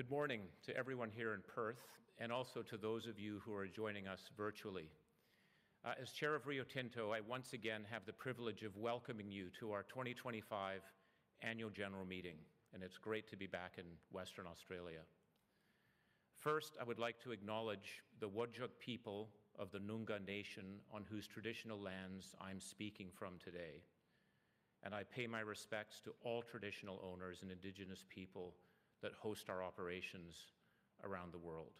Good morning to everyone here in Perth, and also to those of you who are joining us virtually. As Chair of Rio Tinto, I once again have the privilege of welcoming you to our 2025 Annual General Meeting, and it's great to be back in Western Australia. First, I would like to acknowledge the Whadjuk people of the Noongar Nation, on whose traditional lands I'm speaking from today, and I pay my respects to all traditional owners and Indigenous people that host our operations around the world.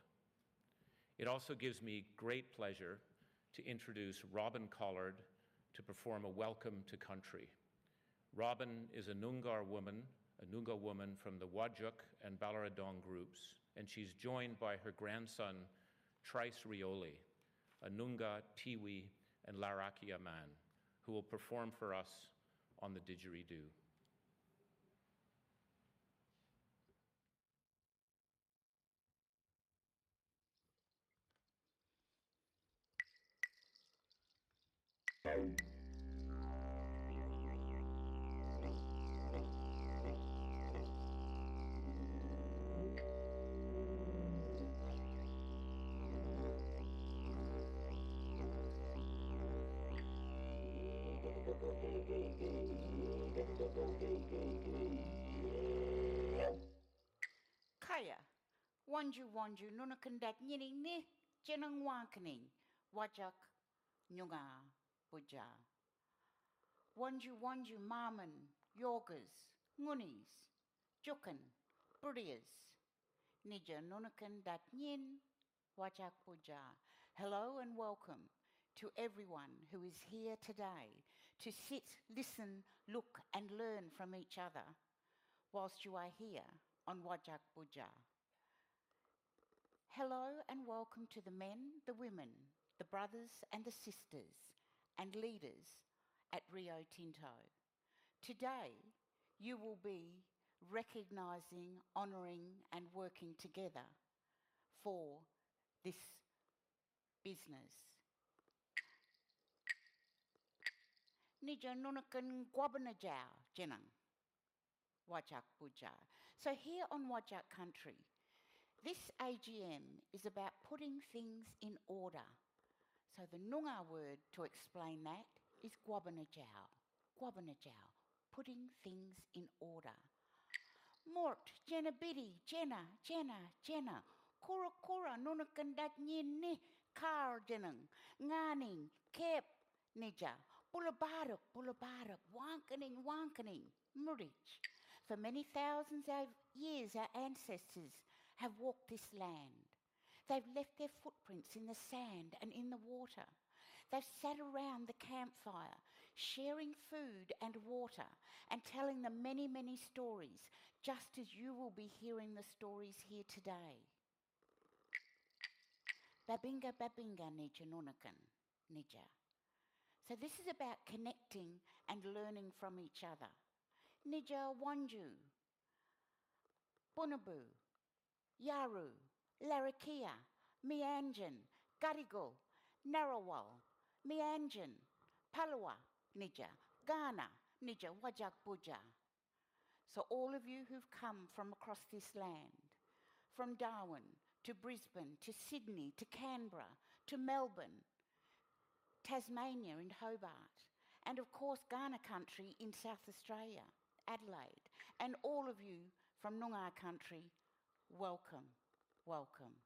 It also gives me great pleasure to introduce Robyn Collard to perform a welcome to country. Robyn is a Noongar woman, a Noongar woman from the Whadjuk and Ballardong groups, and she's joined by her grandson, Tyrese Rioli, a Noongar, Tiwi, and Larrakia man, who will perform for us on the didgeridoo. Kaya, wanju, wanju, nuna kenda nyining ni, jenang waan kening, Whadjuk, Noongar, Boodja. Wanju, wanju, maman, yogas, ngunis, jukan, burdias. Nija, nuna kenda nying, Whadjuk, Boodja. Hello and welcome to everyone who is here today to sit, listen, look, and learn from each other whilst you are here on Whadjuk, Boodja. Hello and welcome to the men, the women, the brothers and the sisters, and leaders at Rio Tinto. Today, you will be recognizing, honoring, and working together for this business. Nija, nuna kengwabenajau, jenang, Whadjuk, Boodja. Here on Whadjuk country, this AGM is about putting things in order. The Noongar word to explain that is gwabenajau, gwabenajau, putting things in order. Mwot, jenabidi, jena, jena, jena, kura, kura, nuna kenda nying ni, kaa, jenang, nganing, kep, nija, bula barak, bula barak, waan kening, waan kening, murich. For many thousands of years, our ancestors have walked this land. They've left their footprints in the sand and in the water. They've sat around the campfire, sharing food and water, and telling the many, many stories, just as you will be hearing the stories here today. Babinga, babinga, nija, nuna ken, nija. This is about connecting and learning from each other. Nija, wanju, Bunuba, Yawuru, Larrakia, Meanjin, Gadigal, Ngunnawal, Meanjin, Palawa, nija, Kaurna, nija, Whadjuk, Boodja. All of you who've come from across this land, from Darwin to Brisbane to Sydney to Canberra to Melbourne, Tasmania and Hobart, and of course Kaurna country in South Australia, Adelaide, and all of you from Noongar country, welcome, welcome,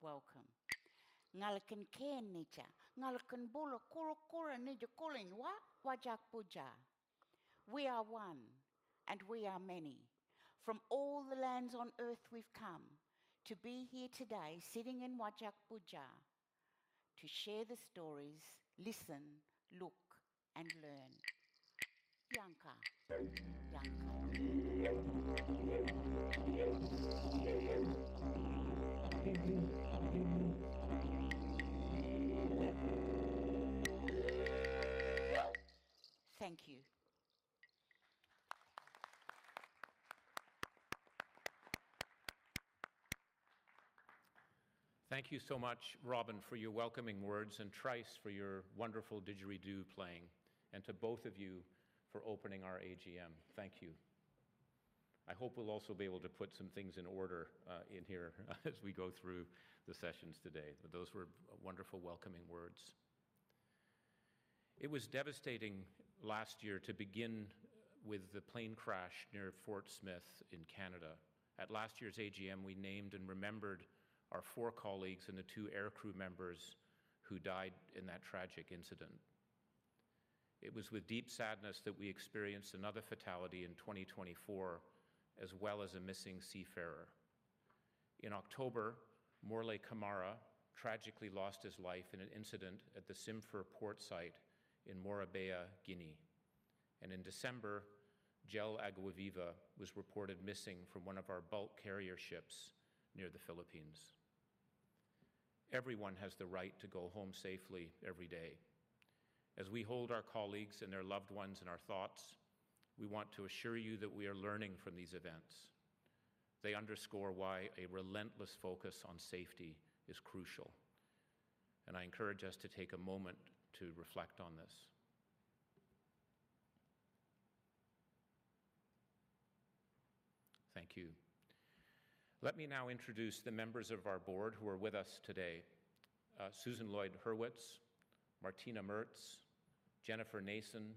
welcome. Ngala ken ken, nija, ngala kenbula, kura, kura, nija, kuling, Whadjuk, Boodja. We are one, and we are many, from all the lands on earth we've come to be here today, sitting in Whadjuk Boodja, to share the stories, listen, look, and learn. Bianca. Thank you. Thank you so much, Robyn, for your welcoming words, and Tyrese, for your wonderful didgeridoo playing, and to both of you for opening our AGM. Thank you. I hope we'll also be able to put some things in order in here as we go through the sessions today, but those were wonderful welcoming words. It was devastating last year to begin with the plane crash near Fort Smith in Canada. At last year's AGM, we named and remembered our four colleagues and the two air crew members who died in that tragic incident. It was with deep sadness that we experienced another fatality in 2024, as well as a missing seafarer. In October, Morlaye Camara tragically lost his life in an incident at the Simfer port site in Morebaya, Guinea, and in December, Gel Aguaviva was reported missing from one of our bulk carrier ships near the Philippines. Everyone has the right to go home safely every day. As we hold our colleagues and their loved ones in our thoughts, we want to assure you that we are learning from these events. They underscore why a relentless focus on safety is crucial, and I encourage us to take a moment to reflect on this. Thank you. Let me now introduce the members of our board who are with us today: Susan Lloyd-Hurwitz, Martina Merz, Jennifer Nason,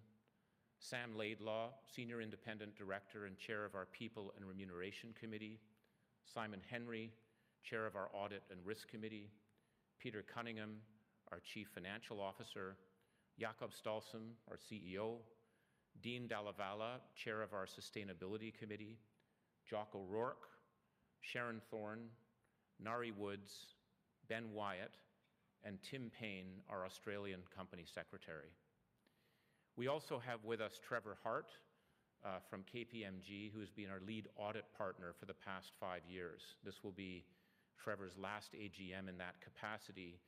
Sam Laidlaw, Senior Independent Director and Chair of our People and Remuneration Committee, Simon Henry, Chair of our Audit and Risk Committee, Peter Cunningham, our Chief Financial Officer, Jakob Stausholm, our CEO, Dean Dalla Valle, Chair of our Sustainability Committee, Joc O'Rourke, Sharon Thorne, Ngaire Woods, Ben Wyatt, and Tim Paine, our Australian Company Secretary. We also have with us Trevor Hart from KPMG, who has been our lead audit partner for the past five years. This will be Trevor's last AGM in that capacity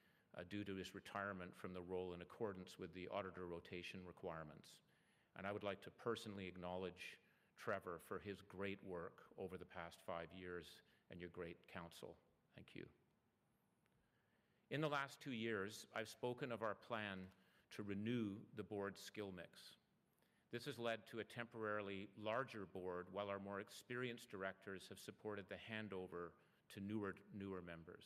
due to his retirement from the role in accordance with the auditor rotation requirements, and I would like to personally acknowledge Trevor for his great work over the past five years and your great counsel. Thank you. In the last two years, I've spoken of our plan to renew the board's skill mix. This has led to a temporarily larger board, while our more experienced directors have supported the handover to newer members.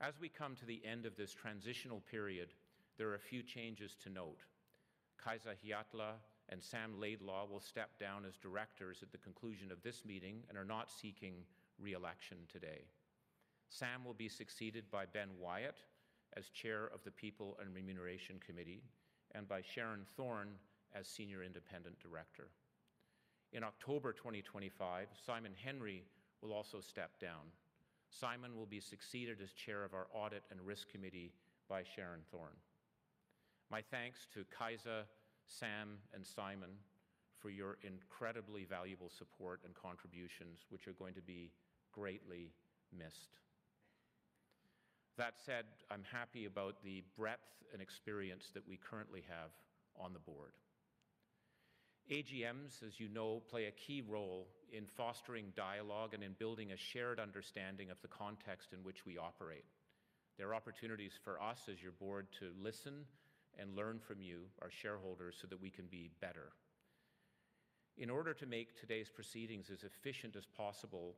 As we come to the end of this transitional period, there are a few changes to note. Kaisa Hietala and Sam Laidlaw will step down as directors at the conclusion of this meeting and are not seeking reelection today. Sam will be succeeded by Ben Wyatt as Chair of the People and Remuneration Committee and by Sharon Thorne as Senior Independent Director. In October 2025, Simon Henry will also step down. Simon will be succeeded as Chair of our Audit and Risk Committee by Sharon Thorne. My thanks to Kaisa, Sam, and Simon for your incredibly valuable support and contributions, which are going to be greatly missed. That said, I'm happy about the breadth and experience that we currently have on the board. AGMs, as you know, play a key role in fostering dialogue and in building a shared understanding of the context in which we operate. There are opportunities for us as your board to listen and learn from you, our shareholders, so that we can be better. In order to make today's proceedings as efficient as possible,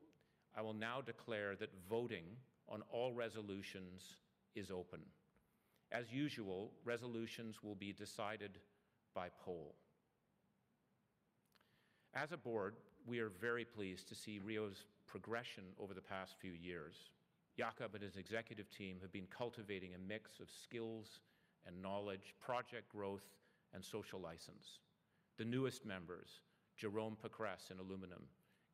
I will now declare that voting on all resolutions is open. As usual, resolutions will be decided by poll. As a board, we are very pleased to see Rio's progression over the past few years. Jakob and his executive team have been cultivating a mix of skills and knowledge, project growth, and social license. The newest members, Jérôme Pécresse in Aluminium,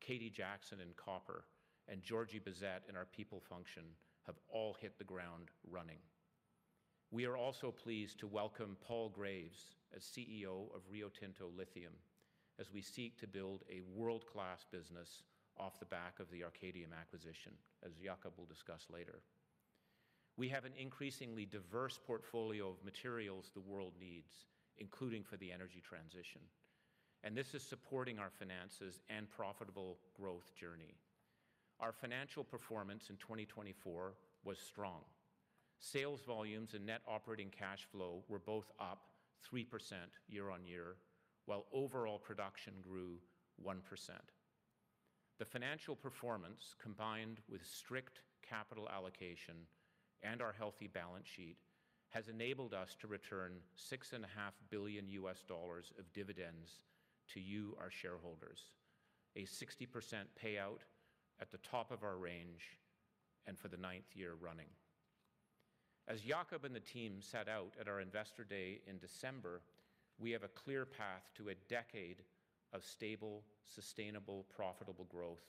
Katie Jackson in Copper, and Georgie Bissett in our People function, have all hit the ground running. We are also pleased to welcome Paul Graves as CEO of Rio Tinto Lithium as we seek to build a world-class business off the back of the Arcadium Lithium acquisition, as Jakob will discuss later. We have an increasingly diverse portfolio of materials the world needs, including for the energy transition, and this is supporting our finances and profitable growth journey. Our financial performance in 2024 was strong. Sales volumes and net operating cash flow were both up 3% year-on-year, while overall production grew 1%. The financial performance, combined with strict capital allocation and our healthy balance sheet, has enabled us to return $6.5 billion of dividends to you, our shareholders, a 60% payout at the top of our range and for the ninth year running. As Jakob and the team set out at our investor day in December, we have a clear path to a decade of stable, sustainable, profitable growth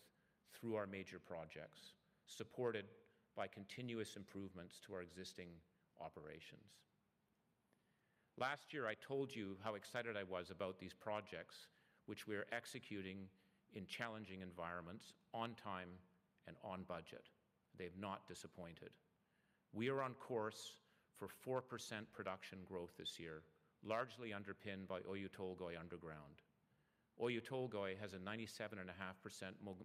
through our major projects, supported by continuous improvements to our existing operations. Last year, I told you how excited I was about these projects, which we are executing in challenging environments on time and on budget. They have not disappointed. We are on course for 4% production growth this year, largely underpinned by Oyu Tolgoi Underground. Oyu Tolgoi has a 97.5%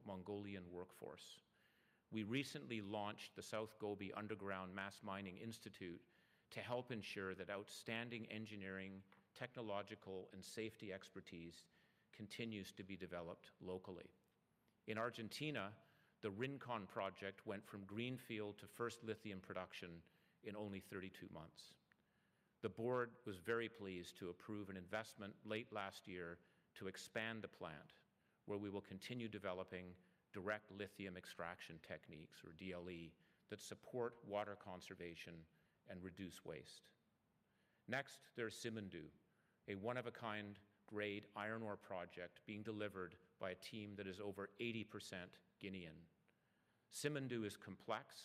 Mongolian workforce. We recently launched the South Gobi Underground Mass Mining Institute to help ensure that outstanding engineering, technological, and safety expertise continues to be developed locally. In Argentina, the Rincón project went from greenfield to first lithium production in only 32 months. The board was very pleased to approve an investment late last year to expand the plant, where we will continue developing direct lithium extraction techniques, or DLE, that support water conservation and reduce waste. Next, there is Simandou, a one-of-a-kind grade iron ore project being delivered by a team that is over 80% Guinean. Simandou is complex,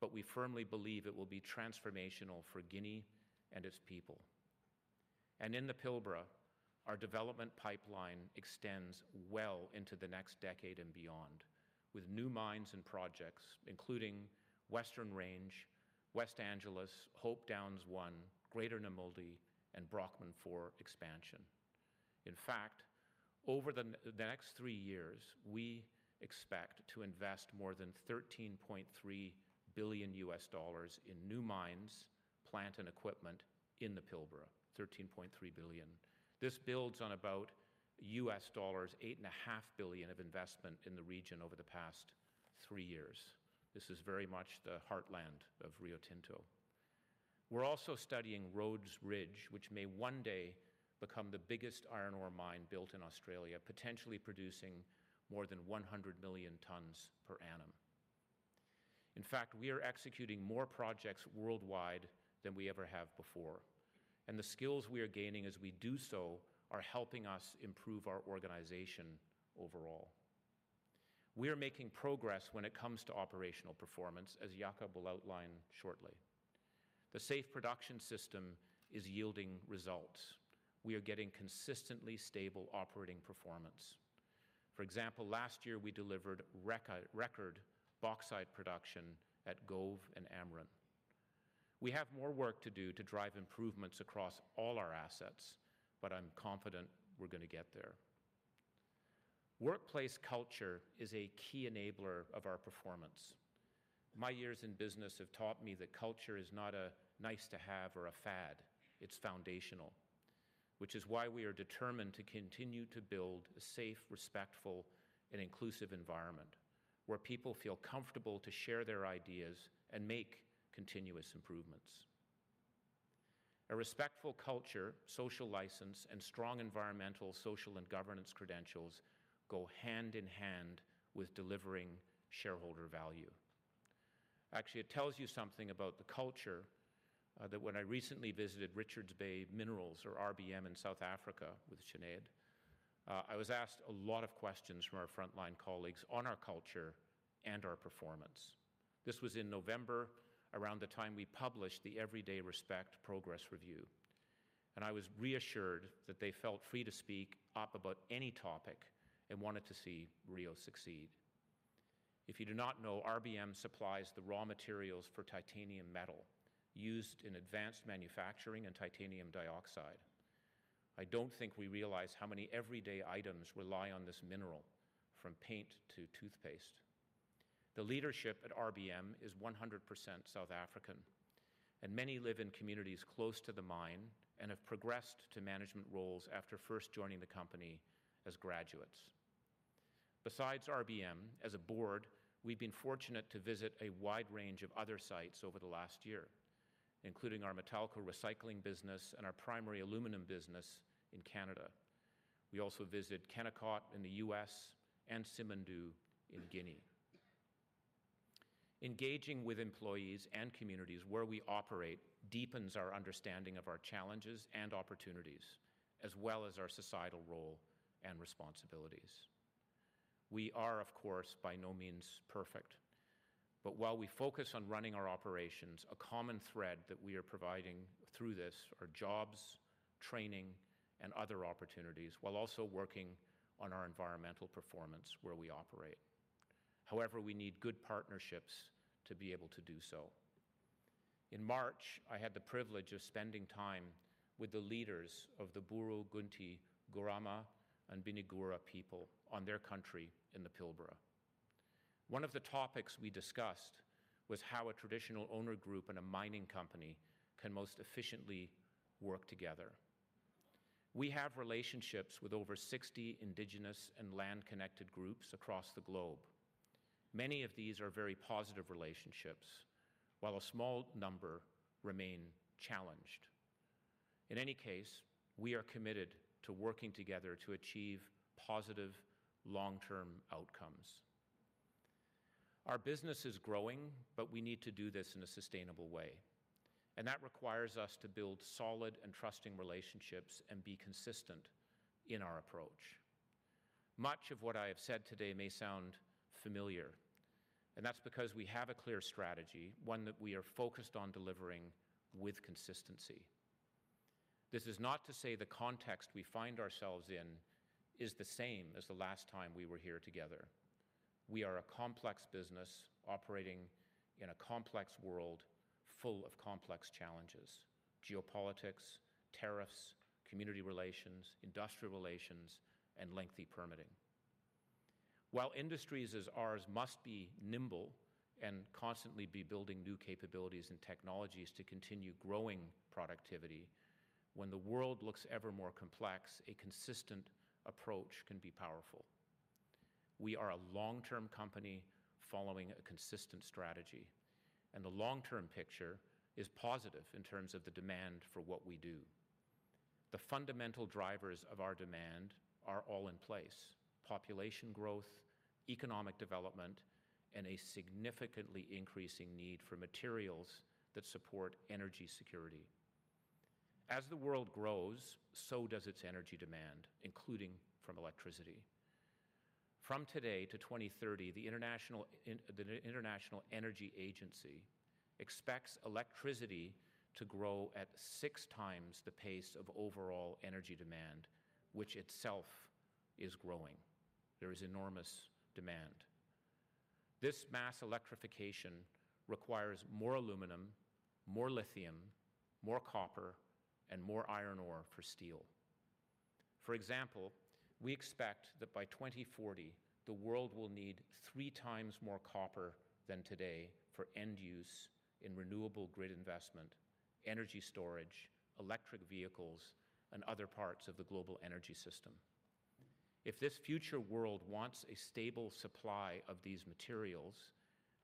but we firmly believe it will be transformational for Guinea and its people. In the Pilbara, our development pipeline extends well into the next decade and beyond, with new mines and projects, including Western Range, West Angelas, Hope Downs 1, Greater Nammuldi, and Brockman 4 expansion. In fact, over the next three years, we expect to invest more than $13.3 billion in new mines, plant, and equipment in the Pilbara. $13.3 billion. This builds on about $8.5 billion of investment in the region over the past three years. This is very much the heartland of Rio Tinto. We are also studying Rhodes Ridge, which may one day become the biggest iron ore mine built in Australia, potentially producing more than 100 million tons per annum. In fact, we are executing more projects worldwide than we ever have before, and the skills we are gaining as we do so are helping us improve our organization overall. We are making progress when it comes to operational performance, as Jakob will outline shortly. The Safe Production System is yielding results. We are getting consistently stable operating performance. For example, last year we delivered record bauxite production at Gove and Amrun. We have more work to do to drive improvements across all our assets, but I'm confident we're going to get there. Workplace culture is a key enabler of our performance. My years in business have taught me that culture is not a nice to have or a fad, it's foundational, which is why we are determined to continue to build a safe, respectful, and inclusive environment where people feel comfortable to share their ideas and make continuous improvements. A respectful culture, social license, and strong environmental, social, and governance credentials go hand in hand with delivering shareholder value. Actually, it tells you something about the culture that when I recently visited Richards Bay Minerals, or RBM, in South Africa with Sinead, I was asked a lot of questions from our frontline colleagues on our culture and our performance. This was in November, around the time we published the Everyday Respect Progress Review, and I was reassured that they felt free to speak up about any topic and wanted to see Rio succeed. If you do not know, RBM supplies the raw materials for titanium metal used in advanced manufacturing and titanium dioxide. I do not think we realize how many everyday items rely on this mineral, from paint to toothpaste. The leadership at RBM is 100% South African, and many live in communities close to the mine and have progressed to management roles after first joining the company as graduates. Richards Bay Minerals, as a board, we've been fortunate to visit a wide range of other sites over the last year, including our metallic recycling business and our primary Aluminium business in Canada. We also visited Kennecott in the US and Simandou in Guinea. Engaging with employees and communities where we operate deepens our understanding of our challenges and opportunities, as well as our societal role and responsibilities. We are, of course, by no means perfect, but while we focus on running our operations, a common thread that we are providing through this are jobs, training, and other opportunities, while also working on our environmental performance where we operate. However, we need good partnerships to be able to do so. In March, I had the privilege of spending time with the leaders of the Puutu Kunti Kurrama and Pinikura people on their country in the Pilbara. One of the topics we discussed was how a traditional owner group and a mining company can most efficiently work together. We have relationships with over 60 Indigenous and land-connected groups across the globe. Many of these are very positive relationships, while a small number remain challenged. In any case, we are committed to working together to achieve positive long-term outcomes. Our business is growing, but we need to do this in a sustainable way, and that requires us to build solid and trusting relationships and be consistent in our approach. Much of what I have said today may sound familiar, and that's because we have a clear strategy, one that we are focused on delivering with consistency. This is not to say the context we find ourselves in is the same as the last time we were here together. We are a complex business operating in a complex world full of complex challenges: geopolitics, tariffs, community relations, industrial relations, and lengthy permitting. While industries as ours must be nimble and constantly be building new capabilities and technologies to continue growing productivity, when the world looks ever more complex, a consistent approach can be powerful. We are a long-term company following a consistent strategy, and the long-term picture is positive in terms of the demand for what we do. The fundamental drivers of our demand are all in place: population growth, economic development, and a significantly increasing need for materials that support energy security. As the world grows, so does its energy demand, including from electricity. From today to 2030, the International Energy Agency expects electricity to grow at six times the pace of overall energy demand, which itself is growing. There is enormous demand. This mass electrification requires more Aluminium, more lithium, more copper, and more iron ore for steel. For example, we expect that by 2040, the world will need three times more copper than today for end use in renewable grid investment, energy storage, electric vehicles, and other parts of the global energy system. If this future world wants a stable supply of these materials,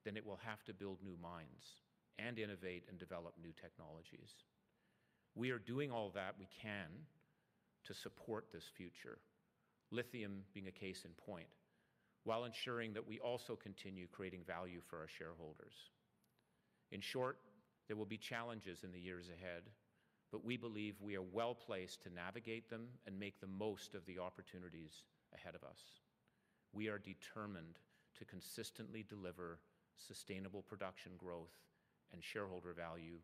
then it will have to build new mines and innovate and develop new technologies. We are doing all that we can to support this future, lithium being a case in point, while ensuring that we also continue creating value for our shareholders. In short, there will be challenges in the years ahead, but we believe we are well placed to navigate them and make the most of the opportunities ahead of us. We are determined to consistently deliver sustainable production growth and shareholder value,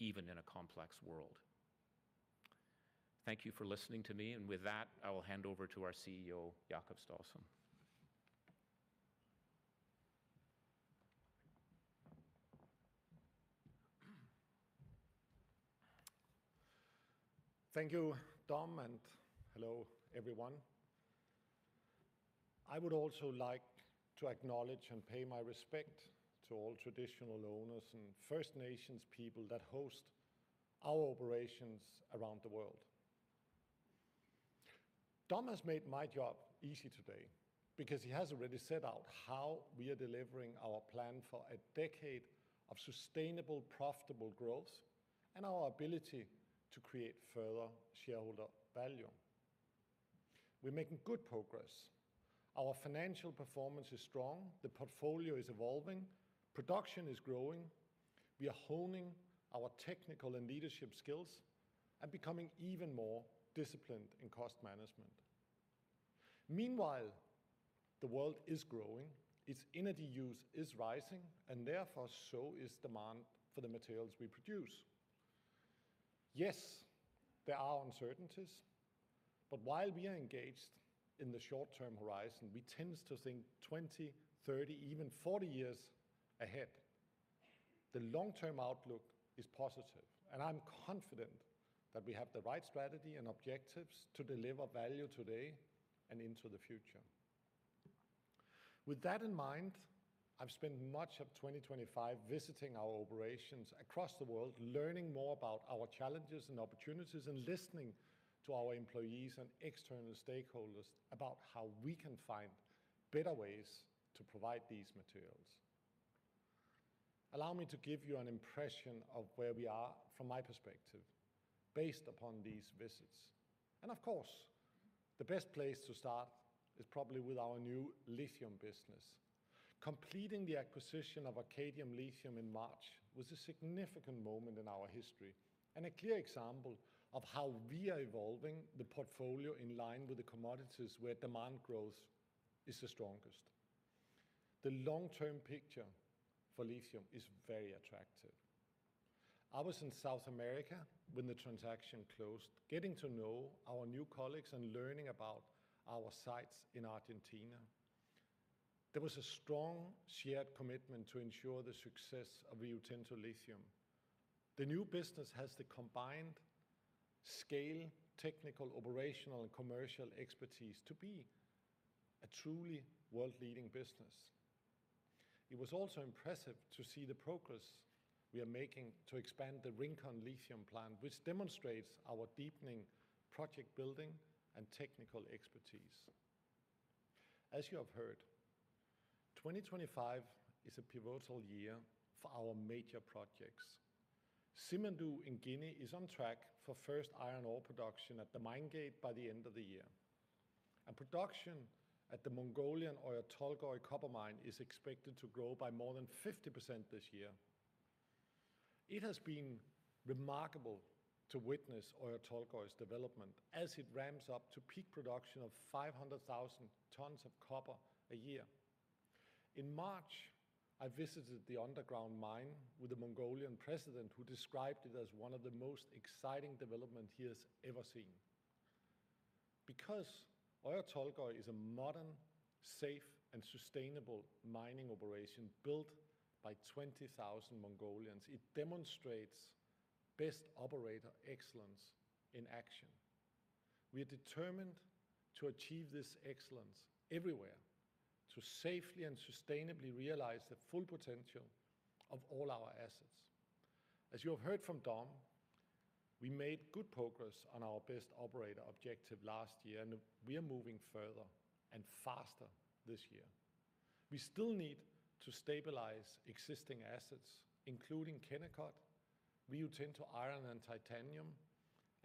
even in a complex world. Thank you for listening to me, and with that, I will hand over to our CEO, Jakob Stausholm. Thank you, Dom, and hello, everyone. I would also like to acknowledge and pay my respect to all traditional owners and First Nations people that host our operations around the world. Dom has made my job easy today because he has already set out how we are delivering our plan for a decade of sustainable, profitable growth and our ability to create further shareholder value. We are making good progress. Our financial performance is strong. The portfolio is evolving. Production is growing. We are honing our technical and leadership skills and becoming even more disciplined in cost management. Meanwhile, the world is growing. Its energy use is rising, and therefore so is demand for the materials we produce. Yes, there are uncertainties, but while we are engaged in the short-term horizon, we tend to think 20, 30, even 40 years ahead. The long-term outlook is positive, and I'm confident that we have the right strategy and objectives to deliver value today and into the future. With that in mind, I've spent much of 2025 visiting our operations across the world, learning more about our challenges and opportunities, and listening to our employees and external stakeholders about how we can find better ways to provide these materials. Allow me to give you an impression of where we are from my perspective based upon these visits. Of course, the best place to start is probably with our new lithium business. Completing the acquisition of Arcadium Lithium in March was a significant moment in our history and a clear example of how we are evolving the portfolio in line with the commodities where demand growth is the strongest. The long-term picture for lithium is very attractive. I was in South America when the transaction closed, getting to know our new colleagues and learning about our sites in Argentina. There was a strong shared commitment to ensure the success of Rio Tinto Lithium. The new business has the combined scale, technical, operational, and commercial expertise to be a truly world-leading business. It was also impressive to see the progress we are making to expand the Rincón Lithium plant, which demonstrates our deepening project building and technical expertise. As you have heard, 2025 is a pivotal year for our major projects. Simandou in Guinea is on track for first iron ore production at the mine gate by the end of the year, and production at the Mongolian Oyu Tolgoi Copper Mine is expected to grow by more than 50% this year. It has been remarkable to witness Oyu Tolgoi's development as it ramps up to peak production of 500,000 tons of copper a year. In March, I visited the underground mine with the Mongolian president, who described it as one of the most exciting developments he has ever seen. Because Oyu Tolgoi is a modern, safe, and sustainable mining operation built by 20,000 Mongolians, it demonstrates best operator excellence in action. We are determined to achieve this excellence everywhere, to safely and sustainably realize the full potential of all our assets. As you have heard from Dom, we made good progress on our best operator objective last year, and we are moving further and faster this year. We still need to stabilize existing assets, including Kennecott, Rio Tinto Iron and Titanium,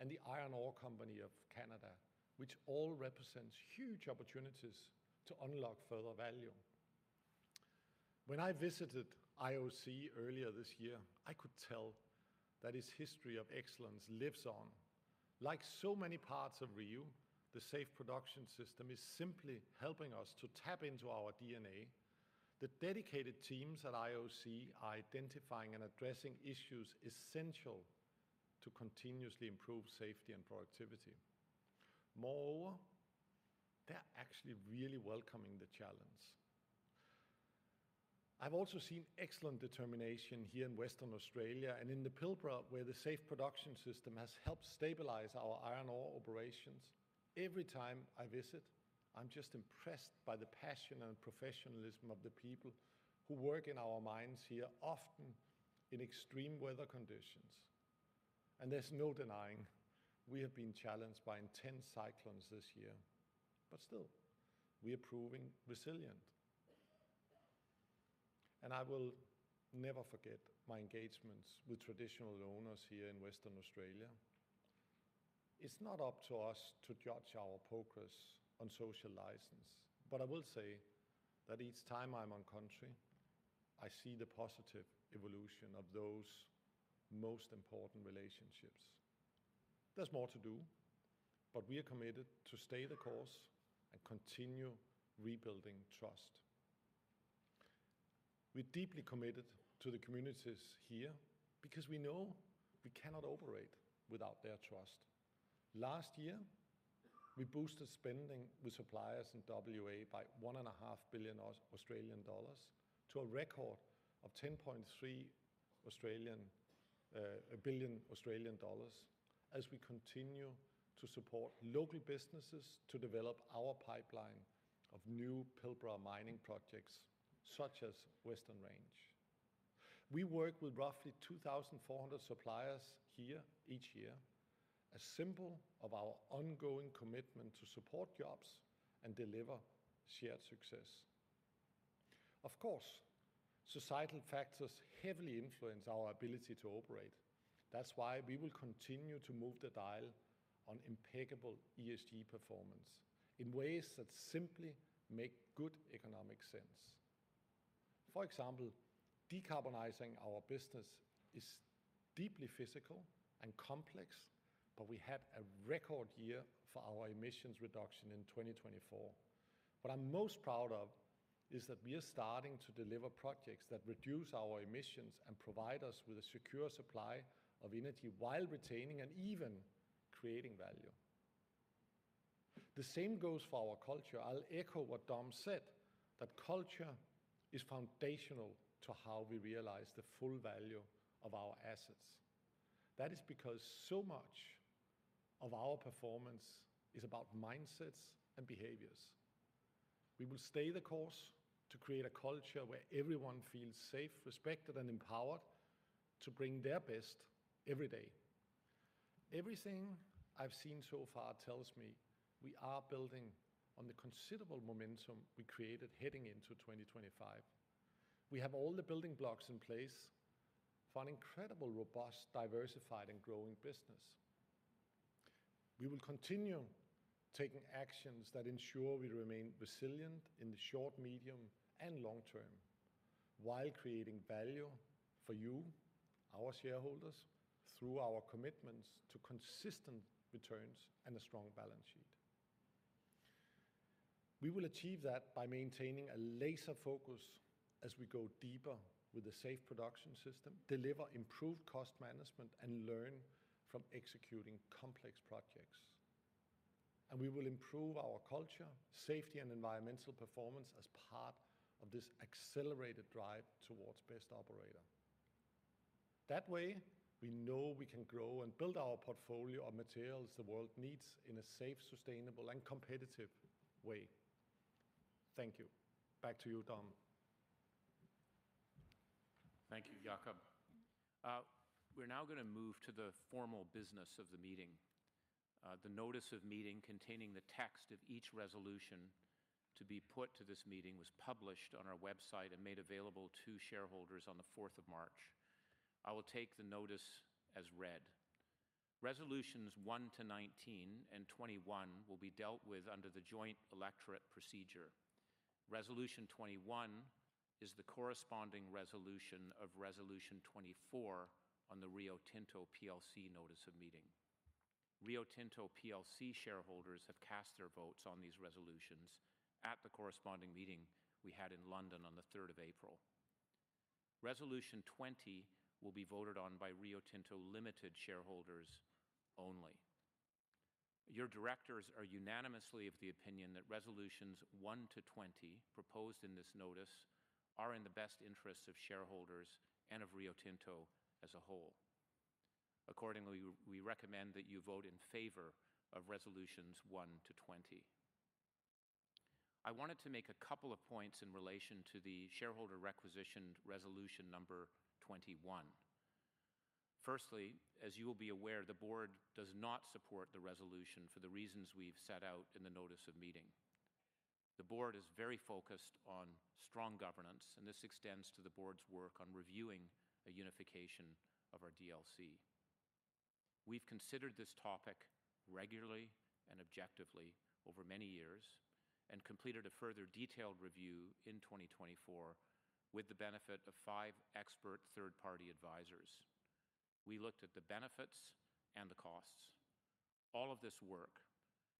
and the Iron Ore Company of Canada, which all represent huge opportunities to unlock further value. When I visited IOC earlier this year, I could tell that its history of excellence lives on. Like so many parts of Rio, the safe production system is simply helping us to tap into our DNA. The dedicated teams at IOC are identifying and addressing issues essential to continuously improve safety and productivity. Moreover, they're actually really welcoming the challenge. I've also seen excellent determination here in Western Australia and in the Pilbara, where the safe production system has helped stabilize our iron ore operations. Every time I visit, I'm just impressed by the passion and professionalism of the people who work in our mines here, often in extreme weather conditions. There is no denying we have been challenged by intense cyclones this year, but still, we are proving resilient. I will never forget my engagements with traditional owners here in Western Australia. It's not up to us to judge our progress on social license, but I will say that each time I'm on country, I see the positive evolution of those most important relationships. There's more to do, but we are committed to stay the course and continue rebuilding trust. We're deeply committed to the communities here because we know we cannot operate without their trust. Last year, we boosted spending with suppliers in Western Australia by 1.5 billion Australian dollars to a record of 10.3 billion Australian dollars as we continue to support local businesses to develop our pipeline of new Pilbara mining projects such as Western Range. We work with roughly 2,400 suppliers here each year, a symbol of our ongoing commitment to support jobs and deliver shared success. Of course, societal factors heavily influence our ability to operate. That's why we will continue to move the dial on impeccable ESG performance in ways that simply make good economic sense. For example, decarbonizing our business is deeply physical and complex, but we had a record year for our emissions reduction in 2024. What I'm most proud of is that we are starting to deliver projects that reduce our emissions and provide us with a secure supply of energy while retaining and even creating value. The same goes for our culture. I'll echo what Dom said, that culture is foundational to how we realize the full value of our assets. That is because so much of our performance is about mindsets and behaviors. We will stay the course to create a culture where everyone feels safe, respected, and empowered to bring their best every day. Everything I've seen so far tells me we are building on the considerable momentum we created heading into 2025. We have all the building blocks in place for an incredibly robust, diversified, and growing business. We will continue taking actions that ensure we remain resilient in the short, medium, and long term while creating value for you, our shareholders, through our commitments to consistent returns and a strong balance sheet. We will achieve that by maintaining a laser focus as we go deeper with the safe production system, deliver improved cost management, and learn from executing complex projects. We will improve our culture, safety, and environmental performance as part of this accelerated drive towards best operator. That way, we know we can grow and build our portfolio of materials the world needs in a safe, sustainable, and competitive way. Thank you. Back to you, Dom. Thank you, Jakob. We're now going to move to the formal business of the meeting. The notice of meeting containing the text of each resolution to be put to this meeting was published on our website and made available to shareholders on the 4th of March. I will take the notice as read. Resolutions 1 to 19 and 21 will be dealt with under the joint electorate procedure. Resolution 21 is the corresponding resolution of Resolution 24 on the Rio Tinto PLC notice of meeting. Rio Tinto PLC shareholders have cast their votes on these resolutions at the corresponding meeting we had in London on the 3rd of April. Resolution 20 will be voted on by Rio Tinto Limited shareholders only. Your directors are unanimously of the opinion that Resolutions 1 to 20 proposed in this notice are in the best interests of shareholders and of Rio Tinto as a whole. Accordingly, we recommend that you vote in favor of Resolutions 1 to 20. I wanted to make a couple of points in relation to the shareholder requisition resolution number 21. Firstly, as you will be aware, the board does not support the resolution for the reasons we've set out in the notice of meeting. The board is very focused on strong governance, and this extends to the board's work on reviewing a unification of our DLC. We've considered this topic regularly and objectively over many years and completed a further detailed review in 2024 with the benefit of five expert third-party advisors. We looked at the benefits and the costs. All of this work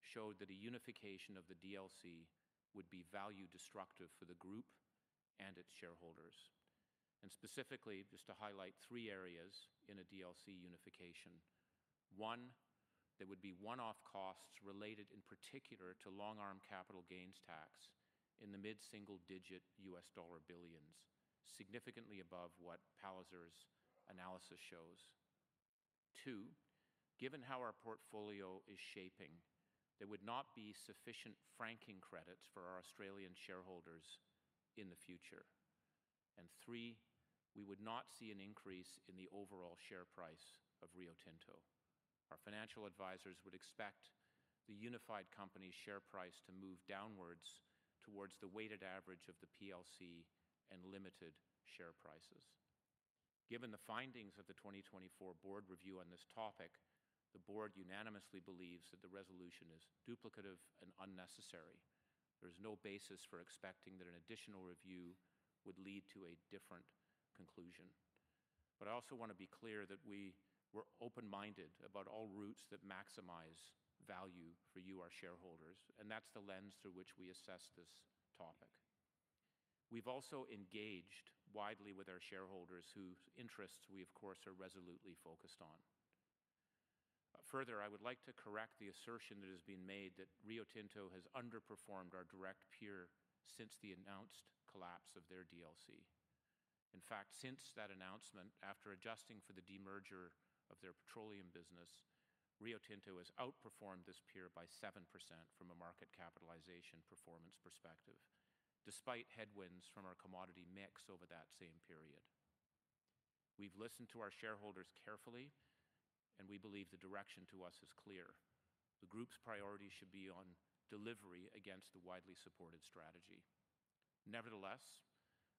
showed that a unification of the DLC would be value-destructive for the group and its shareholders. Specifically, just to highlight three areas in a DLC unification. One, there would be one-off costs related in particular to long-arm capital gains tax in the mid-single-digit $ billion, significantly above what Palliser's analysis shows. Two, given how our portfolio is shaping, there would not be sufficient franking credits for our Australian shareholders in the future. Three, we would not see an increase in the overall share price of Rio Tinto. Our financial advisors would expect the unified company's share price to move downwards towards the weighted average of the PLC and Limited share prices. Given the findings of the 2024 board review on this topic, the board unanimously believes that the resolution is duplicative and unnecessary. There is no basis for expecting that an additional review would lead to a different conclusion. I also want to be clear that we were open-minded about all routes that maximize value for you, our shareholders, and that's the lens through which we assess this topic. We've also engaged widely with our shareholders whose interests we, of course, are resolutely focused on. Further, I would like to correct the assertion that has been made that Rio Tinto has underperformed our direct peer since the announced collapse of their DLC. In fact, since that announcement, after adjusting for the demerger of their petroleum business, Rio Tinto has outperformed this peer by 7% from a market capitalization performance perspective, despite headwinds from our commodity mix over that same period. We've listened to our shareholders carefully, and we believe the direction to us is clear. The group's priority should be on delivery against the widely supported strategy. Nevertheless,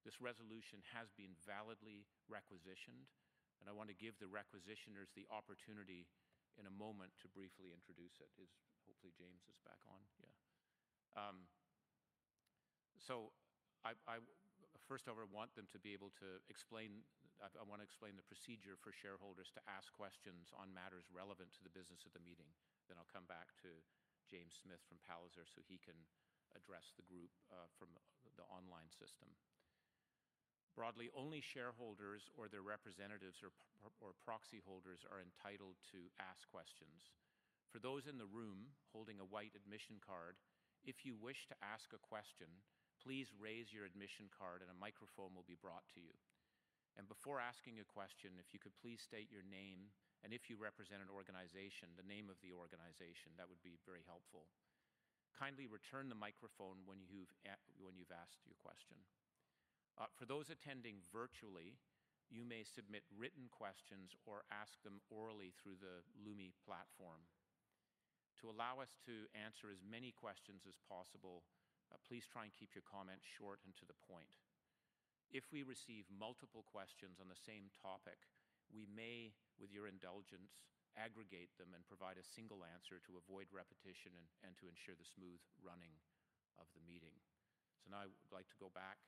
this resolution has been validly requisitioned, and I want to give the requisitioners the opportunity in a moment to briefly introduce it. Hopefully, James is back on. Yeah. I first of all want them to be able to explain, I want to explain the procedure for shareholders to ask questions on matters relevant to the business of the meeting. I will come back to James Smith from Palliser so he can address the group from the online system. Broadly, only shareholders or their representatives or proxy holders are entitled to ask questions. For those in the room holding a white admission card, if you wish to ask a question, please raise your admission card and a microphone will be brought to you. Before asking a question, if you could please state your name and if you represent an organization, the name of the organization, that would be very helpful. Kindly return the microphone when you've asked your question. For those attending virtually, you may submit written questions or ask them orally through the Lumi platform. To allow us to answer as many questions as possible, please try and keep your comments short and to the point. If we receive multiple questions on the same topic, we may, with your indulgence, aggregate them and provide a single answer to avoid repetition and to ensure the smooth running of the meeting. I would like to go back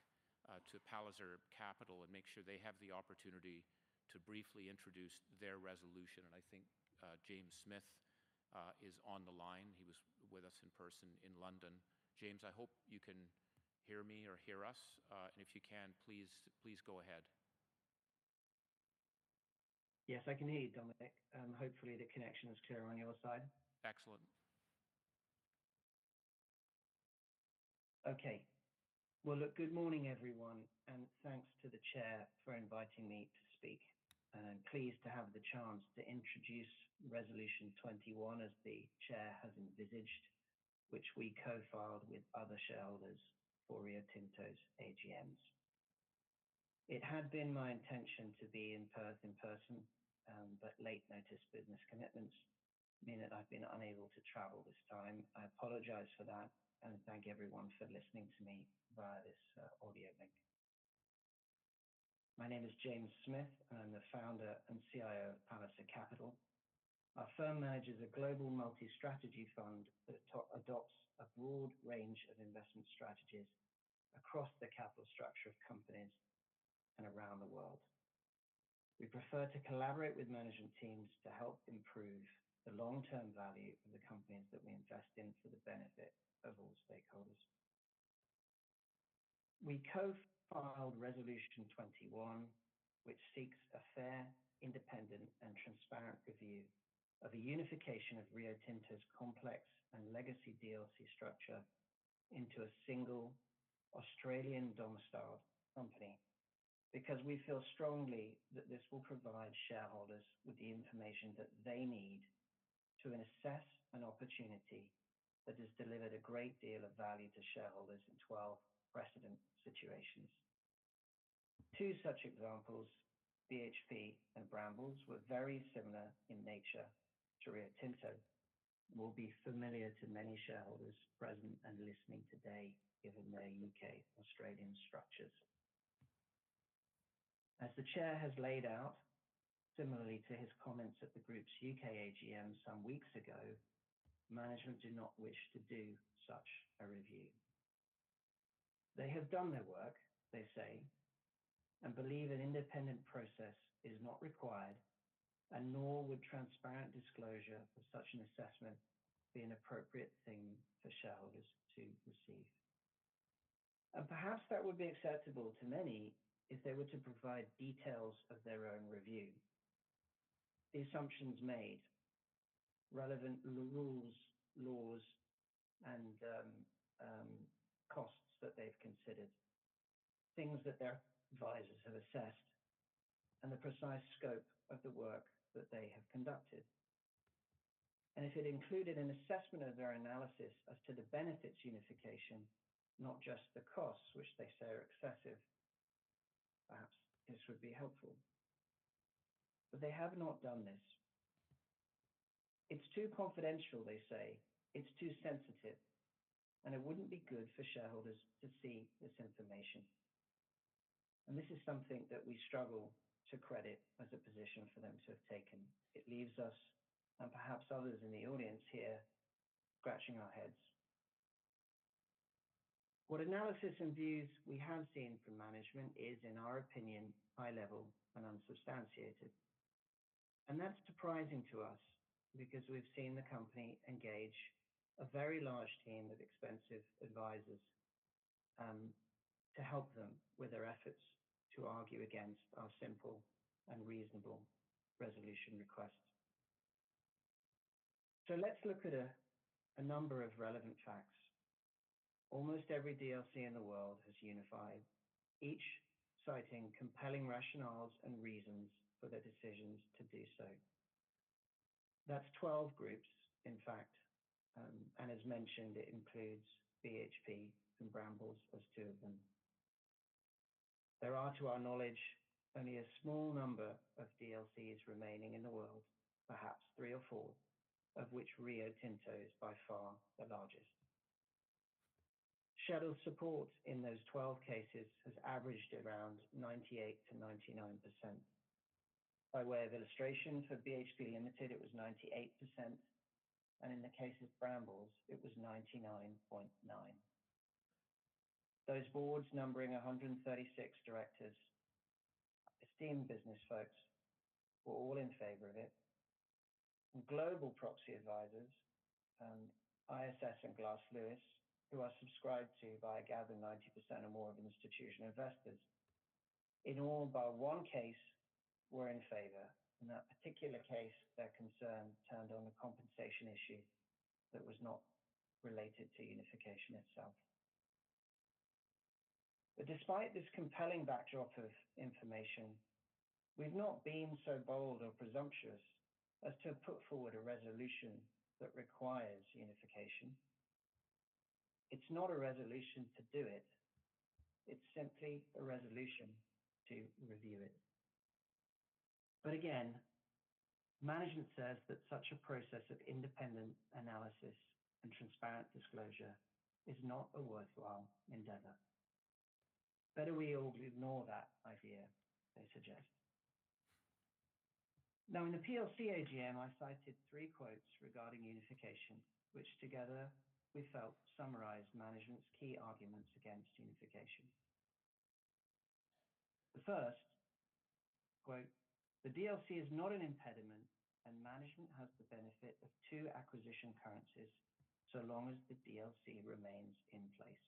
to Palliser Capital and make sure they have the opportunity to briefly introduce their resolution. I think James Smith is on the line. He was with us in person in London. James, I hope you can hear me or hear us. If you can, please go ahead. Yes, I can hear you, Dominic. Hopefully, the connection is clear on your side. Excellent. Okay. Good morning, everyone, and thanks to the chair for inviting me to speak. I'm pleased to have the chance to introduce Resolution 21 as the chair has envisaged, which we co-filed with other shareholders for Rio Tinto's AGMs. It had been my intention to be in person, but late-notice business commitments mean that I've been unable to travel this time. I apologize for that and thank everyone for listening to me via this audio link. My name is James Smith, and I'm the founder and CIO of Palliser Capital. Our firm manages a global multi-strategy fund that adopts a broad range of investment strategies across the capital structure of companies and around the world. We prefer to collaborate with management teams to help improve the long-term value of the companies that we invest in for the benefit of all stakeholders. We co-filed Resolution 21, which seeks a fair, independent, and transparent review of the unification of Rio Tinto's complex and legacy DLC structure into a single Australian domiciled company because we feel strongly that this will provide shareholders with the information that they need to assess an opportunity that has delivered a great deal of value to shareholders in 12 precedent situations. Two such examples, BHP and Brambles, were very similar in nature to Rio Tinto and will be familiar to many shareholders present and listening today given their U.K.-Australian structures. As the Chair has laid out, similarly to his comments at the group's U.K. AGM some weeks ago, management did not wish to do such a review. They have done their work, they say, and believe an independent process is not required, and nor would transparent disclosure of such an assessment be an appropriate thing for shareholders to receive. Perhaps that would be acceptable to many if they were to provide details of their own review. The assumptions made, relevant rules, laws, and costs that they've considered, things that their advisors have assessed, and the precise scope of the work that they have conducted. If it included an assessment of their analysis as to the benefits of unification, not just the costs, which they say are excessive, perhaps this would be helpful. They have not done this. It's too confidential, they say. It's too sensitive, and it wouldn't be good for shareholders to see this information. This is something that we struggle to credit as a position for them to have taken. It leaves us and perhaps others in the audience here scratching our heads. What analysis and views we have seen from management is, in our opinion, high-level and unsubstantiated. That is surprising to us because we have seen the company engage a very large team of expensive advisors to help them with their efforts to argue against our simple and reasonable resolution request. Let us look at a number of relevant facts. Almost every DLC in the world has unified, each citing compelling rationales and reasons for their decisions to do so. That is 12 groups, in fact, and as mentioned, it includes BHP and Brambles as two of them. There are, to our knowledge, only a small number of DLCs remaining in the world, perhaps three or four, of which Rio Tinto is by far the largest. Shareholder support in those 12 cases has averaged around 98%-99%. By way of illustration, for BHP Limited, it was 98%, and in the case of Brambles, it was 99.9%. Those boards numbering 136 directors, esteemed business folks, were all in favor of it. Global proxy advisors, ISS and Glass Lewis, who are subscribed to by a gathering 90% or more of institutional investors, in all, by one case, were in favor. In that particular case, their concern turned on the compensation issue that was not related to unification itself. Despite this compelling backdrop of information, we've not been so bold or presumptuous as to put forward a resolution that requires unification. It's not a resolution to do it. It's simply a resolution to review it. Again, management says that such a process of independent analysis and transparent disclosure is not a worthwhile endeavor. Better we all ignore that idea, they suggest. Now, in the PLC AGM, I cited three quotes regarding unification, which together we felt summarized management's key arguments against unification. The first, quote, "The DLC is not an impediment, and management has the benefit of two acquisition currencies so long as the DLC remains in place."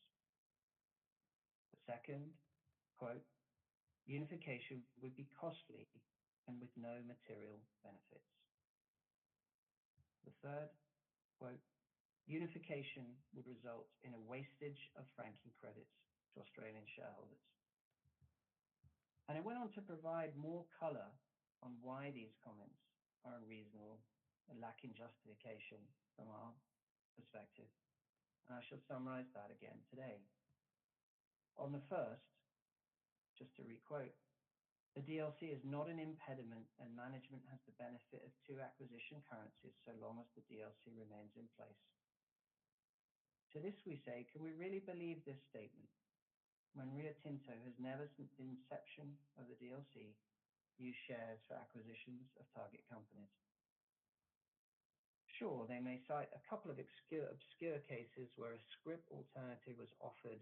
The second, quote, "Unification would be costly and with no material benefits." The third, quote, "Unification would result in a wastage of franking credits to Australian shareholders." I went on to provide more color on why these comments are unreasonable and lacking justification from our perspective. I shall summarize that again today. On the first, just to requote, "The DLC is not an impediment, and management has the benefit of two acquisition currencies so long as the DLC remains in place." To this, we say, can we really believe this statement when Rio Tinto has never since the inception of the DLC used shares for acquisitions of target companies? Sure, they may cite a couple of obscure cases where a script alternative was offered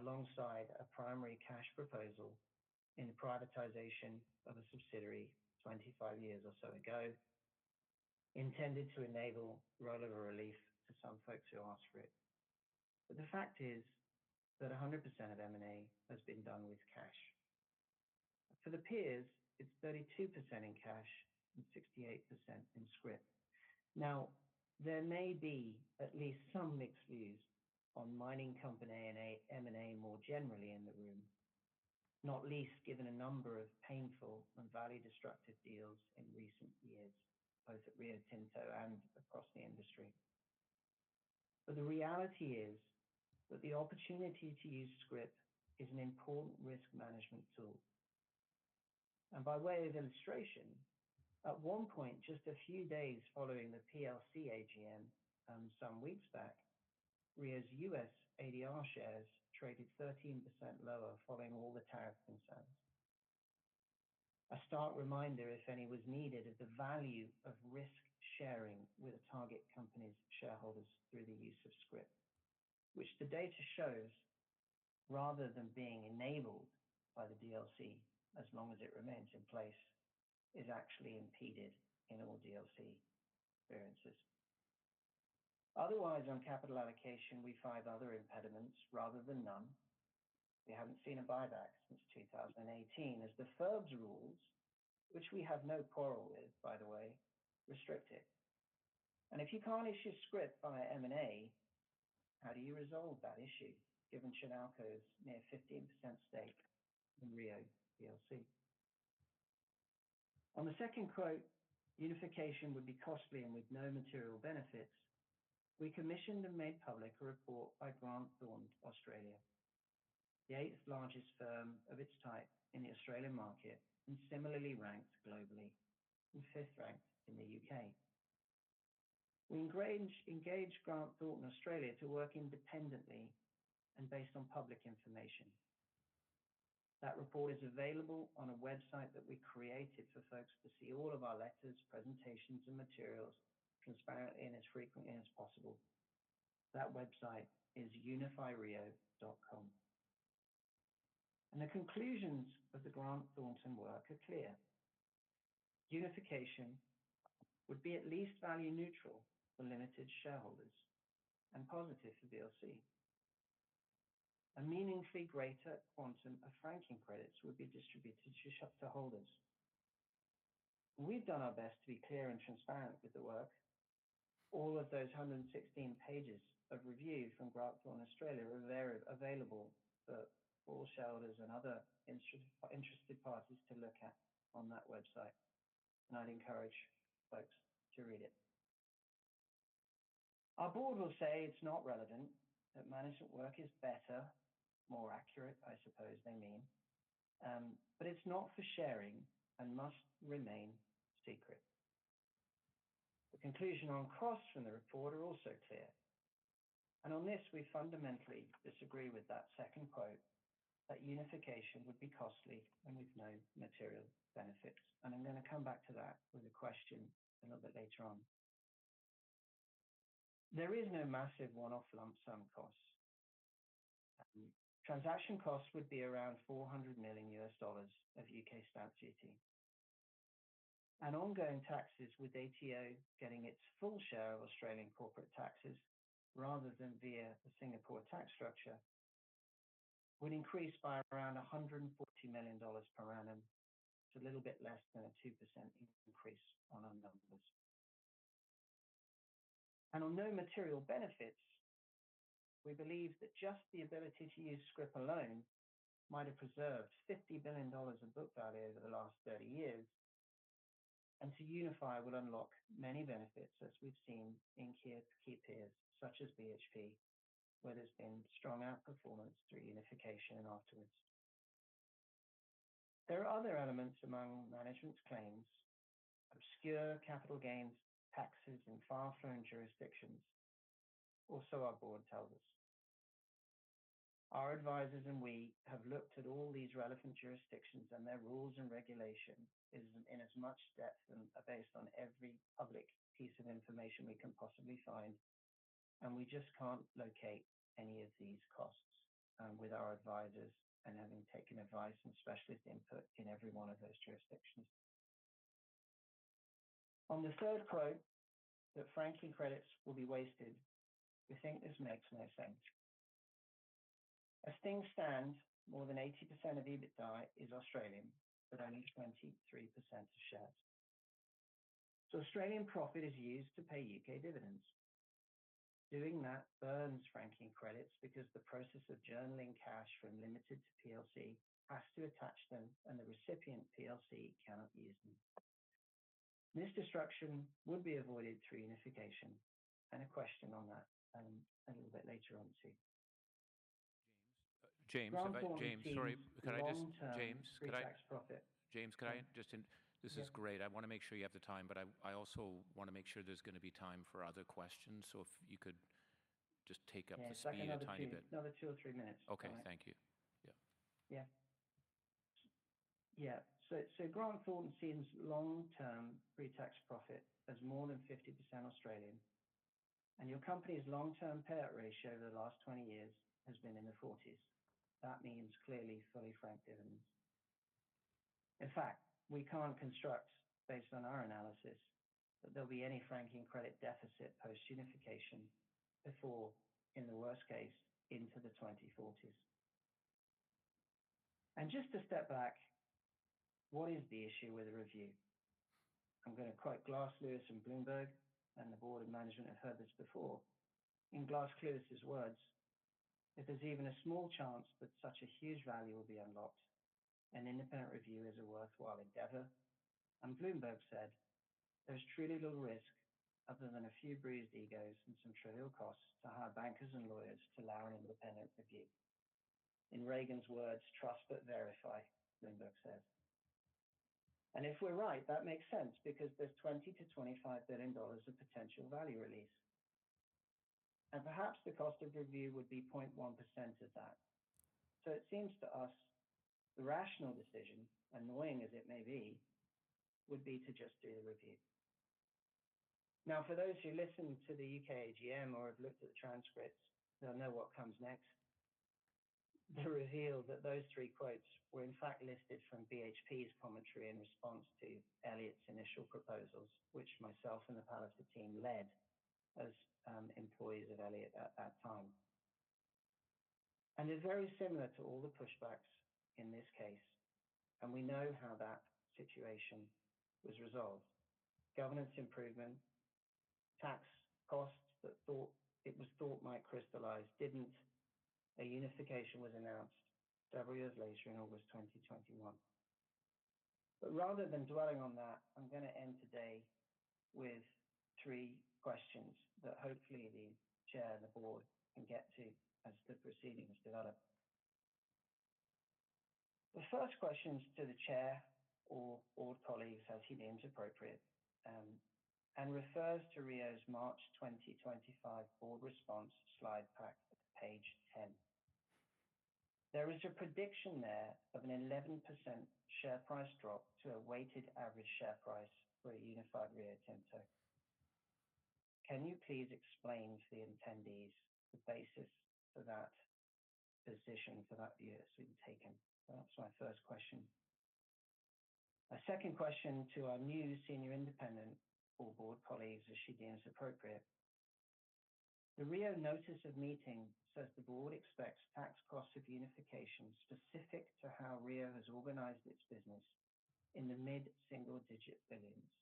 alongside a primary cash proposal in privatization of a subsidiary 25 years or so ago, intended to enable rollover relief to some folks who asked for it. The fact is that 100% of M&A has been done with cash. For the peers, it's 32% in cash and 68% in script. There may be at least some mixed views on mining company M&A more generally in the room, not least given a number of painful and value-destructive deals in recent years, both at Rio Tinto and across the industry. The reality is that the opportunity to use script is an important risk management tool. By way of illustration, at one point, just a few days following the PLC AGM some weeks back, Rio's US ADR shares traded 13% lower following all the tariff concerns. A stark reminder, if any, was needed of the value of risk sharing with a target company's shareholders through the use of script, which the data shows, rather than being enabled by the DLC as long as it remains in place, is actually impeded in all DLC experiences. Otherwise, on capital allocation, we find other impediments rather than none. We haven't seen a buyback since 2018 as the FIRB's rules, which we have no quarrel with, by the way, restrict it. If you can't issue script via M&A, how do you resolve that issue given Chinalco's near 15% stake in Rio DLC? On the second quote, "Unification would be costly and with no material benefits," we commissioned and made public a report by Grant Thornton Australia, the eighth largest firm of its type in the Australian market and similarly ranked globally and fifth ranked in the U.K. We engaged Grant Thornton Australia to work independently and based on public information. That report is available on a website that we created for folks to see all of our letters, presentations, and materials transparently and as frequently as possible. That website is unifyrio.com. The conclusions of the Grant Thornton work are clear. Unification would be at least value neutral for Limited shareholders and positive for DLC. A meaningfully greater quantum of franking credits would be distributed to shareholders. We have done our best to be clear and transparent with the work. All of those 116 pages of review from Grant Thornton Australia are available for all shareholders and other interested parties to look at on that website, and I'd encourage folks to read it. Our board will say it's not relevant, that management work is better, more accurate, I suppose they mean, but it's not for sharing and must remain secret. The conclusion on costs from the report are also clear. On this, we fundamentally disagree with that second quote, that unification would be costly and with no material benefits. I'm going to come back to that with a question a little bit later on. There is no massive one-off lump sum costs. Transaction costs would be around $400 million of U.K. stamp duty. Ongoing taxes with ATO getting its full share of Australian corporate taxes rather than via the Singapore tax structure would increase by around 140 million dollars per annum. It is a little bit less than a 2% increase on our numbers. On no material benefits, we believe that just the ability to use script alone might have preserved $50 billion of book value over the last 30 years, and to unify would unlock many benefits as we have seen in key peers such as BHP, where there has been strong outperformance through unification afterwards. There are other elements among management's claims, obscure capital gains taxes in far-flung jurisdictions, or so our board tells us. Our advisors and we have looked at all these relevant jurisdictions, and their rules and regulation is in as much depth and based on every public piece of information we can possibly find, and we just can't locate any of these costs with our advisors and having taken advice and specialist input in every one of those jurisdictions. On the third quote, that franking credits will be wasted, we think this makes no sense. As things stand, more than 80% of EBITDA is Australian, but only 23% of shares. Australian profit is used to pay U.K. dividends. Doing that burns franking credits because the process of journaling cash from Limited to PLC has to attach them, and the recipient PLC cannot use them. This destruction would be avoided through unification, and a question on that a little bit later on too. James, James, sorry, can I just, James, could I just—James, could I just—this is great. I want to make sure you have the time, but I also want to make sure there's going to be time for other questions, so if you could just take up the floor in a tiny bit. Yeah, secondly, we need another two or three minutes. Okay, thank you. Yeah. Yeah. Yeah. Grant Thornton seems long-term pre-tax profit as more than 50% Australian. And your company's long-term payout ratio over the last 20 years has been in the 40s. That means clearly fully franked dividends. In fact, we can't construct, based on our analysis, that there'll be any franking credit deficit post-unification before, in the worst case, into the 2040s. Just to step back, what is the issue with a review? I'm going to quote Glass Lewis and Bloomberg, and the board of management have heard this before. In Glass Lewis's words, "If there's even a small chance that such a huge value will be unlocked, an independent review is a worthwhile endeavor." Bloomberg said, "There's truly little risk other than a few bruised egos and some trivial costs to hire bankers and lawyers to allow an independent review." In Reagan's words, "Trust but verify," Bloomberg says. If we're right, that makes sense because there's $20 billion-$25 billion of potential value release. Perhaps the cost of review would be 0.1% of that. It seems to us the rational decision, annoying as it may be, would be to just do the review. Now, for those who listened to the U.K. AGM or have looked at the transcripts, they'll know what comes next. The reveal that those three quotes were in fact listed from BHP's commentary in response to Elliott's initial proposals, which myself and the Pallas team led as employees of Elliott at that time. They're very similar to all the pushbacks in this case, and we know how that situation was resolved. Governance improvement, tax costs that it was thought might crystallize didn't. A unification was announced several years later in August 2021. Rather than dwelling on that, I'm going to end today with three questions that hopefully the chair and the board can get to as the proceedings develop. The first question is to the chair or board colleagues as he deems appropriate and refers to Rio's March 2025 board response slide pack at page 10. There is a prediction there of an 11% share price drop to a weighted average share price for a unified Rio Tinto. Can you please explain to the attendees the basis for that position for that year that's been taken? That's my first question. A second question to our new Senior Independent or board colleagues as she deems appropriate. The Rio notice of meeting says the board expects tax costs of unification specific to how Rio has organized its business in the mid-single-digit billions.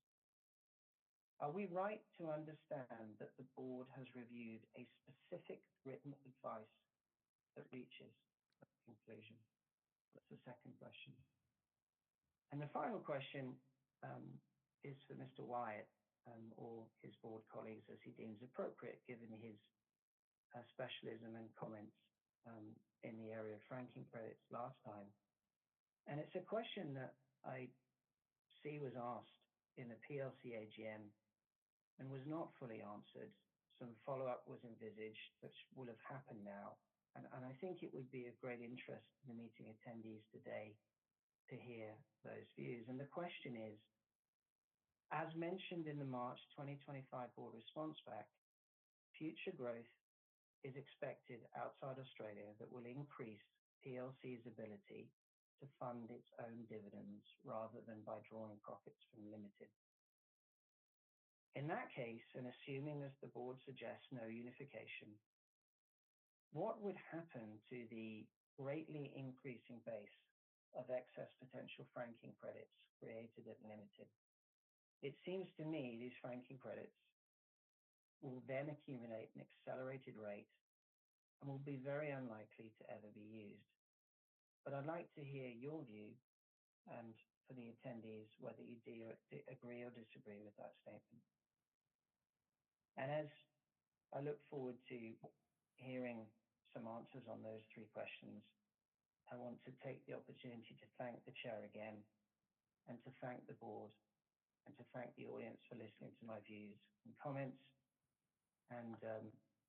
Are we right to understand that the board has reviewed a specific written advice that reaches a conclusion? That's the second question. The final question is for Mr. Wyatt or his board colleagues as he deems appropriate given his specialism and comments in the area of franking credits last time. It is a question that I see was asked in the PLC AGM and was not fully answered. Some follow-up was envisaged, which will have happened now. I think it would be of great interest to the meeting attendees today to hear those views. The question is, as mentioned in the March 2025 board response back, future growth is expected outside Australia that will increase PLC's ability to fund its own dividends rather than by drawing profits from Limited. In that case, and assuming as the board suggests, no unification, what would happen to the greatly increasing base of excess potential franking credits created at Limited? It seems to me these franking credits will then accumulate at an accelerated rate and will be very unlikely to ever be used. I would like to hear your view and for the attendees whether you agree or disagree with that statement. As I look forward to hearing some answers on those three questions, I want to take the opportunity to thank the chair again and to thank the board and to thank the audience for listening to my views and comments and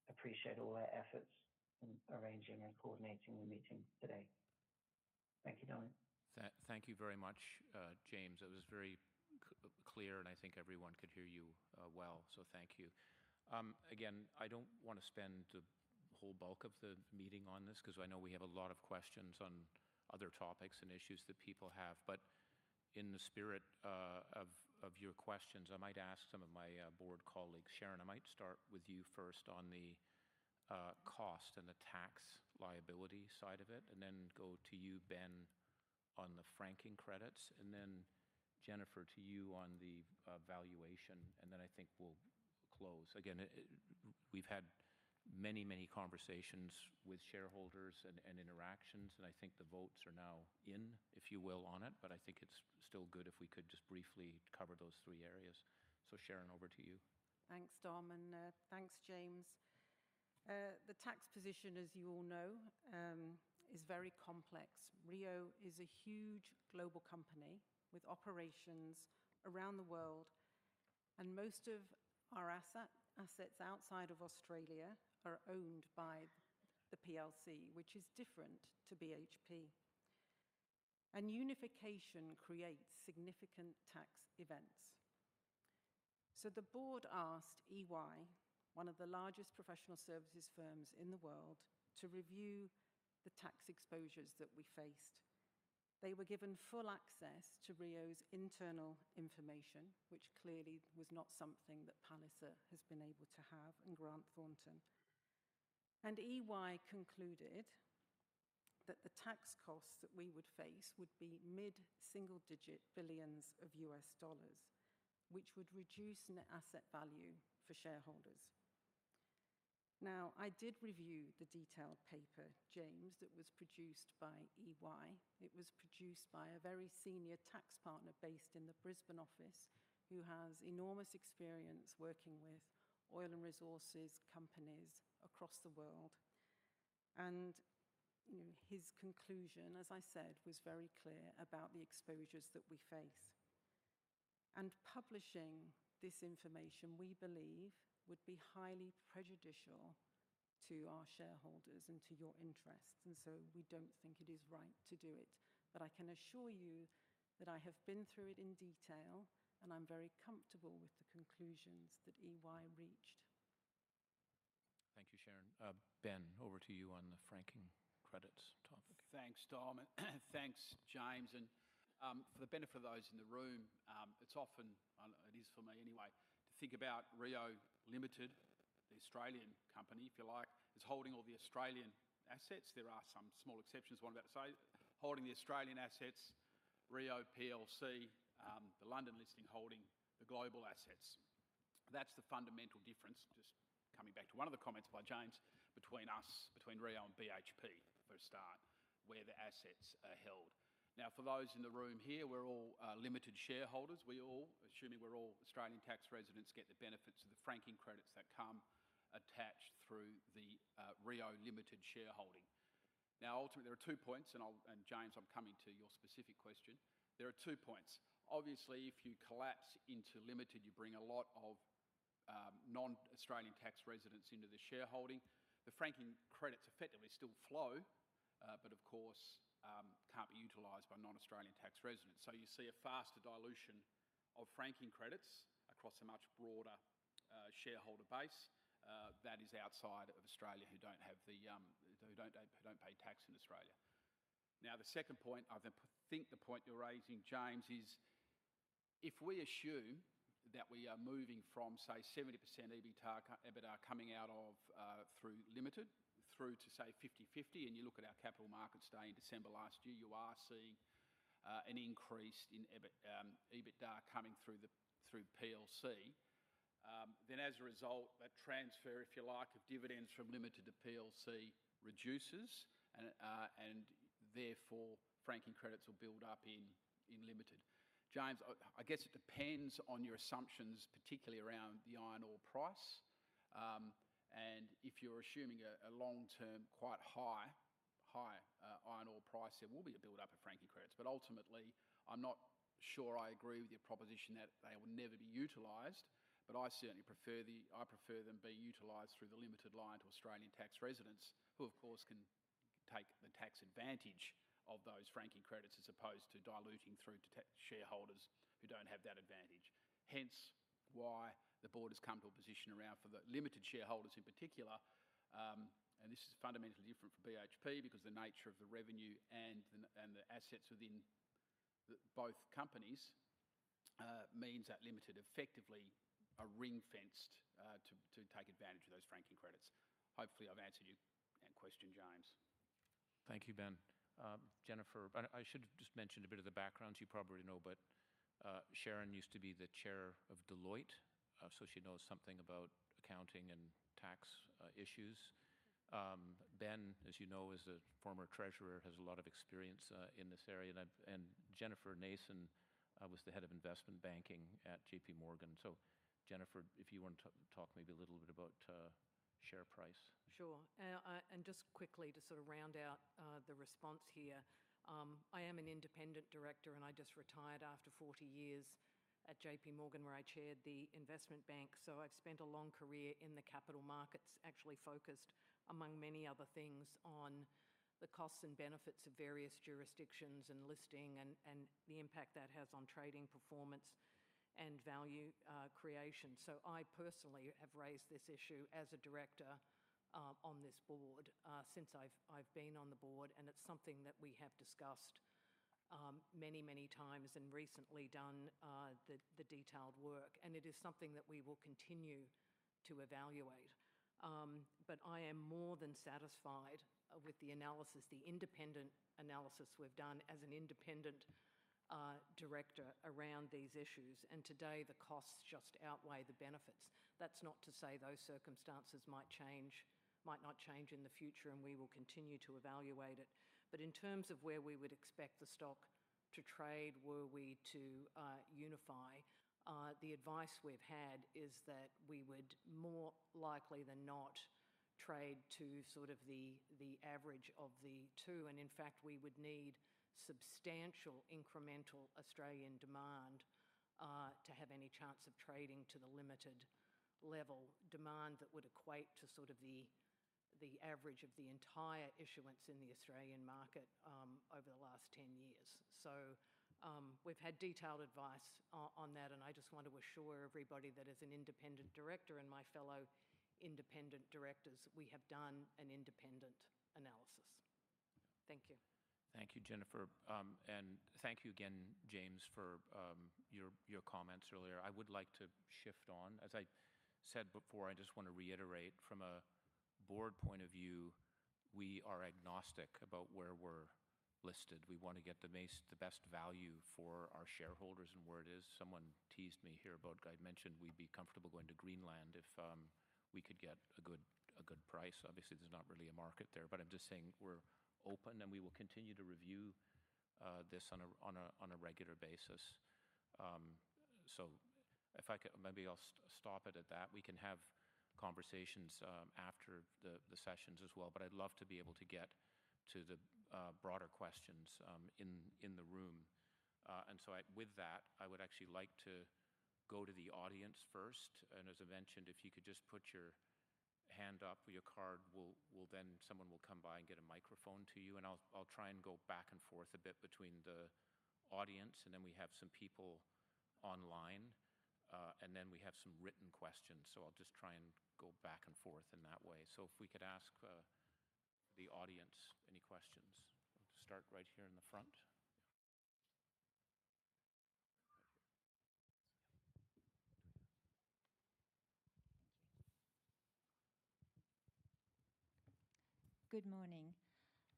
appreciate all their efforts in arranging and coordinating the meeting today. Thank you, Dominic. Thank you very much, James. That was very clear, and I think everyone could hear you well, so thank you. I do not want to spend the whole bulk of the meeting on this because I know we have a lot of questions on other topics and issues that people have. In the spirit of your questions, I might ask some of my board colleagues. Sharon, I might start with you first on the cost and the tax liability side of it, and then go to you, Ben, on the franking credits, and then Jennifer, to you on the valuation, and then I think we'll close. Again, we've had many, many conversations with shareholders and interactions, and I think the votes are now in, if you will, on it, but I think it's still good if we could just briefly cover those three areas. Sharon, over to you. Thanks, Dom, and thanks, James. The tax position, as you all know, is very complex. Rio is a huge global company with operations around the world, and most of our assets outside of Australia are owned by the PLC, which is different to BHP. Unification creates significant tax events. The board asked EY, one of the largest professional services firms in the world, to review the tax exposures that we faced. They were given full access to Rio's internal information, which clearly was not something that Palliser has been able to have and Grant Thornton. EY concluded that the tax costs that we would face would be mid-single-digit billions of $ US dollars, which would reduce net asset value for shareholders. I did review the detailed paper, James, that was produced by EY. It was produced by a very senior tax partner based in the Brisbane office who has enormous experience working with oil and resources companies across the world. His conclusion, as I said, was very clear about the exposures that we face. Publishing this information, we believe, would be highly prejudicial to our shareholders and to your interests, and we do not think it is right to do it. I can assure you that I have been through it in detail, and I am very comfortable with the conclusions that EY reached. Thank you, Sharon. Ben, over to you on the franking credits topic. Thanks, Dom, and thanks, James. For the benefit of those in the room, it is often, it is for me anyway, to think about Rio Limited, the Australian company, if you like, as holding all the Australian assets. There are some small exceptions, one about holding the Australian assets, Rio PLC, the London listing holding, the global assets. That is the fundamental difference, just coming back to one of the comments by James, between us, between Rio and BHP for a start, where the assets are held. Now, for those in the room here, we're all Limited shareholders. We all, assuming we're all Australian tax residents, get the benefits of the franking credits that come attached through the Rio Limited shareholding. Now, ultimately, there are two points, and James, I'm coming to your specific question. There are two points. Obviously, if you collapse into Limited, you bring a lot of non-Australian tax residents into the shareholding. The franking credits effectively still flow, but of course can't be utilized by non-Australian tax residents. You see a faster dilution of franking credits across a much broader shareholder base that is outside of Australia who don't have the, who don't pay tax in Australia. Now, the second point, I think the point you're raising, James, is if we assume that we are moving from, say, 70% EBITDA coming out of through Limited through to, say, 50/50, and you look at our capital markets day in December last year, you are seeing an increase in EBITDA coming through the PLC, then as a result, that transfer, if you like, of dividends from Limited to PLC reduces, and therefore franking credits will build up in Limited. James, I guess it depends on your assumptions, particularly around the iron ore price. And if you're assuming a long-term quite high iron ore price, there will be a build-up of franking credits. Ultimately, I'm not sure I agree with your proposition that they will never be utilized, but I certainly prefer them be utilized through the Limited line to Australian tax residents who, of course, can take the tax advantage of those franking credits as opposed to diluting through to shareholders who don't have that advantage. Hence why the board has come to a position around for the Limited shareholders in particular, and this is fundamentally different for BHP because the nature of the revenue and the assets within both companies means that Limited effectively are ring-fenced to take advantage of those franking credits. Hopefully, I've answered your question, James. Thank you, Ben. Jennifer, I should have just mentioned a bit of the background. You probably know, but Sharon used to be the chair of Deloitte, so she knows something about accounting and tax issues. Ben, as you know, is a former treasurer, has a lot of experience in this area. And Jennifer Nason was the head of investment banking at JP Morgan. So Jennifer, if you want to talk maybe a little bit about share price. Sure. And just quickly to sort of round out the response here, I am an independent director, and I just retired after 40 years at JP Morgan where I chaired the investment bank. So I've spent a long career in the capital markets, actually focused, among many other things, on the costs and benefits of various jurisdictions and listing and the impact that has on trading performance and value creation. So I personally have raised this issue as a director on this board since I've been on the board, and it's something that we have discussed many, many times and recently done the detailed work. It is something that we will continue to evaluate. I am more than satisfied with the analysis, the independent analysis we've done as an independent director around these issues. Today, the costs just outweigh the benefits. That is not to say those circumstances might not change in the future, and we will continue to evaluate it. In terms of where we would expect the stock to trade, were we to unify, the advice we've had is that we would more likely than not trade to sort of the average of the two. In fact, we would need substantial incremental Australian demand to have any chance of trading to the Limited level demand that would equate to sort of the average of the entire issuance in the Australian market over the last 10 years. We have had detailed advice on that, and I just want to assure everybody that as an independent director and my fellow independent directors, we have done an independent analysis. Thank you. Thank you, Jennifer. Thank you again, James, for your comments earlier. I would like to shift on. As I said before, I just want to reiterate from a board point of view, we are agnostic about where we are listed. We want to get the best value for our shareholders and where it is. Someone teased me here about, I mentioned we would be comfortable going to Greenland if we could get a good price. Obviously, there is not really a market there, but I am just saying we are open and we will continue to review this on a regular basis. If I can, maybe I will stop it at that. We can have conversations after the sessions as well, but I'd love to be able to get to the broader questions in the room. With that, I would actually like to go to the audience first. As I mentioned, if you could just put your hand up or your card, then someone will come by and get a microphone to you. I'll try and go back and forth a bit between the audience, and then we have some people online, and then we have some written questions. I'll just try and go back and forth in that way. If we could ask the audience any questions. We'll start right here in the front. Good morning.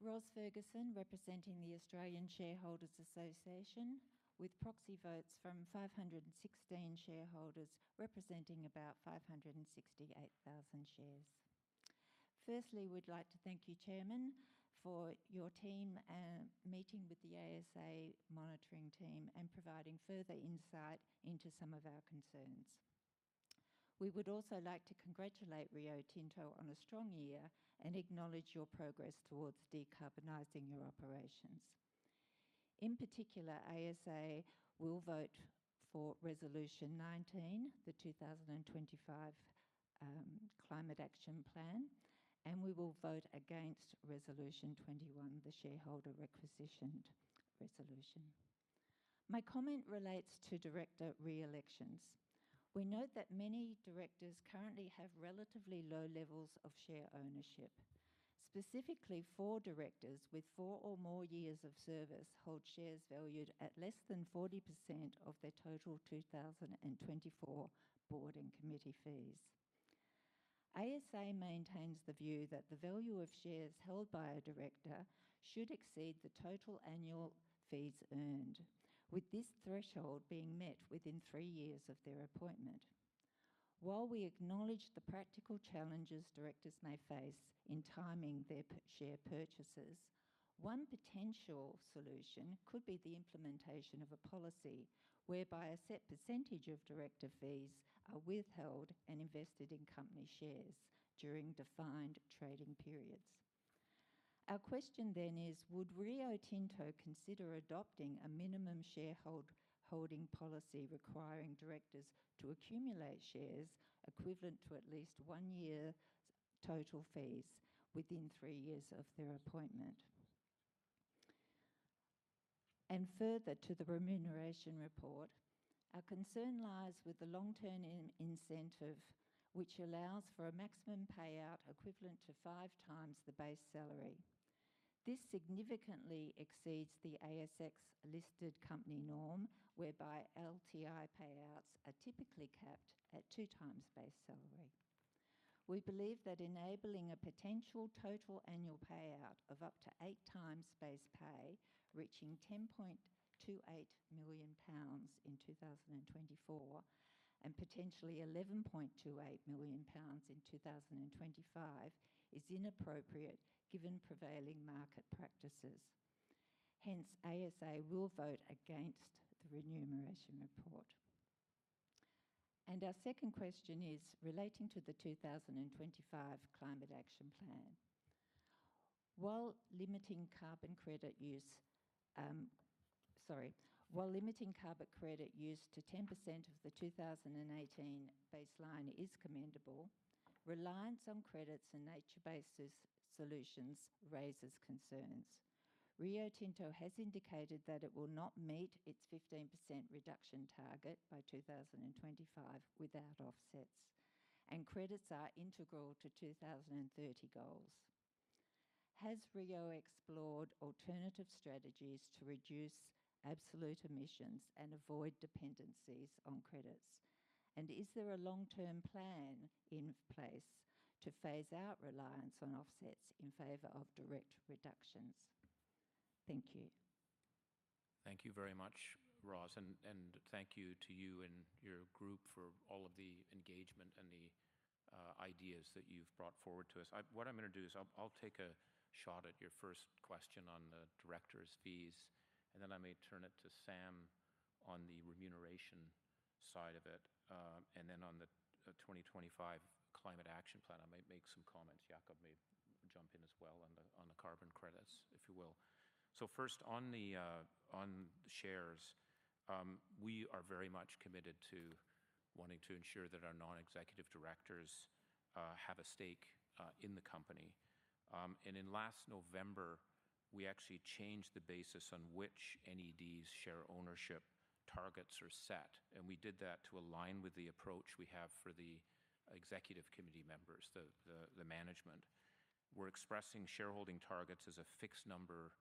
Ross Ferguson, representing the Australian Shareholders Association, with proxy votes from 516 shareholders representing about 568,000 shares. Firstly, we'd like to thank you, Chairman, for your team meeting with the ASA monitoring team and providing further insight into some of our concerns. We would also like to congratulate Rio Tinto on a strong year and acknowledge your progress towards decarbonizing your operations. In particular, ASA will vote for Resolution 19, the 2025 Climate Action Plan, and we will vote against Resolution 21, the shareholder requisitioned resolution. My comment relates to director re-elections. We note that many directors currently have relatively low levels of share ownership. Specifically, four directors with four or more years of service hold shares valued at less than 40% of their total 2024 board and committee fees. ASA maintains the view that the value of shares held by a director should exceed the total annual fees earned, with this threshold being met within three years of their appointment. While we acknowledge the practical challenges directors may face in timing their share purchases, one potential solution could be the implementation of a policy whereby a set % of director fees are withheld and invested in company shares during defined trading periods. Our question then is, would Rio Tinto consider adopting a minimum shareholding policy requiring directors to accumulate shares equivalent to at least one year total fees within three years of their appointment? Further to the remuneration report, our concern lies with the long-term incentive, which allows for a maximum payout equivalent to five times the base salary. This significantly exceeds the ASX-listed company norm whereby LTI payouts are typically capped at two times base salary. We believe that enabling a potential total annual payout of up to eight times base pay, reaching 10.28 million pounds in 2024 and potentially 11.28 million pounds in 2025 is inappropriate given prevailing market practices. Hence, ASA will vote against the remuneration report. Our second question is relating to the 2025 Climate Action Plan. While limiting carbon credit use to 10% of the 2018 baseline is commendable, reliance on credits and nature-based solutions raises concerns. Rio Tinto has indicated that it will not meet its 15% reduction target by 2025 without offsets, and credits are integral to 2030 goals. Has Rio explored alternative strategies to reduce absolute emissions and avoid dependencies on credits? Is there a long-term plan in place to phase out reliance on offsets in favor of direct reductions? Thank you. Thank you very much, Ross. Thank you to you and your group for all of the engagement and the ideas that you've brought forward to us. What I'm going to do is I'll take a shot at your first question on the director's fees, and then I may turn it to Sam on the remuneration side of it. On the 2025 Climate Action Plan, I might make some comments. Jakob may jump in as well on the carbon credits, if you will. First, on the shares, we are very much committed to wanting to ensure that our non-executive directors have a stake in the company. In last November, we actually changed the basis on which NEDs share ownership targets are set. We did that to align with the approach we have for the executive committee members, the management. We're expressing shareholding targets as a fixed number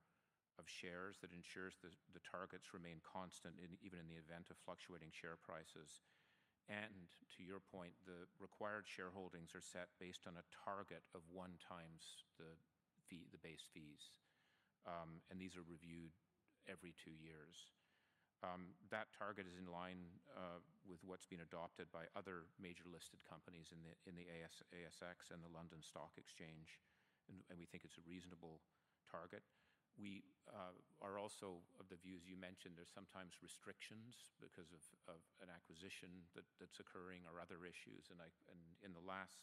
of shares that ensures the targets remain constant, even in the event of fluctuating share prices. To your point, the required shareholdings are set based on a target of one times the base fees. These are reviewed every two years. That target is in line with what's been adopted by other major listed companies in the ASX and the London Stock Exchange, and we think it's a reasonable target. We are also of the view, as you mentioned, there's sometimes restrictions because of an acquisition that's occurring or other issues. In the last,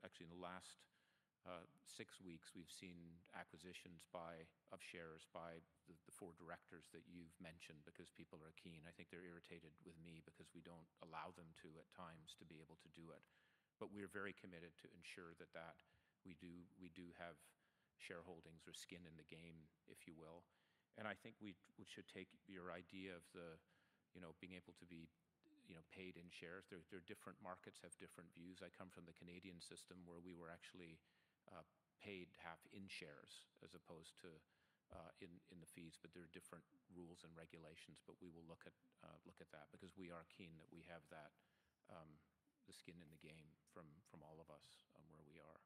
actually in the last six weeks, we've seen acquisitions of shares by the four directors that you've mentioned because people are keen. I think they're irritated with me because we don't allow them to at times to be able to do it. We are very committed to ensure that we do have shareholdings or skin in the game, if you will. I think we should take your idea of being able to be paid in shares. There are different markets that have different views. I come from the Canadian system where we were actually paid half in shares as opposed to in the fees, but there are different rules and regulations. We will look at that because we are keen that we have the skin in the game from all of us where we are.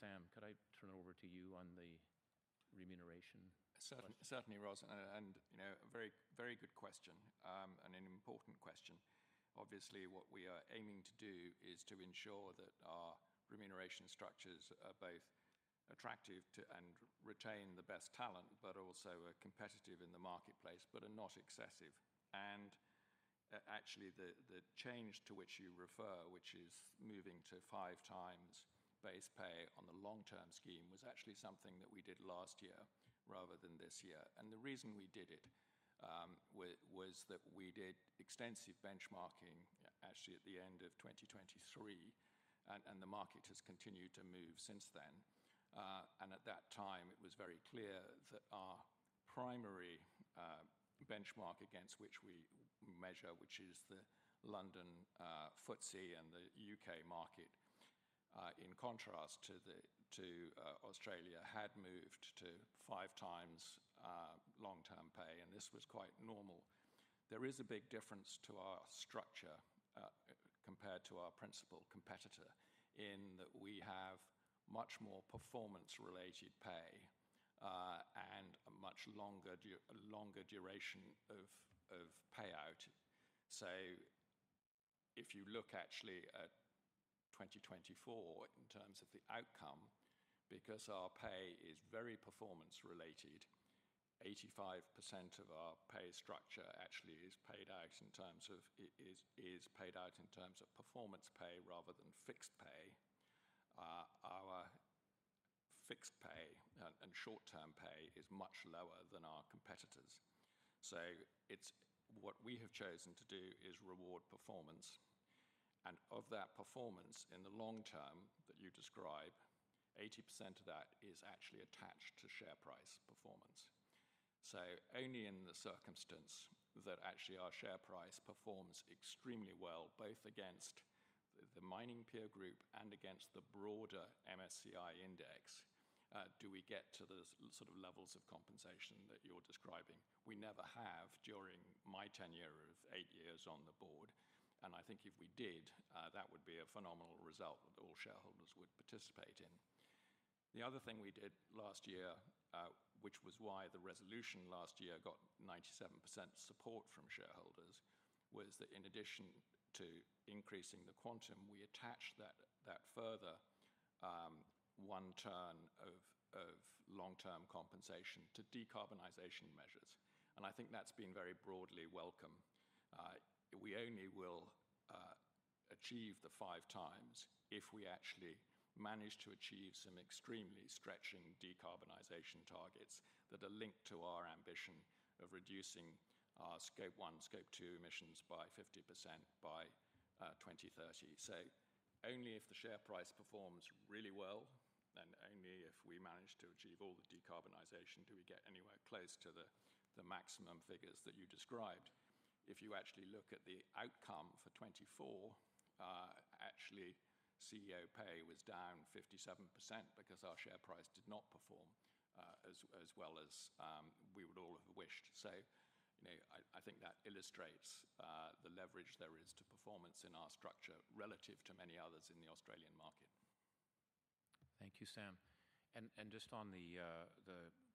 Sam, could I turn it over to you on the remuneration? Certainly, Ross. A very good question and an important question. Obviously, what we are aiming to do is to ensure that our remuneration structures are both attractive and retain the best talent, but also are competitive in the marketplace, but are not excessive. Actually, the change to which you refer, which is moving to five times base pay on the long-term scheme, was actually something that we did last year rather than this year. The reason we did it was that we did extensive benchmarking actually at the end of 2023, and the market has continued to move since then. At that time, it was very clear that our primary benchmark against which we measure, which is the London FTSE and the U.K. market, in contrast to Australia, had moved to five times long-term pay. This was quite normal. There is a big difference to our structure compared to our principal competitor in that we have much more performance-related pay and a much longer duration of payout. If you look actually at 2024 in terms of the outcome, because our pay is very performance-related, 85% of our pay structure actually is paid out in terms of performance pay rather than fixed pay. Our fixed pay and short-term pay is much lower than our competitors. What we have chosen to do is reward performance. Of that performance in the long term that you describe, 80% of that is actually attached to share price performance. Only in the circumstance that actually our share price performs extremely well, both against the mining peer group and against the broader MSCI index, do we get to the sort of levels of compensation that you're describing. We never have during my tenure of eight years on the board. I think if we did, that would be a phenomenal result that all shareholders would participate in. The other thing we did last year, which was why the resolution last year got 97% support from shareholders, was that in addition to increasing the quantum, we attached that further one turn of long-term compensation to decarbonization measures. I think that's been very broadly welcome. We only will achieve the five times if we actually manage to achieve some extremely stretching decarbonization targets that are linked to our ambition of reducing our Scope 1, Scope 2 emissions by 50% by 2030. Only if the share price performs really well and only if we manage to achieve all the decarbonization do we get anywhere close to the maximum figures that you described. If you actually look at the outcome for 2024, actually CEO pay was down 57% because our share price did not perform as well as we would all have wished. I think that illustrates the leverage there is to performance in our structure relative to many others in the Australian market. Thank you, Sam. Just on the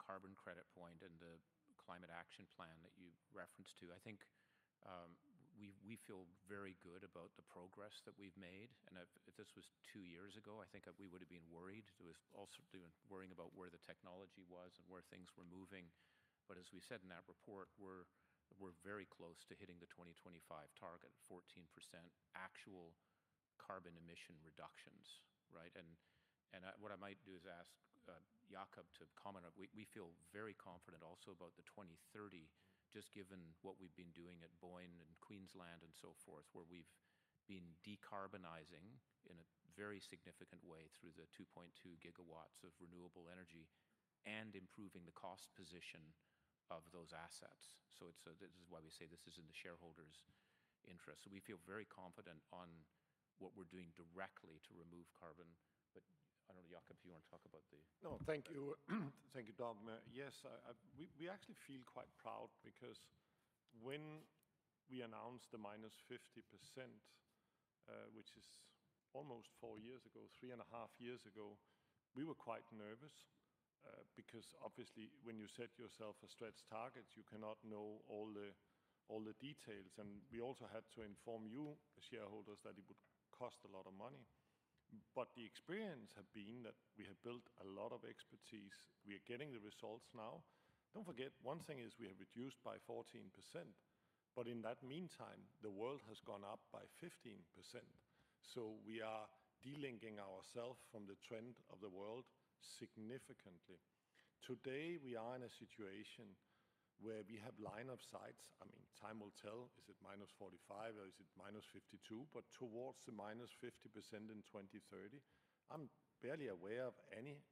carbon credit point and the climate action plan that you referenced to, I think we feel very good about the progress that we've made. If this was two years ago, I think we would have been worried. It was also worrying about where the technology was and where things were moving. As we said in that report, we're very close to hitting the 2025 target of 14% actual carbon emission reductions. What I might do is ask Jakob to comment on. We feel very confident also about the 2030, just given what we've been doing at Boyne and Queensland and so forth, where we've been decarbonizing in a very significant way through the 2.2 gigawatts of renewable energy and improving the cost position of those assets. This is why we say this is in the shareholders' interest. We feel very confident on what we're doing directly to remove carbon. I don't know, Jakob, if you want to talk about the. No, thank you. Thank you, Dom. Yes, we actually feel quite proud because when we announced the minus 50%, which is almost four years ago, three and a half years ago, we were quite nervous because obviously when you set yourself a stretch target, you cannot know all the details. We also had to inform you, shareholders, that it would cost a lot of money. The experience has been that we have built a lot of expertise. We are getting the results now. Do not forget, one thing is we have reduced by 14%. In that meantime, the world has gone up by 15%. We are delinking ourselves from the trend of the world significantly. Today, we are in a situation where we have line of sight. I mean, time will tell, is it minus 45 or is it minus 52, but towards the minus 50% in 2030, I am barely aware of any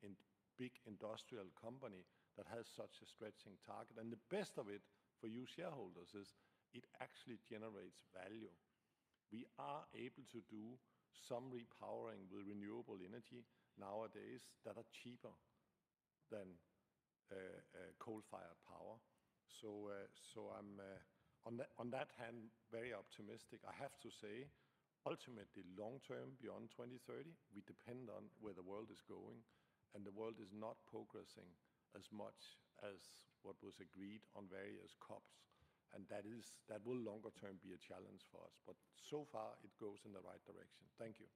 big industrial company that has such a stretching target. The best of it for you shareholders is it actually generates value. We are able to do some repowering with renewable energy nowadays that are cheaper than coal-fired power. I am, on that hand, very optimistic. I have to say, ultimately, long-term, beyond 2030, we depend on where the world is going. The world is not progressing as much as what was agreed on various COPs. That will longer term be a challenge for us. So far, it goes in the right direction. Thank you.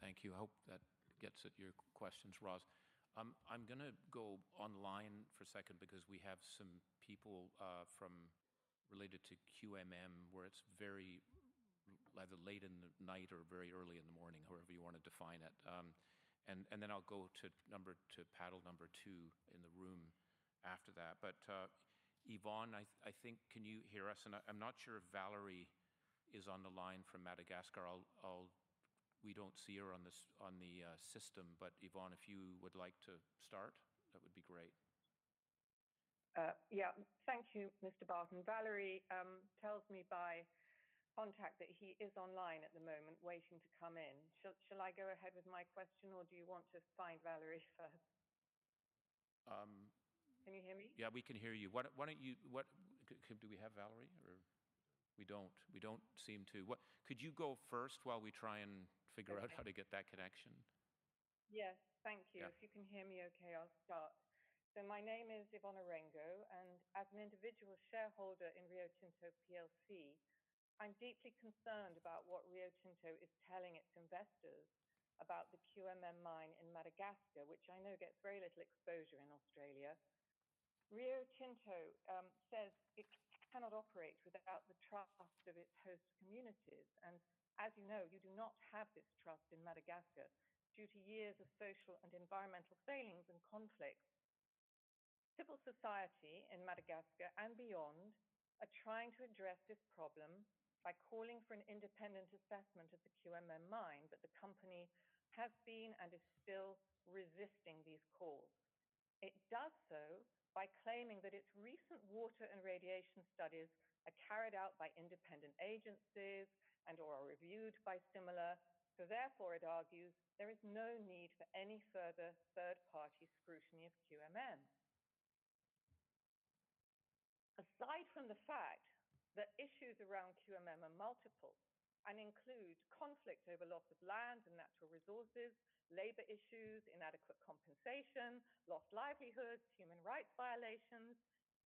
Thank you. I hope that gets at your questions, Ross. I'm going to go online for a second because we have some people related to QMM where it's very either late in the night or very early in the morning, however you want to define it. I'll go to Paddle number two in the room after that. Yvonne, I think, can you hear us? I'm not sure if Valéry is on the line from Madagascar. We don't see her on the system. Yvonne, if you would like to start, that would be great. Yeah. Thank you, Mr. Barton. Valéry tells me by contact that he is online at the moment waiting to come in. Shall I go ahead with my question, or do you want to find Valéry first? Can you hear me? Yeah, we can hear you. Do we have Valéry? We do not. We do not seem to. Could you go first while we try and figure out how to get that connection? Yes. Thank you. If you can hear me okay, I will start. My name is Yvonne Orengo. As an individual shareholder in Rio Tinto, I am deeply concerned about what Rio Tinto is telling its investors about the QMM mine in Madagascar, which I know gets very little exposure in Australia. Rio Tinto says it cannot operate without the trust of its host communities. As you know, you do not have this trust in Madagascar due to years of social and environmental failings and conflicts. Civil society in Madagascar and beyond are trying to address this problem by calling for an independent assessment of the QMM mine, but the company has been and is still resisting these calls. It does so by claiming that its recent water and radiation studies are carried out by independent agencies and/or are reviewed by similar. Therefore, it argues there is no need for any further third-party scrutiny of QMM. Aside from the fact that issues around QMM are multiple and include conflict over loss of land and natural resources, labor issues, inadequate compensation, lost livelihoods, human rights violations,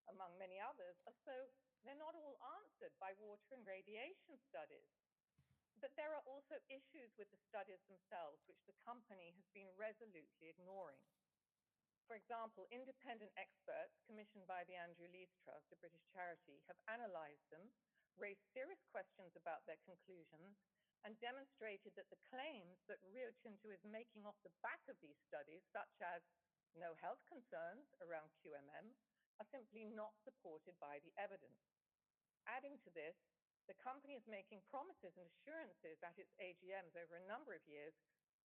among many others, they are not all answered by water and radiation studies. There are also issues with the studies themselves, which the company has been resolutely ignoring. For example, independent experts commissioned by the Andrew Lees Trust, a British charity, have analyzed them, raised serious questions about their conclusions, and demonstrated that the claims that Rio Tinto is making off the back of these studies, such as no health concerns around QMM, are simply not supported by the evidence. Adding to this, the company is making promises and assurances at its AGMs over a number of years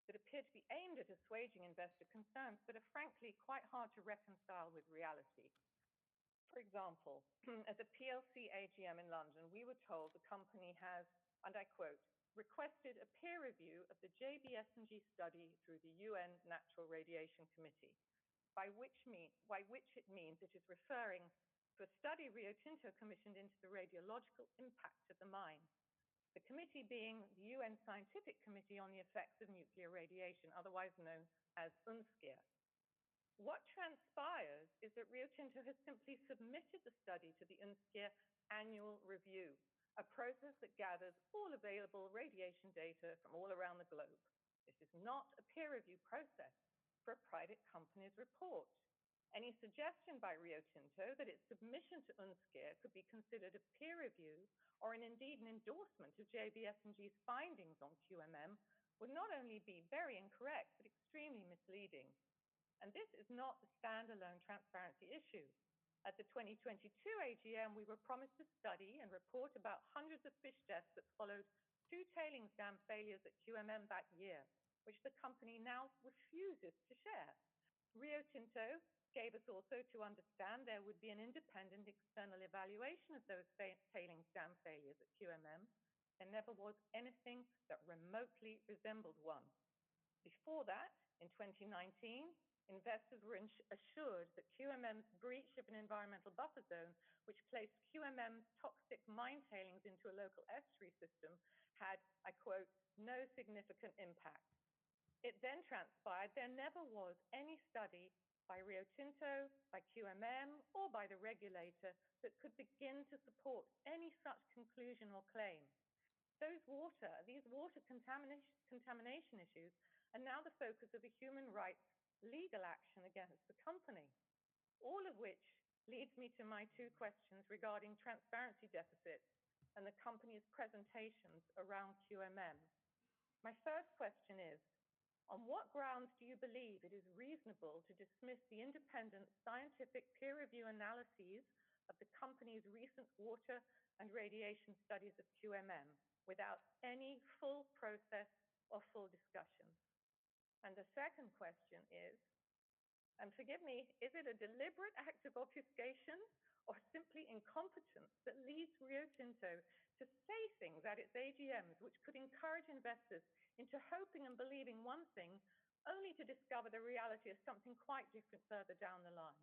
that appear to be aimed at assuaging investor concerns, but are frankly quite hard to reconcile with reality. For example, as a PLC AGM in London, we were told the company has, and I quote, "requested a peer review of the JBS&G study through the UN Natural Radiation Committee," by which it means it is referring to a study Rio Tinto commissioned into the radiological impact of the mine. The committee being the UN Scientific Committee on the Effects of Nuclear Radiation, otherwise known as UNSCEAR. What transpires is that Rio Tinto has simply submitted the study to the UNSCEAR annual review, a process that gathers all available radiation data from all around the globe. This is not a peer review process for a private company's report. Any suggestion by Rio Tinto that its submission to UNSCEAR could be considered a peer review or indeed an endorsement of JBS&G's findings on QMM would not only be very incorrect, but extremely misleading. This is not a standalone transparency issue. At the 2022 AGM, we were promised a study and report about hundreds of fish deaths that followed two tailings dam failures at QMM that year, which the company now refuses to share. Rio Tinto gave us also to understand there would be an independent external evaluation of those tailings dam failures at QMM, and there was anything that remotely resembled one. Before that, in 2019, investors were assured that QMM's breach of an environmental buffer zone, which placed QMM's toxic mine tailings into a local estuary system, had, I quote, "no significant impact." It then transpired there never was any study by Rio Tinto, by QMM, or by the regulator that could begin to support any such conclusion or claim. These water contamination issues are now the focus of a human rights legal action against the company, all of which leads me to my two questions regarding transparency deficits and the company's presentations around QMM. My first question is, on what grounds do you believe it is reasonable to dismiss the independent scientific peer review analyses of the company's recent water and radiation studies of QMM without any full process or full discussion? The second question is, and forgive me, is it a deliberate act of obfuscation or simply incompetence that leads Rio Tinto to say things at its AGMs which could encourage investors into hoping and believing one thing, only to discover the reality of something quite different further down the line?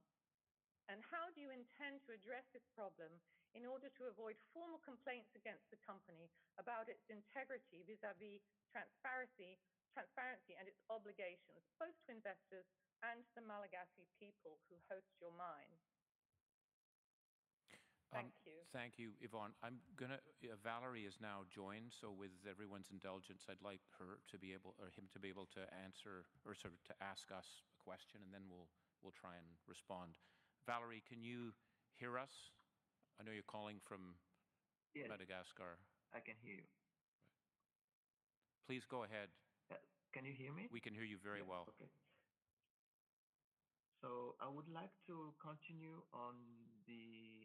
How do you intend to address this problem in order to avoid formal complaints against the company about its integrity vis-à-vis transparency and its obligations, both to investors and the Malagasy people who host your mine? Thank you. Thank you, Yvonne. Valéry is now joined. With everyone's indulgence, I'd like her to be able or him to be able to answer or to ask us a question, and then we'll try and respond. Valéry, can you hear us? I know you're calling from Madagascar. I can hear you. Please go ahead. Can you hear me? We can hear you very well. Okay. I would like to continue on the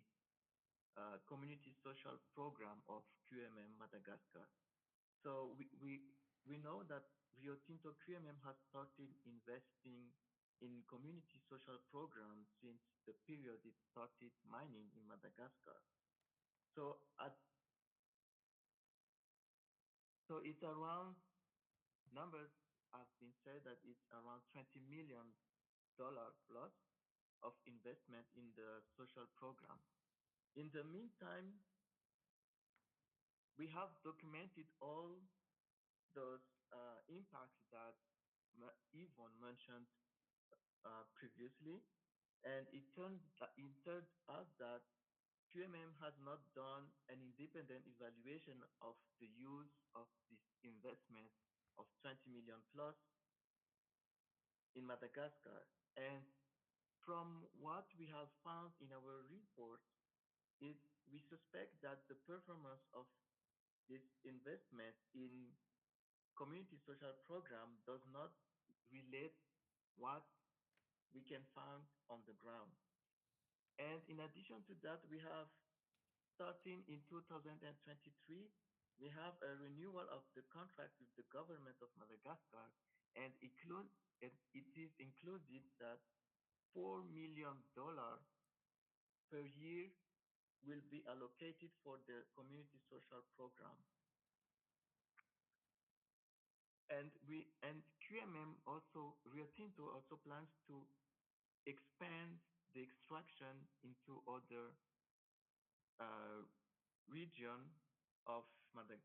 community social program of QMM Madagascar. We know that Rio Tinto QMM has started investing in community social programs since the period it started mining in Madagascar. It's around numbers have been said that it's around $20 million plus of investment in the social program. In the meantime, we have documented all those impacts that Yvonne mentioned previously. It tells us that QMM has not done an independent evaluation of the use of this investment of $20 million plus in Madagascar. From what we have found in our report, we suspect that the performance of this investment in community social program does not relate to what we can find on the ground. In addition to that, starting in 2023, we have a renewal of the contract with the government of Madagascar. It is included that $4 million per year will be allocated for the community social program. QMM also, Rio Tinto also plans to expand the extraction into other regions of Anôsy.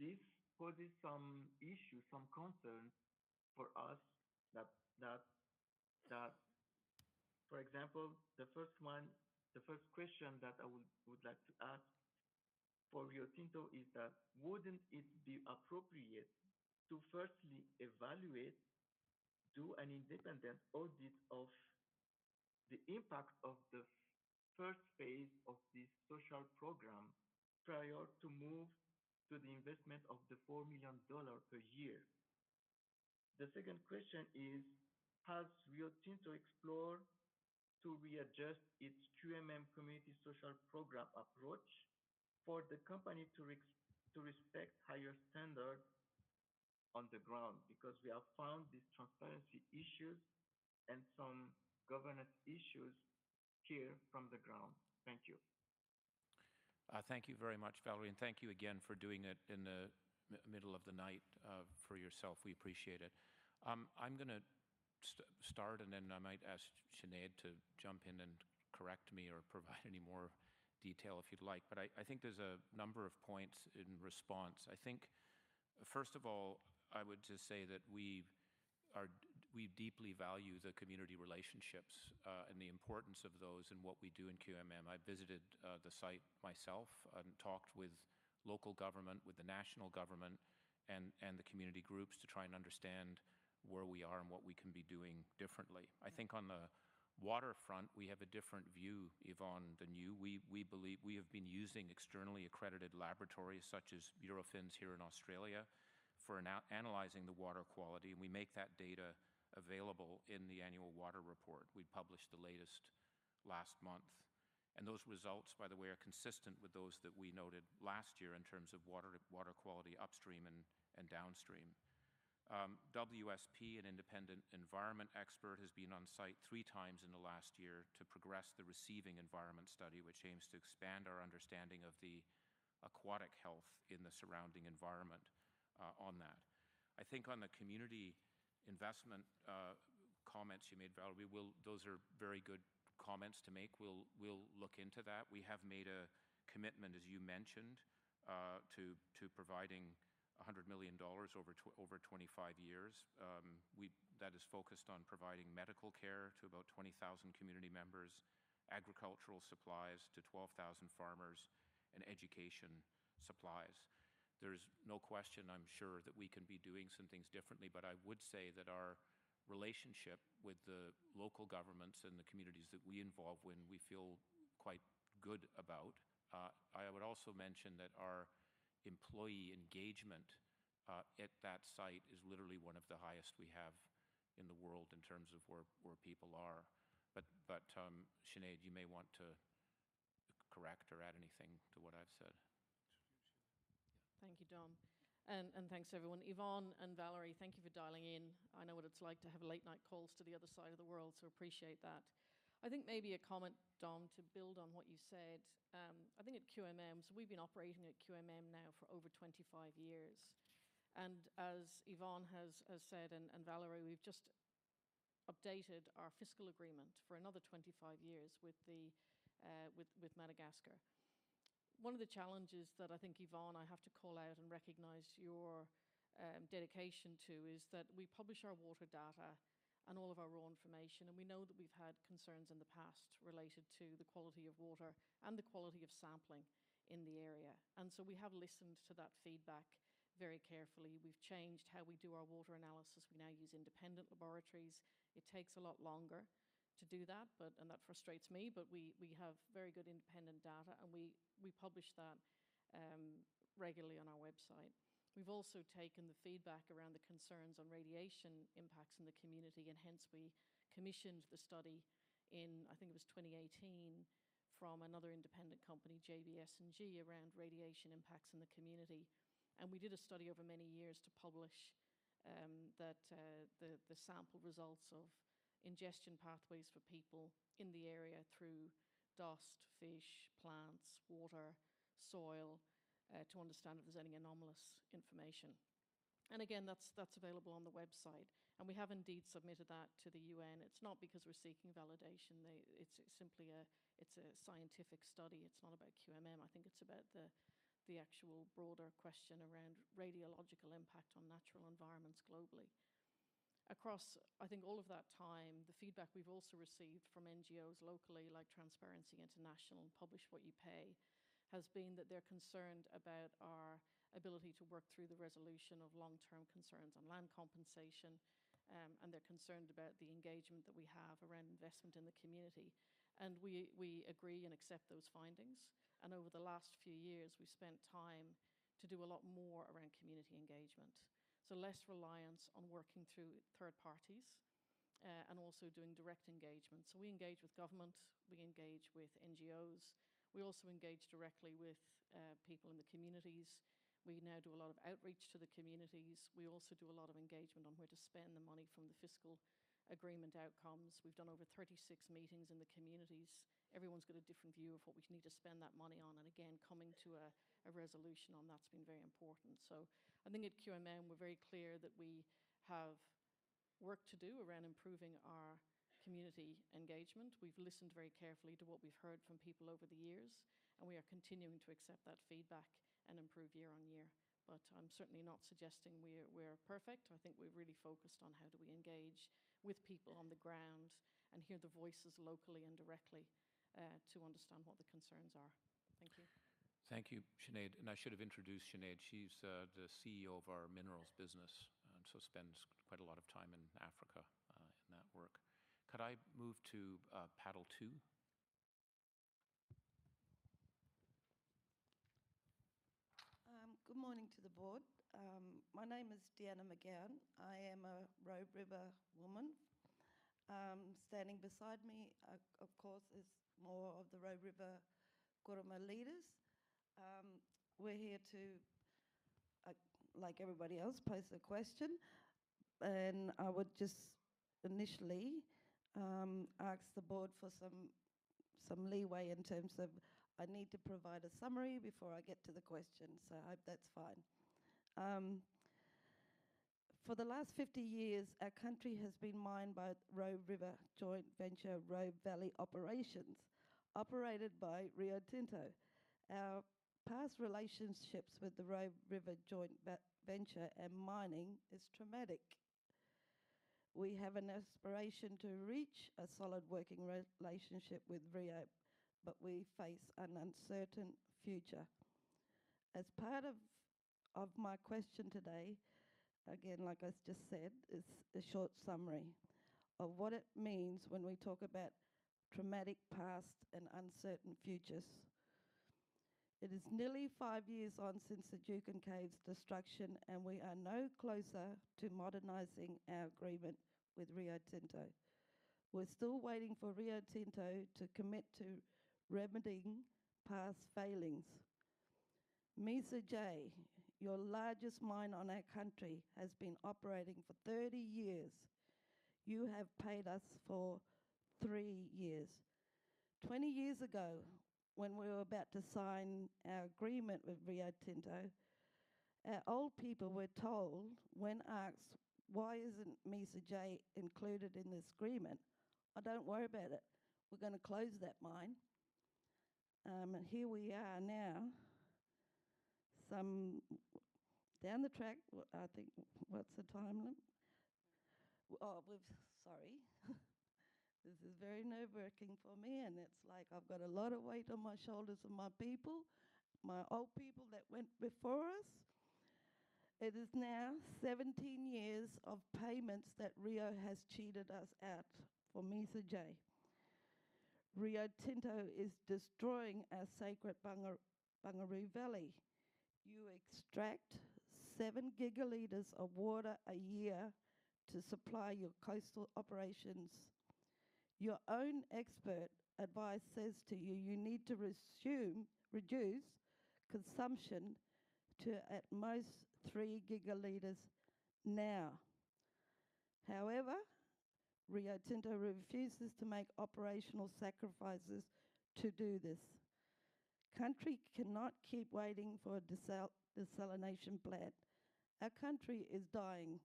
This poses some issues, some concerns for us that, for example, the first question that I would like to ask for Rio Tinto is that, would it not be appropriate to firstly evaluate, do an independent audit of the impact of the first phase of this social program prior to moving to the investment of the $4 million per year? The second question is, has Rio Tinto explored to readjust its QMM community social program approach for the company to respect higher standards on the ground? Because we have found these transparency issues and some governance issues here from the ground. Thank you. Thank you very much, Valéry. Thank you again for doing it in the middle of the night for yourself. We appreciate it. I am going to start, and then I might ask Sinead to jump in and correct me or provide any more detail if you would like. I think there's a number of points in response. I think, first of all, I would just say that we deeply value the community relationships and the importance of those in what we do in QMM. I visited the site myself and talked with local government, with the national government, and the community groups to try and understand where we are and what we can be doing differently. I think on the waterfront, we have a different view, Yvonne, than you. We have been using externally accredited laboratories such as Bureau Veritas here in Australia for analyzing the water quality. We make that data available in the annual water report. We published the latest last month. Those results, by the way, are consistent with those that we noted last year in terms of water quality upstream and downstream. WSP, an independent environment expert, has been on site three times in the last year to progress the receiving environment study, which aims to expand our understanding of the aquatic health in the surrounding environment on that. I think on the community investment comments you made, Valéry, those are very good comments to make. We'll look into that. We have made a commitment, as you mentioned, to providing $100 million over 25 years. That is focused on providing medical care to about 20,000 community members, agricultural supplies to 12,000 farmers, and education supplies. There is no question, I'm sure, that we can be doing some things differently, but I would say that our relationship with the local governments and the communities that we involve when we feel quite good about. I would also mention that our employee engagement at that site is literally one of the highest we have in the world in terms of where people are. Sinead, you may want to correct or add anything to what I've said. Thank you, Dom. Thanks, everyone. Yvonne and Valéry, thank you for dialing in. I know what it's like to have late-night calls to the other side of the world, so I appreciate that. I think maybe a comment, Dom, to build on what you said. I think at QMM, we've been operating at QMM now for over 25 years. As Yvonne has said and Valéry, we've just updated our fiscal agreement for another 25 years with Madagascar. One of the challenges that I think, Yvonne, I have to call out and recognize your dedication to is that we publish our water data and all of our raw information, and we know that we've had concerns in the past related to the quality of water and the quality of sampling in the area. We have listened to that feedback very carefully. We've changed how we do our water analysis. We now use independent laboratories. It takes a lot longer to do that, and that frustrates me, but we have very good independent data, and we publish that regularly on our website. We've also taken the feedback around the concerns on radiation impacts in the community, and hence we commissioned the study in, I think it was 2018, from another independent company, JBS&G, around radiation impacts in the community. We did a study over many years to publish the sample results of ingestion pathways for people in the area through dust, fish, plants, water, soil, to understand if there's any anomalous information. That is available on the website. We have indeed submitted that to the UN. It's not because we're seeking validation. It's simply a scientific study. It's not about QMM. I think it's about the actual broader question around radiological impact on natural environments globally. Across, I think, all of that time, the feedback we've also received from NGOs locally like Transparency International, Publish What You Pay, has been that they're concerned about our ability to work through the resolution of long-term concerns on land compensation, and they're concerned about the engagement that we have around investment in the community. We agree and accept those findings. Over the last few years, we've spent time to do a lot more around community engagement. Less reliance on working through third parties and also doing direct engagement. We engage with government. We engage with NGOs. We also engage directly with people in the communities. We now do a lot of outreach to the communities. We also do a lot of engagement on where to spend the money from the fiscal agreement outcomes. We've done over 36 meetings in the communities. Everyone's got a different view of what we need to spend that money on. Again, coming to a resolution on that's been very important. I think at QMM, we're very clear that we have work to do around improving our community engagement. We've listened very carefully to what we've heard from people over the years, and we are continuing to accept that feedback and improve year-on-year. I am certainly not suggesting we're perfect. I think we're really focused on how do we engage with people on the ground and hear the voices locally and directly to understand what the concerns are. Thank you. Thank you, Sinead. I should have introduced Sinead. She's the CEO of our minerals business and so spends quite a lot of time in Africa in that work. Could I move to paddle two? Good morning to the board. My name is Deanna McGowan. I am a Robe River woman. Standing beside me, of course, is more of the Robe River Kuruma leaders. We're here to, like everybody else, pose a question. I would just initially ask the board for some leeway in terms of I need to provide a summary before I get to the question. I hope that's fine. For the last 50 years, our country has been mined by Robe River Joint Venture Robe Valley Operations, operated by Rio Tinto. Our past relationships with the Robe River Joint Venture and mining is traumatic. We have an aspiration to reach a solid working relationship with Rio, but we face an uncertain future. As part of my question today, again, like I just said, is a short summary of what it means when we talk about traumatic pasts and uncertain futures. It is nearly five years on since the Juukan Gorge destruction, and we are no closer to modernizing our agreement with Rio Tinto. We're still waiting for Rio Tinto to commit to remedying past failings. Mesa J, your largest mine on our country, has been operating for 30 years. You have paid us for three years. Twenty years ago, when we were about to sign our agreement with Rio Tinto, our old people were told when asked, "Why isn't Mesa J included in this agreement?" "Don't worry about it. We're going to close that mine." Here we are now. Down the track, I think, what's the timeline? Oh, sorry. This is very nerve-wracking for me, and it's like I've got a lot of weight on my shoulders and my people, my old people that went before us. It is now 17 years of payments that Rio has cheated us out for Mesa J. Rio Tinto is destroying our sacred Bungaroo Valley. You extract seven gigaliters of water a year to supply your coastal operations. Your own expert advice says to you you need to reduce consumption to at most 3 gigaliters now. However, Rio Tinto refuses to make operational sacrifices to do this. Country cannot keep waiting for a desalination plant. Our country is dying.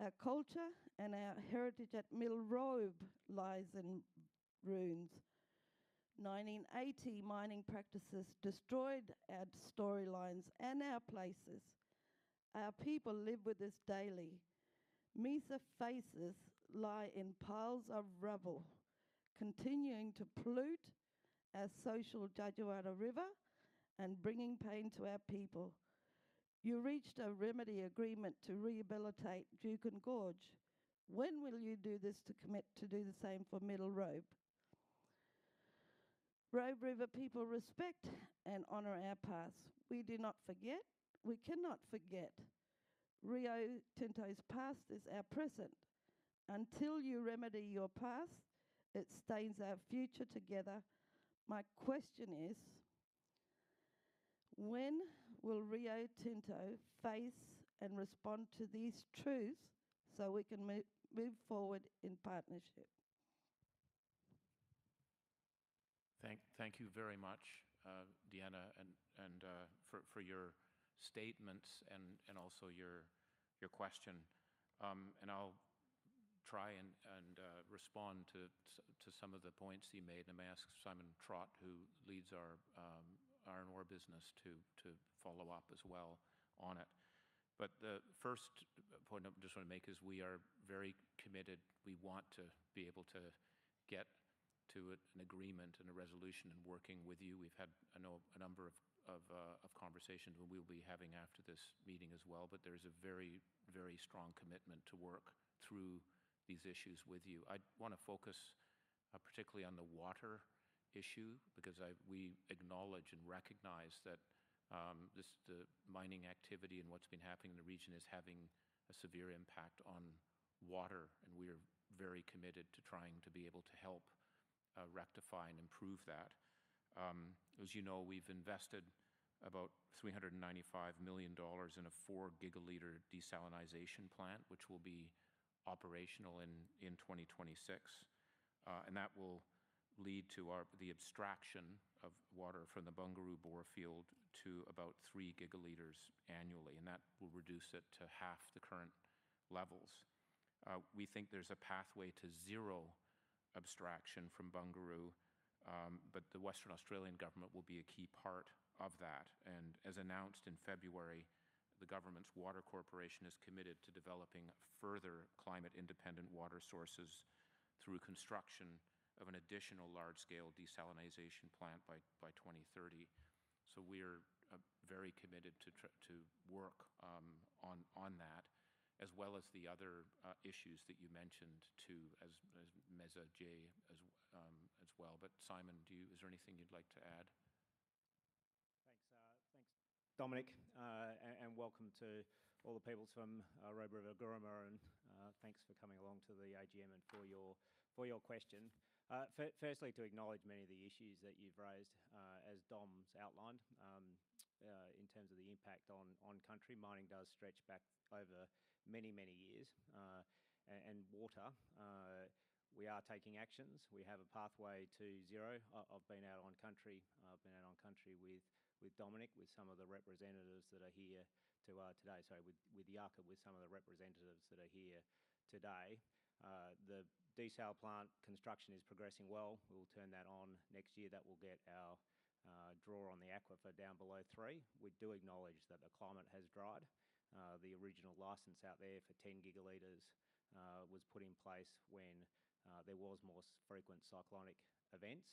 Our culture and our heritage at lies in ruins. 1980 mining practices destroyed our storylines and our places. Our people live with this daily. Mesa faces lie in piles of rubble, continuing to pollute our and bringing pain to our people. You reached a remedy agreement to rehabilitate Juukan Gorge. When will you do this to commit to do the same for Middle Robe? Robe River people respect and honor our past. We do not forget. We cannot forget. Rio Tinto's past is our present. Until you remedy your past, it stains our future together. My question is, when will Rio Tinto face and respond to these truths so we can move forward in partnership? Thank you very much, Deanna, and for your statements and also your question. I will try and respond to some of the points you made. I am going to ask Simon Trott, who leads our Iron Ore business, to follow up as well on it. The first point I just want to make is we are very committed. We want to be able to get to an agreement and a resolution in working with you. We have had a number of conversations and we will be having after this meeting as well. There is a very, very strong commitment to work through these issues with you. I want to focus particularly on the water issue because we acknowledge and recognize that the mining activity and what's been happening in the region is having a severe impact on water. We are very committed to trying to be able to help rectify and improve that. As you know, we've invested about $395 million in a four-gigaliter desalinization plant, which will be operational in 2026. That will lead to the extraction of water from the Bungaroo bore field to about three gigaliters annually. That will reduce it to half the current levels. We think there's a pathway to zero extraction from Bungaroo, but the Western Australian government will be a key part of that. As announced in February, the government's water corporation is committed to developing further climate-independent water sources through construction of an additional large-scale desalinization plant by 2030. We are very committed to work on that, as well as the other issues that you mentioned to Mesa J as well. Simon, is there anything you'd like to add? Thanks, Dominic. And welcome to all the people from Robe River Kuruma and thanks for coming along to the AGM and for your question. Firstly, to acknowledge many of the issues that you've raised, as Dom's outlined, in terms of the impact on country, mining does stretch back over many, many years. Water, we are taking actions. We have a pathway to zero. I've been out on country. I've been out on country with Dominic, with some of the representatives that are here today. Sorry, with Jakob, with some of the representatives that are here today. The desal plant construction is progressing well. We'll turn that on next year. That will get our draw on the aquifer down below 3. We do acknowledge that the climate has dried. The original license out there for 10 gigaliters was put in place when there were more frequent cyclonic events,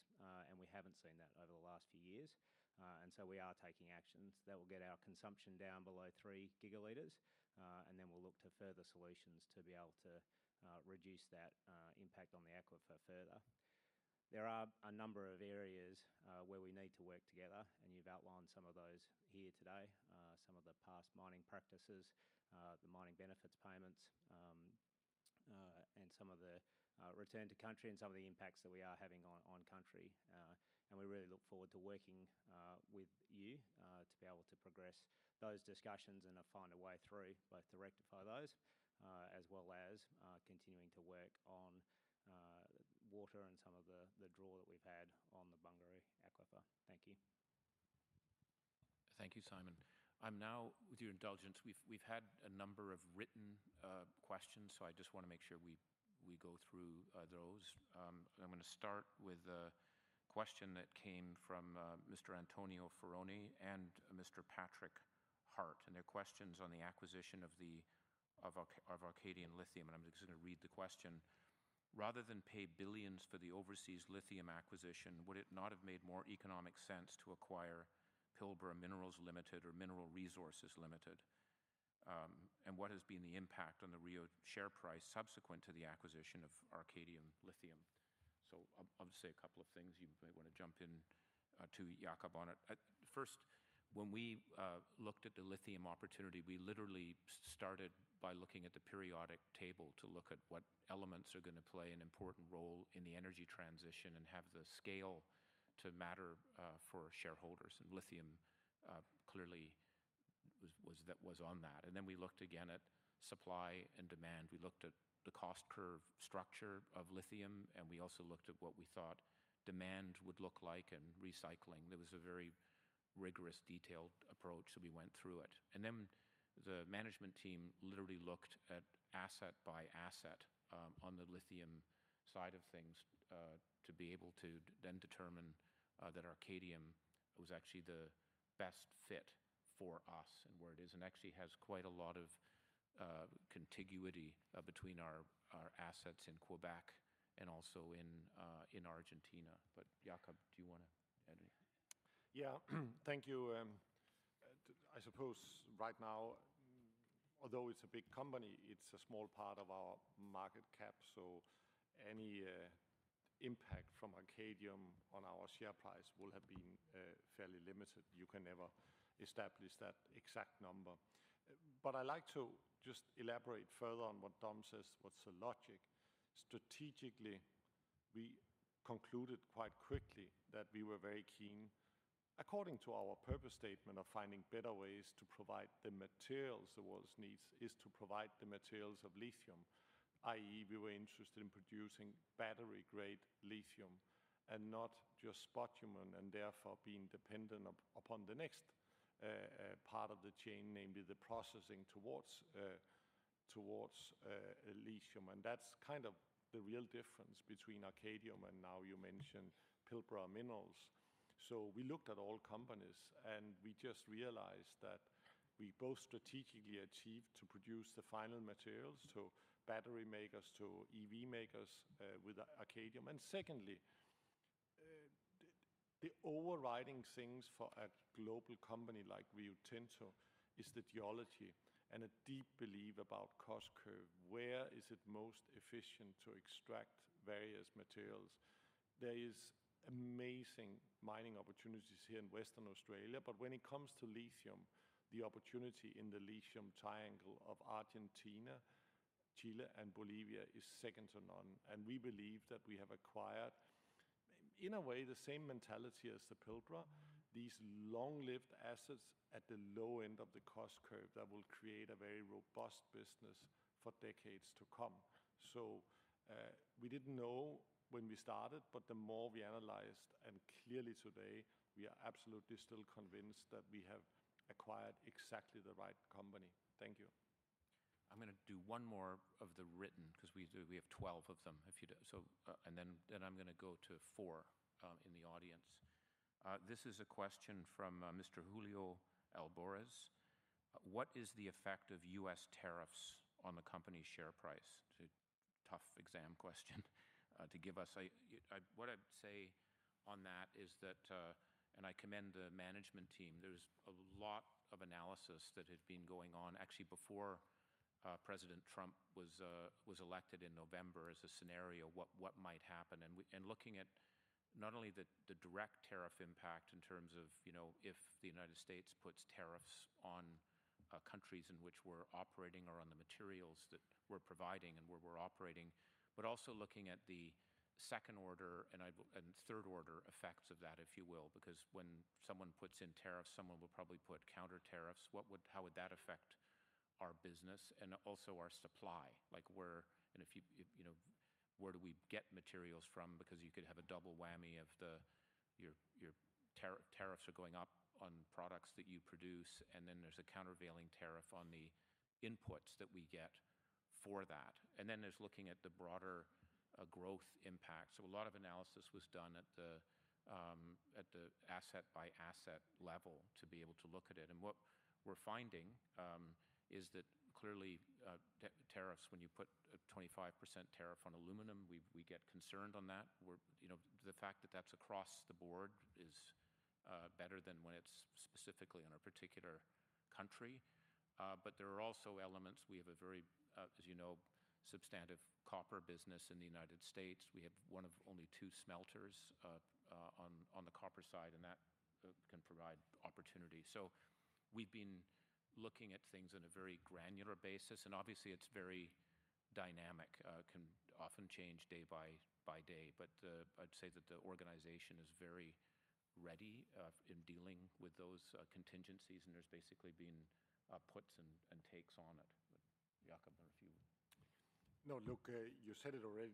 and we have not seen that over the last few years. We are taking actions that will get our consumption down below 3 gigaliters. We will look to further solutions to be able to reduce that impact on the aquifer further. There are a number of areas where we need to work together, and you have outlined some of those here today, some of the past mining practices, the mining benefits payments, and some of the return to country and some of the impacts that we are having on country. We really look forward to working with you to be able to progress those discussions and find a way through both to rectify those as well as continuing to work on water and some of the draw that we've had on the Bungaroo aquifer. Thank you. Thank you, Simon. I'm now, with your indulgence, we've had a number of written questions, so I just want to make sure we go through those. I'm going to start with a question that came from Mr. Antonio Ferrone and Mr. Patrick Hart. Their questions on the acquisition of Arcadium Lithium. I'm just going to read the question. Rather than pay billions for the overseas lithium acquisition, would it not have made more economic sense to acquire Pilbara Minerals Limited or Mineral Resources Limited? What has been the impact on the Rio share price subsequent to the acquisition of Arcadium Lithium? I will say a couple of things. You may want to jump in too, Jakob, on it. First, when we looked at the lithium opportunity, we literally started by looking at the periodic table to look at what elements are going to play an important role in the energy transition and have the scale to matter for shareholders. Lithium clearly was on that. We looked again at supply and demand. We looked at the cost curve structure of lithium, and we also looked at what we thought demand would look like and recycling. There was a very rigorous, detailed approach, so we went through it. Then the management team literally looked at asset by asset on the lithium side of things to be able to then determine that Arcadium was actually the best fit for us and where it is. It actually has quite a lot of contiguity between our assets in Quebec and also in Argentina. Jakob, do you want to add anything? Yeah, thank you. I suppose right now, although it's a big company, it's a small part of our market cap. Any impact from Arcadium on our share price will have been fairly Limited. You can never establish that exact number. I'd like to just elaborate further on what Dom says, what's the logic. Strategically, we concluded quite quickly that we were very keen, according to our purpose statement of finding better ways to provide the materials the world needs, is to provide the materials of lithium, i.e., we were interested in producing battery-grade lithium and not just spodumene and therefore being dependent upon the next part of the chain, namely the processing towards lithium. That is kind of the real difference between Arcadium and now you mentioned Pilbara Minerals. We looked at all companies and we just realized that we both strategically achieved to produce the final materials, so battery makers to EV makers with Arcadium. Secondly, the overriding things for a global company like Rio Tinto is the geology and a deep belief about cost curve. Where is it most efficient to extract various materials? There are amazing mining opportunities here in Western Australia, but when it comes to lithium, the opportunity in the lithium triangle of Argentina, Chile, and Bolivia is second to none. We believe that we have acquired, in a way, the same mentality as the Pilbara, these long-lived assets at the low end of the cost curve that will create a very robust business for decades to come. We did not know when we started, but the more we analyzed and clearly today, we are absolutely still convinced that we have acquired exactly the right company. Thank you. I am going to do one more of the written because we have 12 of them. Then I am going to go to four in the audience. This is a question from Mr. Julio Álvarez. What is the effect of U.S. tariffs on the company's share price? It's a tough exam question to give us. What I'd say on that is that, and I commend the management team, there was a lot of analysis that had been going on actually before President Trump was elected in November as a scenario, what might happen. I mean, looking at not only the direct tariff impact in terms of if the U.S. puts tariffs on countries in which we're operating or on the materials that we're providing and where we're operating, but also looking at the second order and third order effects of that, if you will, because when someone puts in tariffs, someone will probably put counter tariffs. How would that affect our business and also our supply? And where do we get materials from? Because you could have a double whammy of your tariffs are going up on products that you produce, and then there's a countervailing tariff on the inputs that we get for that. Then there's looking at the broader growth impact. A lot of analysis was done at the asset-by-asset level to be able to look at it. What we're finding is that clearly tariffs, when you put a 25% tariff on Aluminium, we get concerned on that. The fact that that's across the board is better than when it's specifically on a particular country. There are also elements. We have a very, as you know, substantive copper business in the United States. We have one of only two smelters on the copper side, and that can provide opportunity. We have been looking at things on a very granular basis. Obviously, it's very dynamic. It can often change day by day. I would say that the organization is very ready in dealing with those contingencies, and there's basically been puts and takes on it. Jakob, if you would. No, look, you said it already,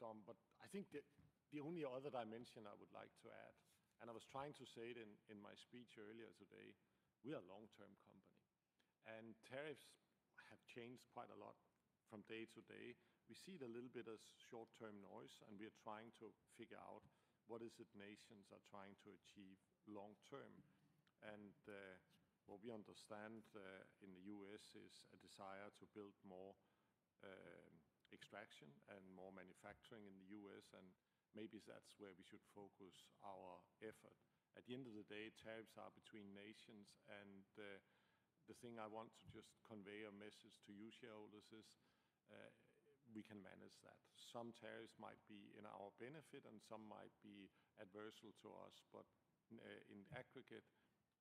Dom, I think the only other dimension I would like to add, and I was trying to say it in my speech earlier today, we are a long-term company. Tariffs have changed quite a lot from day to day. We see it a little bit as short-term noise, and we are trying to figure out what it is nations are trying to achieve long-term. What we understand in the U.S. is a desire to build more extraction and more manufacturing in the U.S. Maybe that is where we should focus our effort. At the end of the day, tariffs are between nations. The thing I want to just convey a message to you, shareholders, is we can manage that. Some tariffs might be in our benefit and some might be adverse to us, but in aggregate,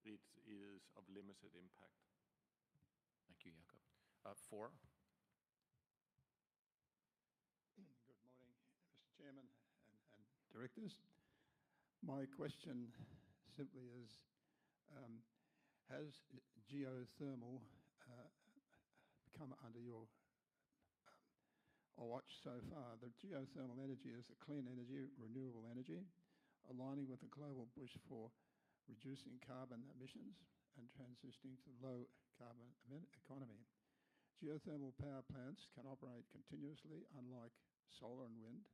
it is of Limited impact. Thank you, Jakob. Four. Good morning, Mr. Chairman and directors. My question simply is, has geothermal come under your watch so far? The geothermal energy is a clean energy, renewable energy, aligning with the global push for reducing carbon emissions and transitioning to a low-carbon economy. Geothermal power plants can operate continuously, unlike solar and wind,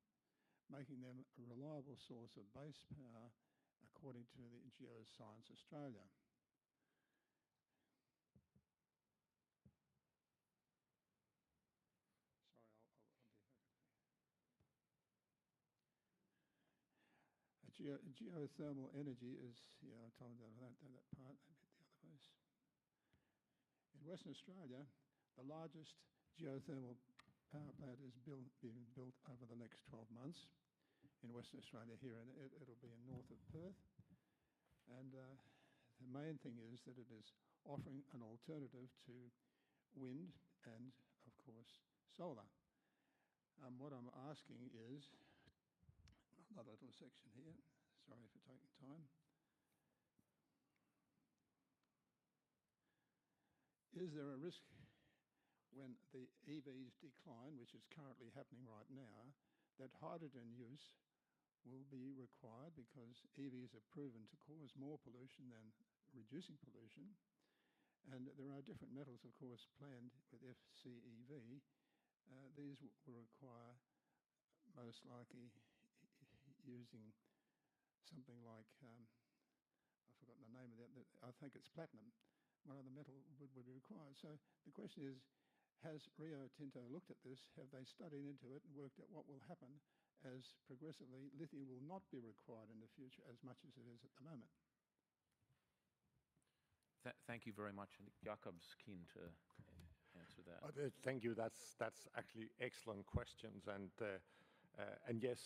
making them a reliable source of base power, according to Geoscience Australia. Sorry, I'll be happy to. Geothermal energy is, yeah, I told you that part, I meant the other place. In Western Australia, the largest geothermal power plant is being built over the next 12 months in Western Australia. Here, it'll be in north of Perth. The main thing is that it is offering an alternative to wind and, of course, solar. What I'm asking is, another little section here. Sorry for taking time. Is there a risk when the EVs decline, which is currently happening right now, that hydrogen use will be required because EVs are proven to cause more pollution than reducing pollution? There are different metals, of course, planned with FCEV. These will require most likely using something like, I forgot the name of that. I think it's platinum. One of the metals would be required. The question is, has Rio Tinto looked at this? Have they studied into it and worked at what will happen as progressively lithium will not be required in the future as much as it is at the moment? Thank you very much. Jakob's keen to answer that. Thank you. That's actually excellent questions. Yes,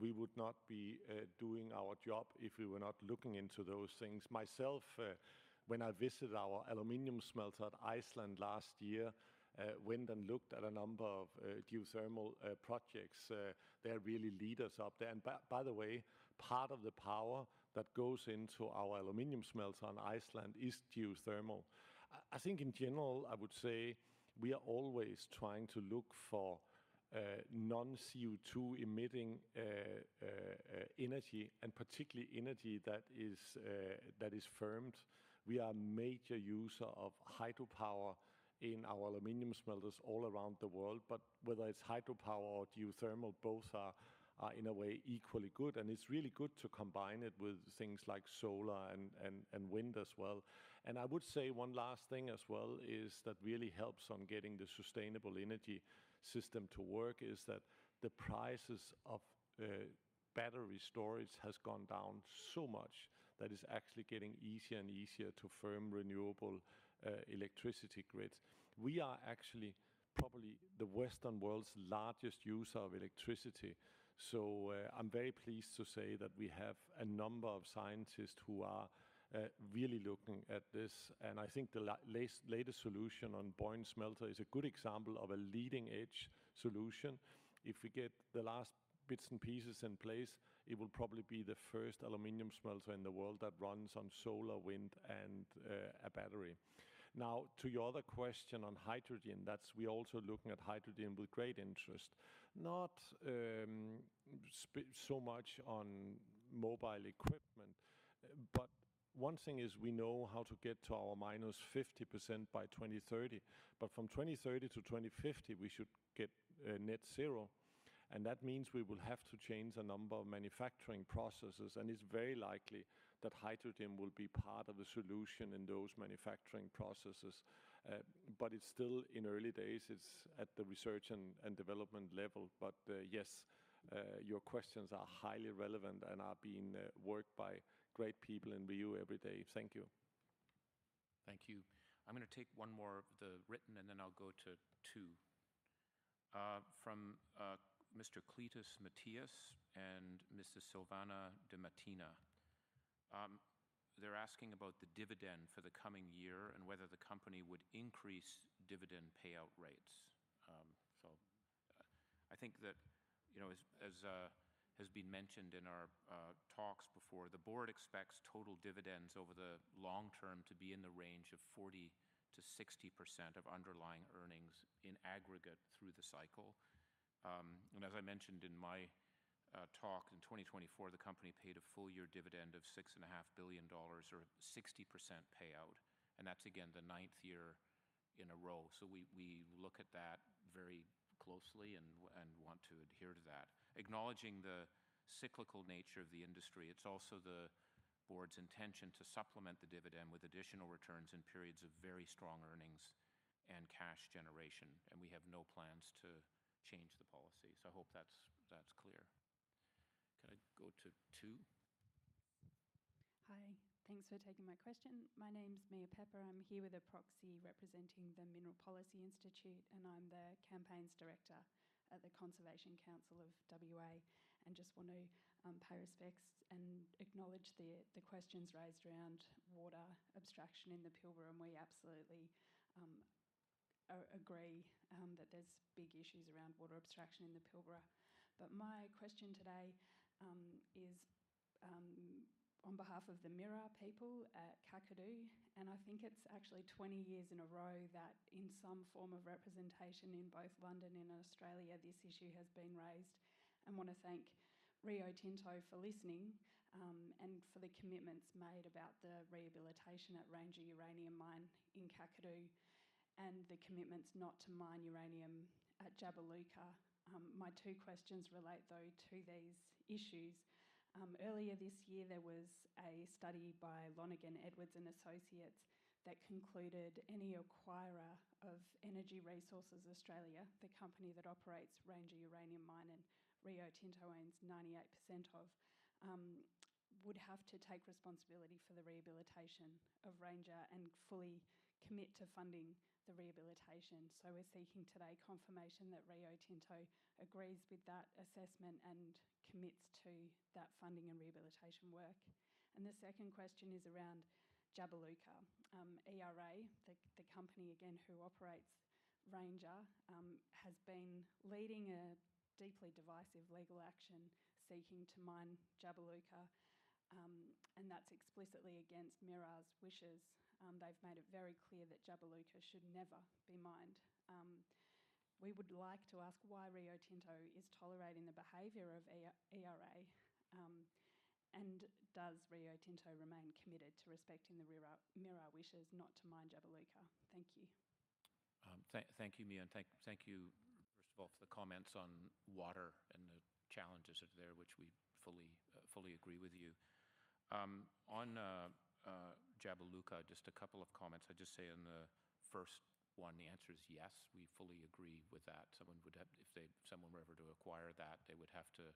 we would not be doing our job if we were not looking into those things. Myself, when I visited our Aluminium smelter at Iceland last year, went and looked at a number of geothermal projects. They're really leaders up there. By the way, part of the power that goes into our Aluminium smelter in Iceland is geothermal. I think in general, I would say we are always trying to look for non-CO2 emitting energy and particularly energy that is firmed. We are a major user of hydropower in our Aluminium smelters all around the world. Whether it's hydropower or geothermal, both are in a way equally good. It's really good to combine it with things like solar and wind as well. I would say one last thing as well is that what really helps on getting the sustainable energy system to work is that the prices of battery storage have gone down so much that it's actually getting easier and easier to firm renewable electricity grids. We are actually probably the Western world's largest user of electricity. I am very pleased to say that we have a number of scientists who are really looking at this. I think the latest solution on Boyne smelter is a good example of a leading-edge solution. If we get the last bits and pieces in place, it will probably be the first Aluminium smelter in the world that runs on solar, wind, and a battery. Now, to your other question on hydrogen, we are also looking at hydrogen with great interest, not so much on mobile equipment. One thing is we know how to get to our minus 50% by 2030. From 2030 to 2050, we should get net zero. That means we will have to change a number of manufacturing processes. It is very likely that hydrogen will be part of the solution in those manufacturing processes. It is still in early days. It is at the research and development level. Yes, your questions are highly relevant and are being worked by great people in BU every day. Thank you. Thank you.I am going to take one more, the written, and then I will go to two. From Mr. Cletus Mathias and Mrs. Silvana Di Martino. They are asking about the dividend for the coming year and whether the company would increase dividend payout rates. I think that, as has been mentioned in our talks before, the board expects total dividends over the long term to be in the range of 40%-60% of underlying earnings in aggregate through the cycle. As I mentioned in my talk in 2024, the company paid a full year dividend of $6.5 billion or 60% payout. That is again the ninth year in a row. We look at that very closely and want to adhere to that. Acknowledging the cyclical nature of the industry, it is also the board's intention to supplement the dividend with additional returns in periods of very strong earnings and cash generation. We have no plans to change the policy. I hope that is clear. Can I go to two? Hi. Thanks for taking my question. My name's Mia Pepper. I'm here with a proxy representing the Mineral Policy Institute, and I'm the campaigns director at the Conservation Council of WA. I just want to pay respects and acknowledge the questions raised around water abstraction in the Pilbara. We absolutely agree that there's big issues around water abstraction in the Pilbara. My question today is on behalf of the Mirarr people at Kakadu. I think it's actually 20 years in a row that in some form of representation in both London and Australia, this issue has been raised. I want to thank Rio Tinto for listening and for the commitments made about the rehabilitation at Ranger Uranium Mine in Kakadu and the commitments not to mine uranium at Jabiluka. My two questions relate, though, to these issues. Earlier this year, there was a study by Lonergan Edwards & Associates that concluded any acquirer of Energy Resources of Australia, the company that operates Ranger Uranium Mine and Rio Tinto owns 98% of, would have to take responsibility for the rehabilitation of Ranger and fully commit to funding the rehabilitation. We are seeking today confirmation that Rio Tinto agrees with that assessment and commits to that funding and rehabilitation work. The second question is around Jabiluka. ERA, the company again who operates Ranger, has been leading a deeply divisive legal action seeking to mine Jabiluka. That is explicitly against Mirarr's wishes. They have made it very clear that Jabiluka should never be mined. We would like to ask why Rio Tinto is tolerating the behavior of ERA. Does Rio Tinto remain committed to respecting the Mirarr wishes not to mine Jabiluka? Thank you. Thank you, Mia. Thank you, first of all, for the comments on water and the challenges there, which we fully agree with you. On Jabiluka, just a couple of comments. I just say in the first one, the answer is yes, we fully agree with that. If someone were ever to acquire that, they would have to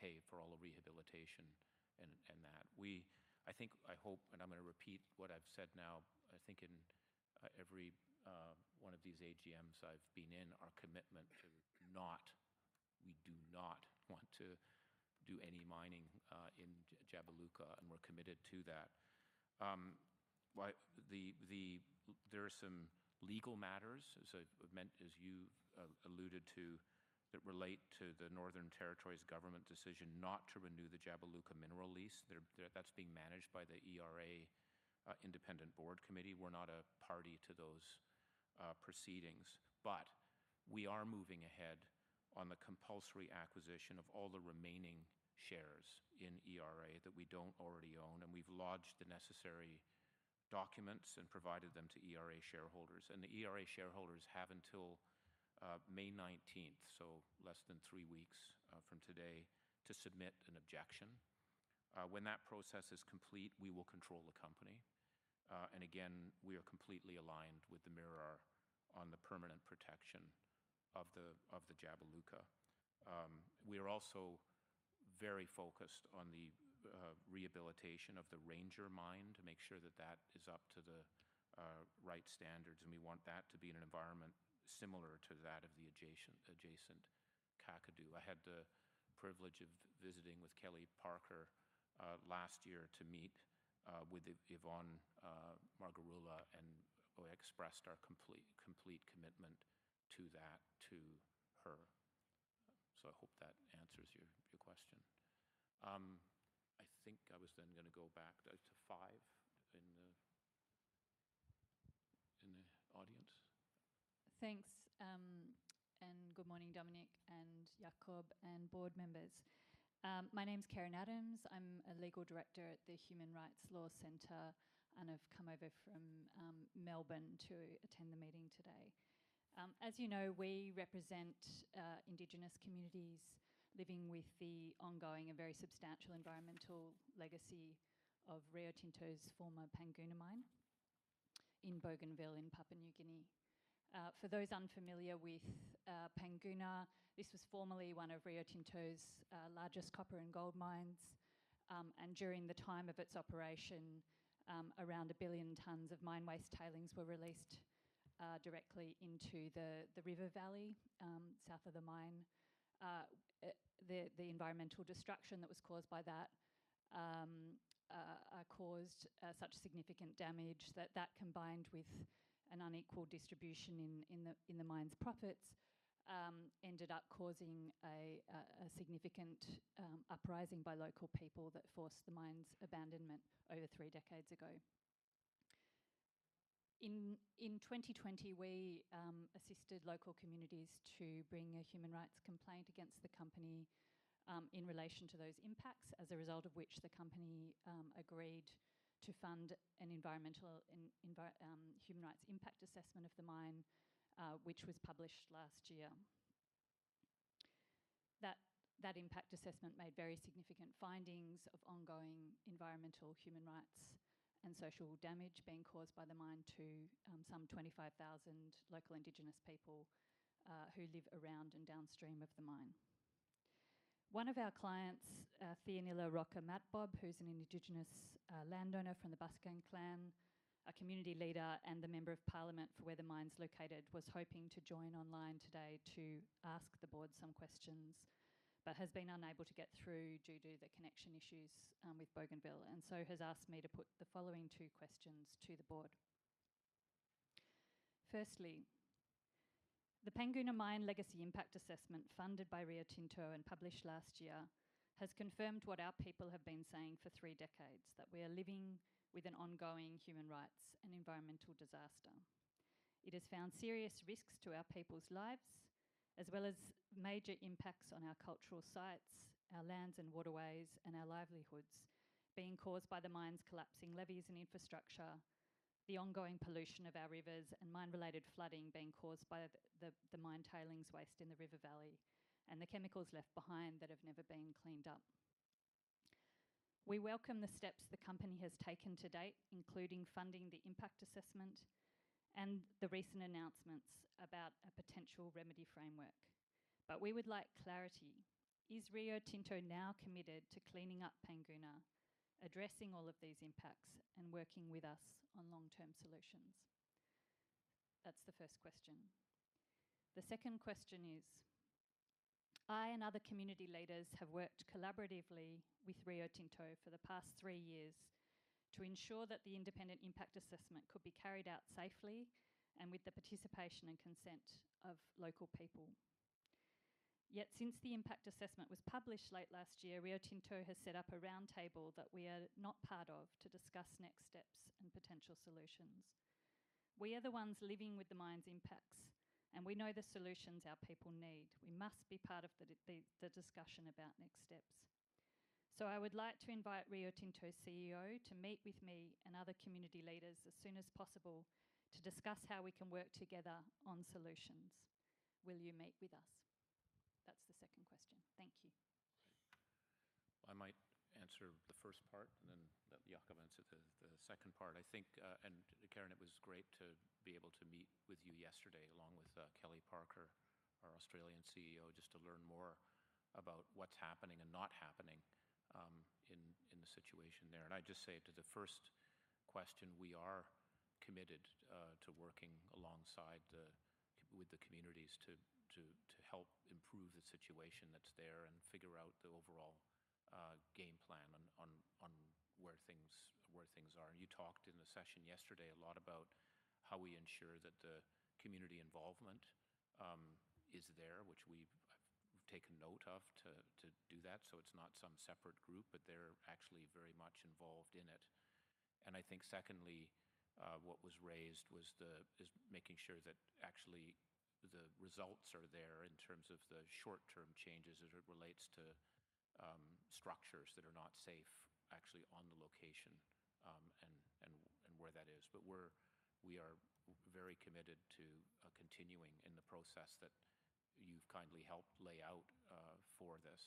pay for all the rehabilitation and that. I think, I hope, and I'm going to repeat what I've said now, I think in every one of these AGMs I've been in, our commitment to not, we do not want to do any mining in Jabiluka, and we're committed to that. There are some legal matters, as you alluded to, that relate to the Northern Territory government decision not to renew the Jabiluka mineral lease. That's being managed by the ERA Independent Board Committee. We're not a party to those proceedings. We are moving ahead on the compulsory acquisition of all the remaining shares in ERA that we do not already own. We have lodged the necessary documents and provided them to ERA shareholders. The ERA shareholders have until May 19th, so less than three weeks from today, to submit an objection. When that process is complete, we will control the company. We are completely aligned with the Mirarr on the permanent protection of the Jabiluka. We are also very focused on the rehabilitation of the Ranger mine to make sure that is up to the right standards. We want that to be in an environment similar to that of the adjacent Kakadu. I had the privilege of visiting with Kellie Parker last year to meet with Yvonne Margarula, and I expressed our complete commitment to that to her. I hope that answers your question. I think I was then going to go back to five in the audience. Thanks. Good morning, Dominic and Jakob and board members. My name's Keren Adams. I'm a legal director at the Human Rights Law Centre, and I've come over from Melbourne to attend the meeting today. As you know, we represent Indigenous communities living with the ongoing and very substantial environmental legacy of Rio Tinto's former Panguna mine in Bougainville in Papua New Guinea. For those unfamiliar with Panguna, this was formerly one of Rio Tinto's largest copper and gold mines. During the time of its operation, around a billion tons of mine waste tailings were released directly into the river valley south of the mine. The environmental destruction that was caused by that caused such significant damage that, combined with an unequal distribution in the mine's profits, ended up causing a significant uprising by local people that forced the mine's abandonment over three decades ago. In 2020, we assisted local communities to bring a human rights complaint against the company in relation to those impacts, as a result of which the company agreed to fund an environmental human rights impact assessment of the mine, which was published last year. That impact assessment made very significant findings of ongoing environmental, human rights, and social damage being caused by the mine to some 25,000 local Indigenous people who live around and downstream of the mine. One of our clients, Theonila Roka Matbob, who's an Indigenous landowner from the Basikang Clan, a community leader, and the member of parliament for where the mine's located, was hoping to join online today to ask the board some questions, but has been unable to get through due to the connection issues with Bougainville. She has asked me to put the following two questions to the board. Firstly, the Panguna mine legacy impact assessment funded by Rio Tinto and published last year has confirmed what our people have been saying for three decades, that we are living with an ongoing human rights and environmental disaster. It has found serious risks to our people's lives, as well as major impacts on our cultural sites, our lands and waterways, and our livelihoods being caused by the mine's collapsing levees and infrastructure, the ongoing pollution of our rivers and mine-related flooding being caused by the mine tailings waste in the river valley, and the chemicals left behind that have never been cleaned up. We welcome the steps the company has taken to date, including funding the impact assessment and the recent announcements about a potential remedy framework. We would like clarity. Is Rio Tinto now committed to cleaning up Panguna, addressing all of these impacts, and working with us on long-term solutions? That's the first question. The second question is, I and other community leaders have worked collaboratively with Rio Tinto for the past three years to ensure that the independent impact assessment could be carried out safely and with the participation and consent of local people. Yet since the impact assessment was published late last year, Rio Tinto has set up a roundtable that we are not part of to discuss next steps and potential solutions. We are the ones living with the mine's impacts, and we know the solutions our people need. We must be part of the discussion about next steps. I would like to invite Rio Tinto's CEO to meet with me and other community leaders as soon as possible to discuss how we can work together on solutions. Will you meet with us? That's the second question. Thank you. I might answer the first part, and then Jakob will answer the second part. I think, and Karen, it was great to be able to meet with you yesterday along with Kellie Parker, our Australian CEO, just to learn more about what's happening and not happening in the situation there. I just say to the first question, we are committed to working alongside with the communities to help improve the situation that's there and figure out the overall game plan on where things are. You talked in the session yesterday a lot about how we ensure that the community involvement is there, which we've taken note of to do that. It's not some separate group, but they're actually very much involved in it. I think secondly, what was raised was making sure that actually the results are there in terms of the short-term changes as it relates to structures that are not safe actually on the location and where that is. We are very committed to continuing in the process that you've kindly helped lay out for this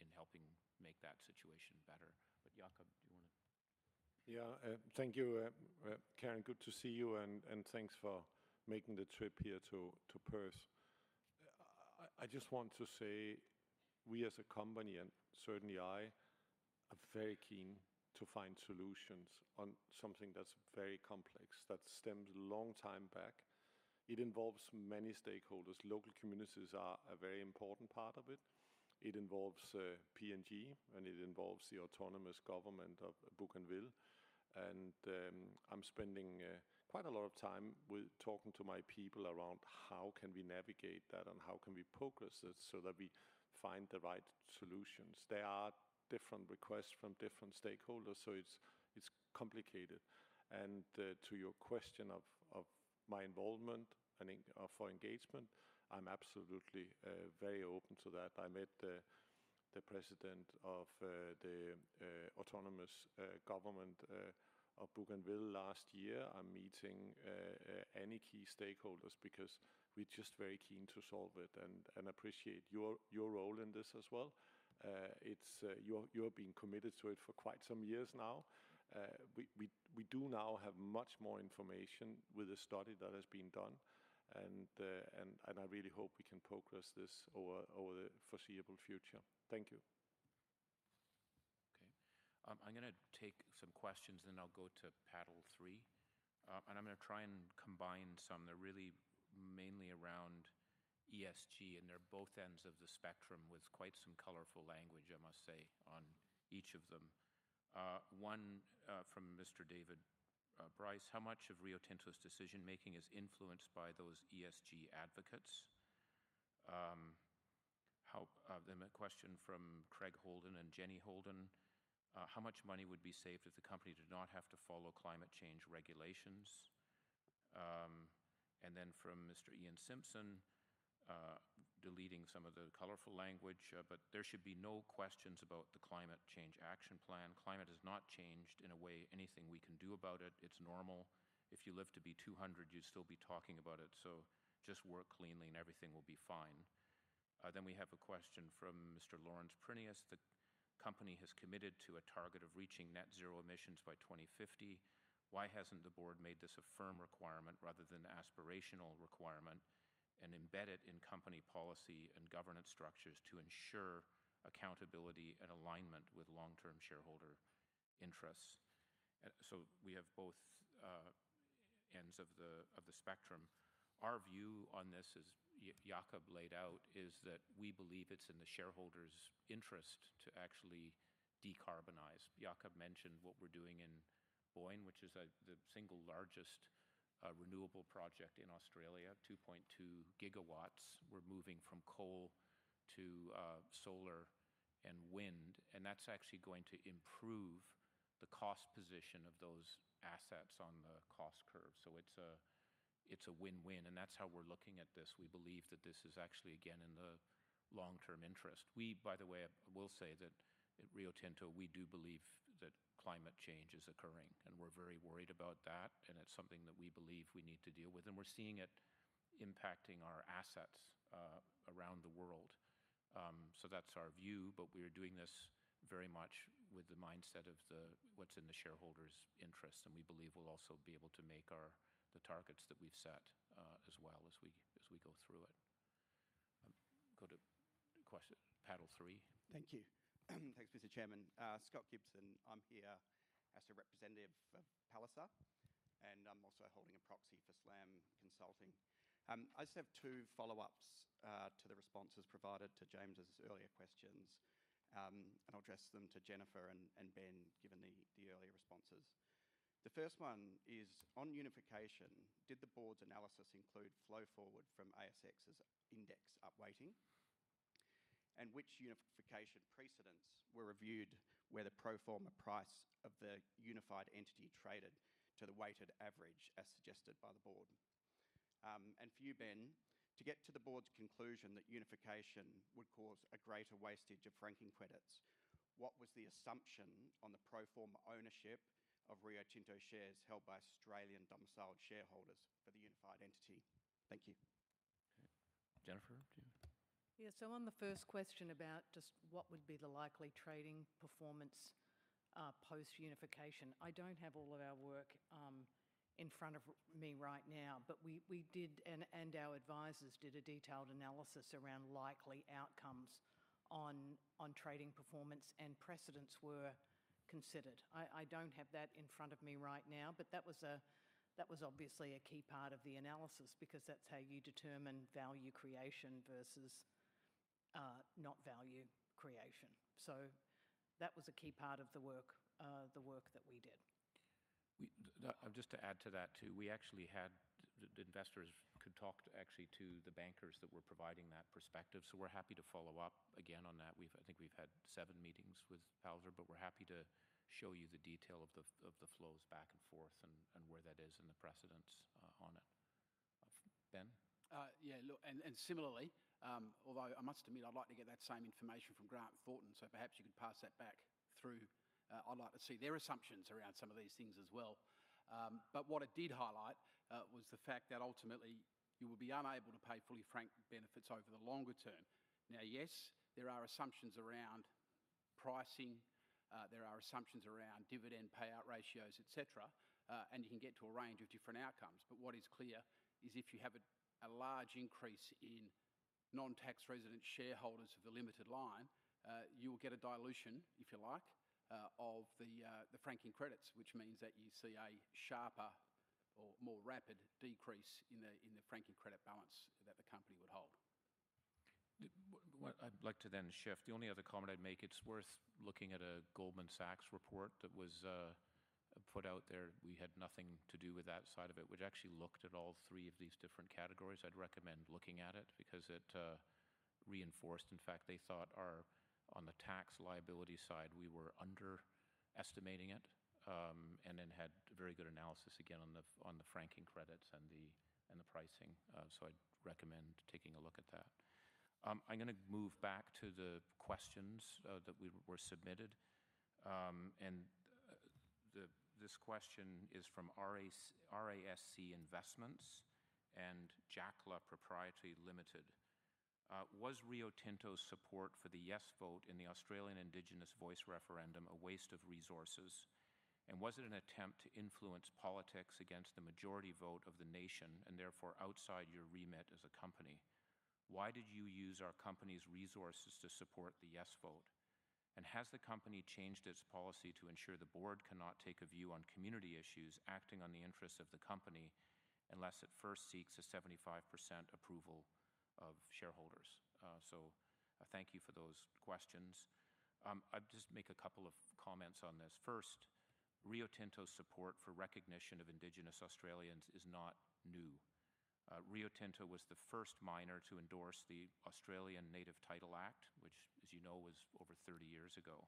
in helping make that situation better. Jakob, do you want to? Yeah, thank you, Keren. Good to see you, and thanks for making the trip here to Perth. I just want to say, we as a company, and certainly I, are very keen to find solutions on something that's very complex that stems a long time back. It involves many stakeholders. Local communities are a very important part of it. It involves PNG, and it involves the autonomous government of Bougainville. I'm spending quite a lot of time talking to my people around how can we navigate that and how can we progress this so that we find the right solutions. There are different requests from different stakeholders, so it's complicated. To your question of my involvement and for engagement, I'm absolutely very open to that. I met the president of the autonomous government of Bougainville last year. I'm meeting any key stakeholders because we're just very keen to solve it and appreciate your role in this as well. You have been committed to it for quite some years now. We do now have much more information with the study that has been done. I really hope we can progress this over the foreseeable future. Thank you. Okay, I'm going to take some questions, and then I'll go to Paddle 3. I'm going to try and combine some. They're really mainly around ESG, and they're both ends of the spectrum with quite some colorful language, I must say, on each of them. One from Mr. David Price, how much of Rio Tinto's decision-making is influenced by those ESG advocates? A question from Craig Holden and Jenny Holden, how much money would be saved if the company did not have to follow climate change regulations? A question from Mr. Ian Simpson, deleting some of the colorful language, but there should be no questions about the climate change action plan. Climate has not changed in a way anything we can do about it. It's normal. If you live to be 200, you'd still be talking about it. Just work cleanly, and everything will be fine. We have a question from Mr. Lawrence Prineas. The company has committed to a target of reaching net zero emissions by 2050. Why hasn't the board made this a firm requirement rather than an aspirational requirement and embedded it in company policy and governance structures to ensure accountability and alignment with long-term shareholder interests? We have both ends of the spectrum. Our view on this, as Jakob laid out, is that we believe it's in the shareholders' interest to actually decarbonize. Jakob mentioned what we're doing in Boyne, which is the single largest renewable project in Australia, 2.2 gigawatts. We're moving from coal to solar and wind, and that's actually going to improve the cost position of those assets on the cost curve. It's a win-win, and that's how we're looking at this. We believe that this is actually, again, in the long-term interest. We, by the way, will say that at Rio Tinto, we do believe that climate change is occurring, and we're very worried about that, and it's something that we believe we need to deal with. We're seeing it impacting our assets around the world. That's our view, but we are doing this very much with the mindset of what's in the shareholders' interest. We believe we'll also be able to make the targets that we've set as well as we go through it. Go to Paddle 3. Thank you. Thanks, Mr. Chairman. Scott Gibson, I'm here as a representative of Palliser, and I'm also holding a proxy for SLAM Consulting. I just have two follow-ups to the responses provided to James's earlier questions, and I'll address them to Jennifer and Ben given the earlier responses. The first one is on unification, did the board's analysis include flow forward from ASX's index upweighting? Which unification precedents were reviewed where the pro forma price of the unified entity traded to the weighted average as suggested by the board? For you, Ben, to get to the board's conclusion that unification would cause a greater wastage of franking credits, what was the assumption on the pro forma ownership of Rio Tinto shares held by Australian domiciled shareholders for the unified entity? Thank you. Jennifer, do you? Yeah, on the first question about just what would be the likely trading performance post-unification, I don't have all of our work in front of me right now, but we did, and our advisors did a detailed analysis around likely outcomes on trading performance, and precedents were considered. I don't have that in front of me right now, but that was obviously a key part of the analysis because that's how you determine value creation versus not value creation. That was a key part of the work that we did. Just to add to that too, we actually had investors could talk actually to the bankers that were providing that perspective. We're happy to follow up again on that. I think we've had seven meetings with Palliser, but we're happy to show you the detail of the flows back and forth and where that is and the precedents on it. Ben? Yeah, look, and similarly, although I must admit I'd like to get that same information from Grant Thornton, so perhaps you could pass that back through. I'd like to see their assumptions around some of these things as well. What it did highlight was the fact that ultimately you will be unable to pay fully frank benefits over the longer term. Now, yes, there are assumptions around pricing, there are assumptions around dividend payout ratios, etc., and you can get to a range of different outcomes. What is clear is if you have a large increase in non-tax resident shareholders of the Limited line, you will get a dilution, if you like, of the franking credits, which means that you see a sharper or more rapid decrease in the franking credit balance that the company would hold. I'd like to then shift. The only other comment I'd make, it's worth looking at a Goldman Sachs report that was put out there. We had nothing to do with that side of it, which actually looked at all three of these different categories. I'd recommend looking at it because it reinforced, in fact, they thought on the tax liability side, we were underestimating it and then had very good analysis again on the franking credits and the pricing. I'd recommend taking a look at that. I'm going to move back to the questions that were submitted. This question is from Rask Investments and Jalcla Proprietary Limited. Was Rio Tinto's support for the yes vote in the Australian Indigenous Voice referendum a waste of resources? Was it an attempt to influence politics against the majority vote of the nation and therefore outside your remit as a company? Why did you use our company's resources to support the yes vote? Has the company changed its policy to ensure the board cannot take a view on community issues acting on the interests of the company unless it first seeks a 75% approval of shareholders? Thank you for those questions. I'll just make a couple of comments on this. First, Rio Tinto's support for recognition of Indigenous Australians is not new. Rio Tinto was the first miner to endorse the Australian Native Title Act, which, as you know, was over 30 years ago.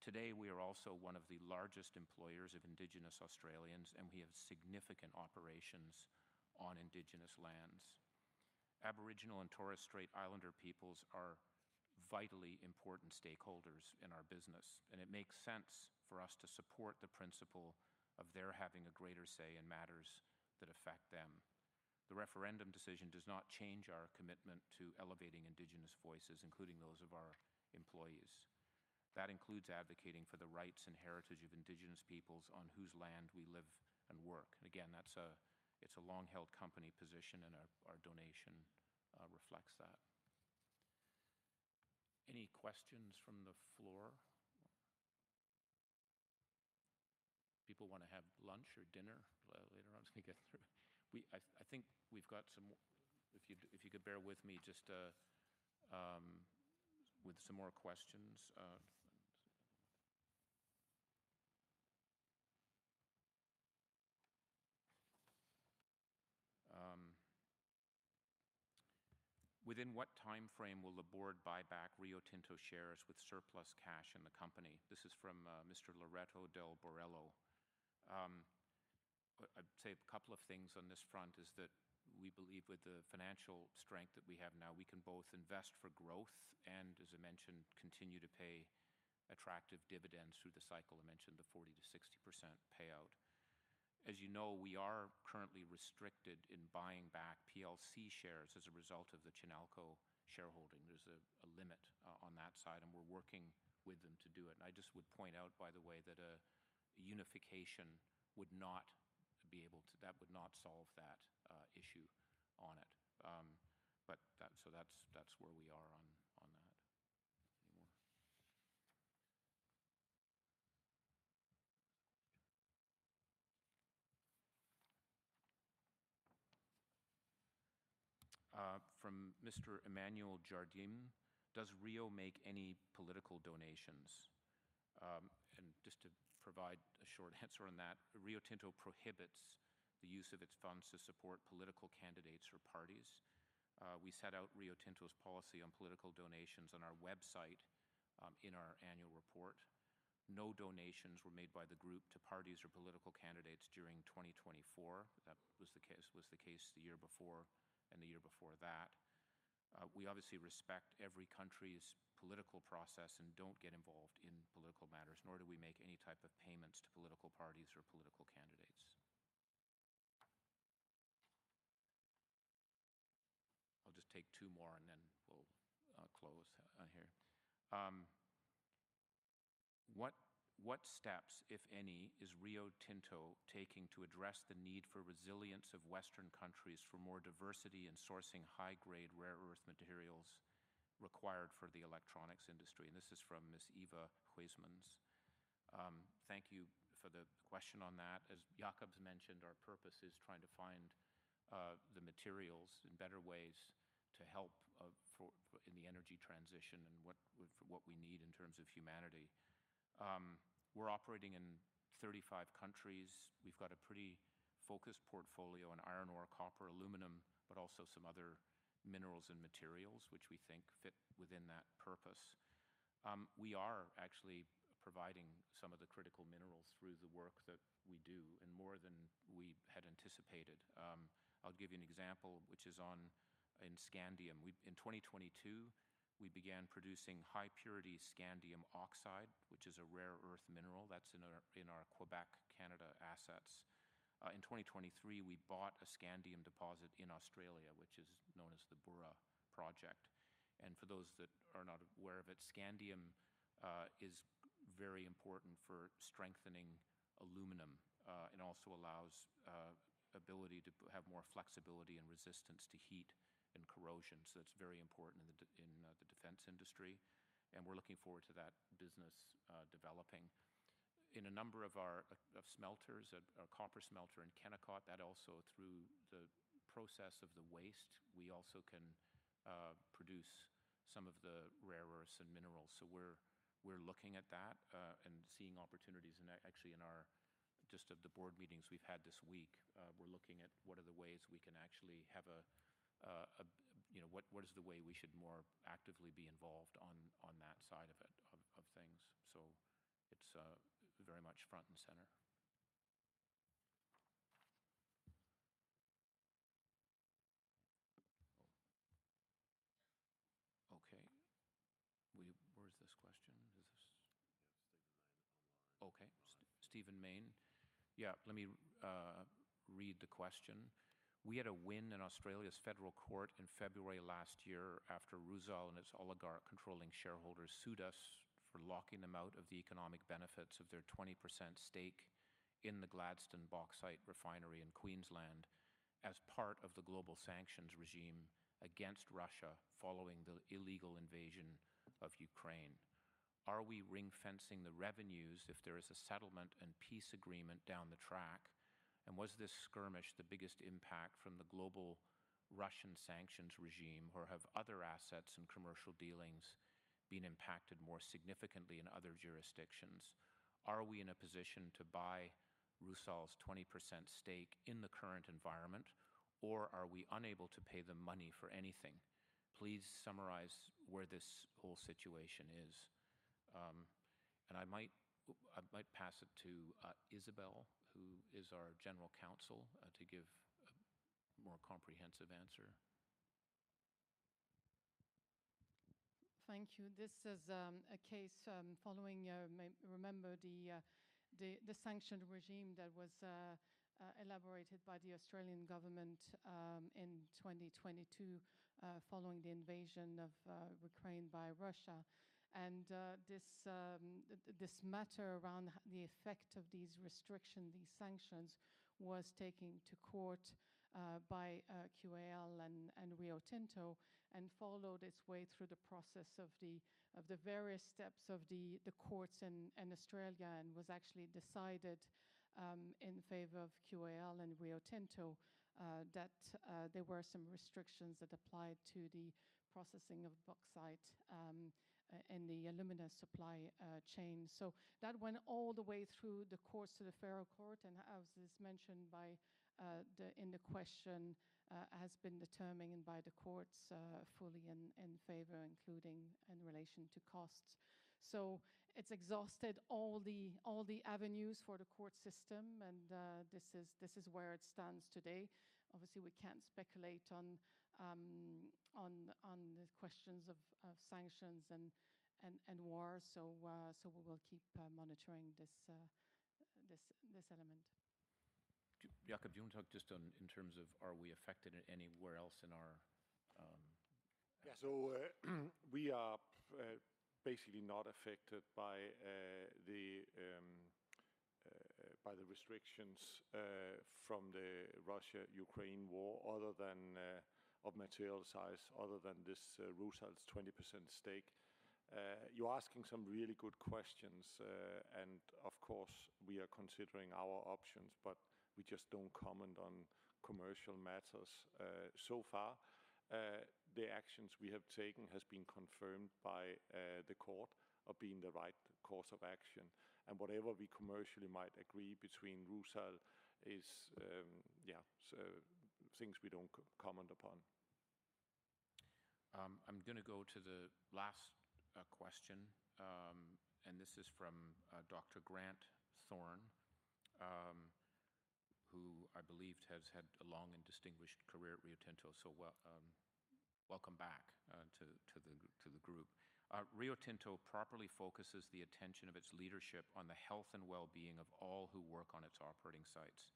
Today, we are also one of the largest employers of Indigenous Australians, and we have significant operations on Indigenous lands. Aboriginal and Torres Strait Islander peoples are vitally important stakeholders in our business, and it makes sense for us to support the principle of their having a greater say in matters that affect them. The referendum decision does not change our commitment to elevating Indigenous voices, including those of our employees. That includes advocating for the rights and heritage of Indigenous peoples on whose land we live and work. It is a long-held company position, and our donation reflects that. Any questions from the floor? People want to have lunch or dinner later on. I think we've got some, if you could bear with me, just with some more questions. Within what timeframe will the board buy back Rio Tinto shares with surplus cash in the company? This is from Mr. Loreto Del Borrello. I'd say a couple of things on this front is that we believe with the financial strength that we have now, we can both invest for growth and, as I mentioned, continue to pay attractive dividends through the cycle. I mentioned the 40-60% payout. As you know, we are currently restricted in buying back PLC shares as a result of the Chinalco shareholding. There's a limit on that side, and we're working with them to do it. I just would point out, by the way, that a unification would not be able to, that would not solve that issue on it. That is where we are on that. Any more? From Mr. Emmanuel Jardim, does Rio make any political donations? Just to provide a short answer on that, Rio Tinto prohibits the use of its funds to support political candidates or parties. We set out Rio Tinto's policy on political donations on our website in our annual report. No donations were made by the group to parties or political candidates during 2024. That was the case the year before and the year before that. We obviously respect every country's political process and do not get involved in political matters, nor do we make any type of payments to political parties or political candidates. I'll just take two more, and then we'll close here. What steps, if any, is Rio Tinto taking to address the need for resilience of Western countries for more diversity in sourcing high-grade rare earth materials required for the electronics industry? This is from Ms. Eva Huysmans. Thank you for the question on that. As Jakob mentioned, our purpose is trying to find the materials in better ways to help in the energy transition and what we need in terms of humanity. We're operating in 35 countries. We've got a pretty focused portfolio in iron ore, copper, Aluminium, but also some other minerals and materials which we think fit within that purpose. We are actually providing some of the critical minerals through the work that we do, and more than we had anticipated. I'll give you an example, which is on scandium. In 2022, we began producing high-purity scandium oxide, which is a rare earth mineral. That is in our Quebec, Canada assets. In 2023, we bought a scandium deposit in Australia, which is known as the Burra Project. For those that are not aware of it, scandium is very important for strengthening Aluminium and also allows the ability to have more flexibility and resistance to heat and corrosion. It is very important in the defense industry, and we're looking forward to that business developing. In a number of our smelters, our copper smelter in Kennecott, that also through the process of the waste, we also can produce some of the rare earths and minerals. We're looking at that and seeing opportunities. Actually, in just the board meetings we've had this week, we're looking at what are the ways we can actually have a, what is the way we should more actively be involved on that side of things. It's very much front and center. Okay. Where is this question? Yeah, Stephen Mayne online. Okay. Stephen Mayne. Yeah, let me read the question. We had a win in Australia's federal court in February last year after Rusal and its oligarch controlling shareholders sued us for locking them out of the economic benefits of their 20% stake in the Gladstone Bauxite refinery in Queensland as part of the global sanctions regime against Russia following the illegal invasion of Ukraine. Are we ring-fencing the revenues if there is a settlement and peace agreement down the track? Was this skirmish the biggest impact from the global Russian sanctions regime, or have other assets and commercial dealings been impacted more significantly in other jurisdictions? Are we in a position to buy Rusal's 20% stake in the current environment, or are we unable to pay them money for anything? Please summarize where this whole situation is. I might pass it to Isabelle, who is our General Counsel, to give a more comprehensive answer. Thank you. This is a case following, remember, the sanctions regime that was elaborated by the Australian government in 2022 following the invasion of Ukraine by Russia. This matter around the effect of these restrictions, these sanctions, was taken to court by QAL and Rio Tinto and followed its way through the process of the various steps of the courts in Australia and was actually decided in favor of QAL and Rio Tinto that there were some restrictions that applied to the processing of bauxite in the Aluminium supply chain. That went all the way through the courts to the federal court, and as is mentioned in the question, has been determined by the courts fully in favor, including in relation to costs. It has exhausted all the avenues for the court system, and this is where it stands today. Obviously, we can't speculate on the questions of sanctions and war, so we will keep monitoring this element. Jakob, do you want to talk just in terms of are we affected anywhere else in our? Yeah, so we are basically not affected by the restrictions from the Russia-Ukraine war other than of material size, other than this Rusal's 20% stake. You're asking some really good questions, and of course, we are considering our options, but we just don't comment on commercial matters. So far, the actions we have taken have been confirmed by the court of being the right course of action. Whatever we commercially might agree between Rusal is, yeah, things we don't comment upon. I'm going to go to the last question, and this is from Dr. Grant Thorne, who I believe has had a long and distinguished career at Rio Tinto. Welcome back to the group. Rio Tinto properly focuses the attention of its leadership on the health and well-being of all who work on its operating sites.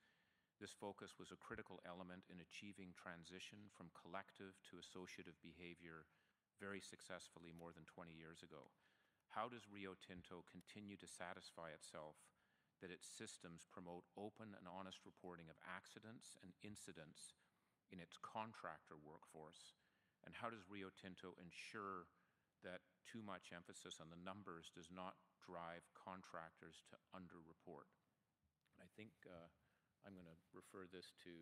This focus was a critical element in achieving transition from collective to associative behavior very successfully more than 20 years ago. How does Rio Tinto continue to satisfy itself that its systems promote open and honest reporting of accidents and incidents in its contractor workforce? How does Rio Tinto ensure that too much emphasis on the numbers does not drive contractors to under-report? I think I'm going to refer this to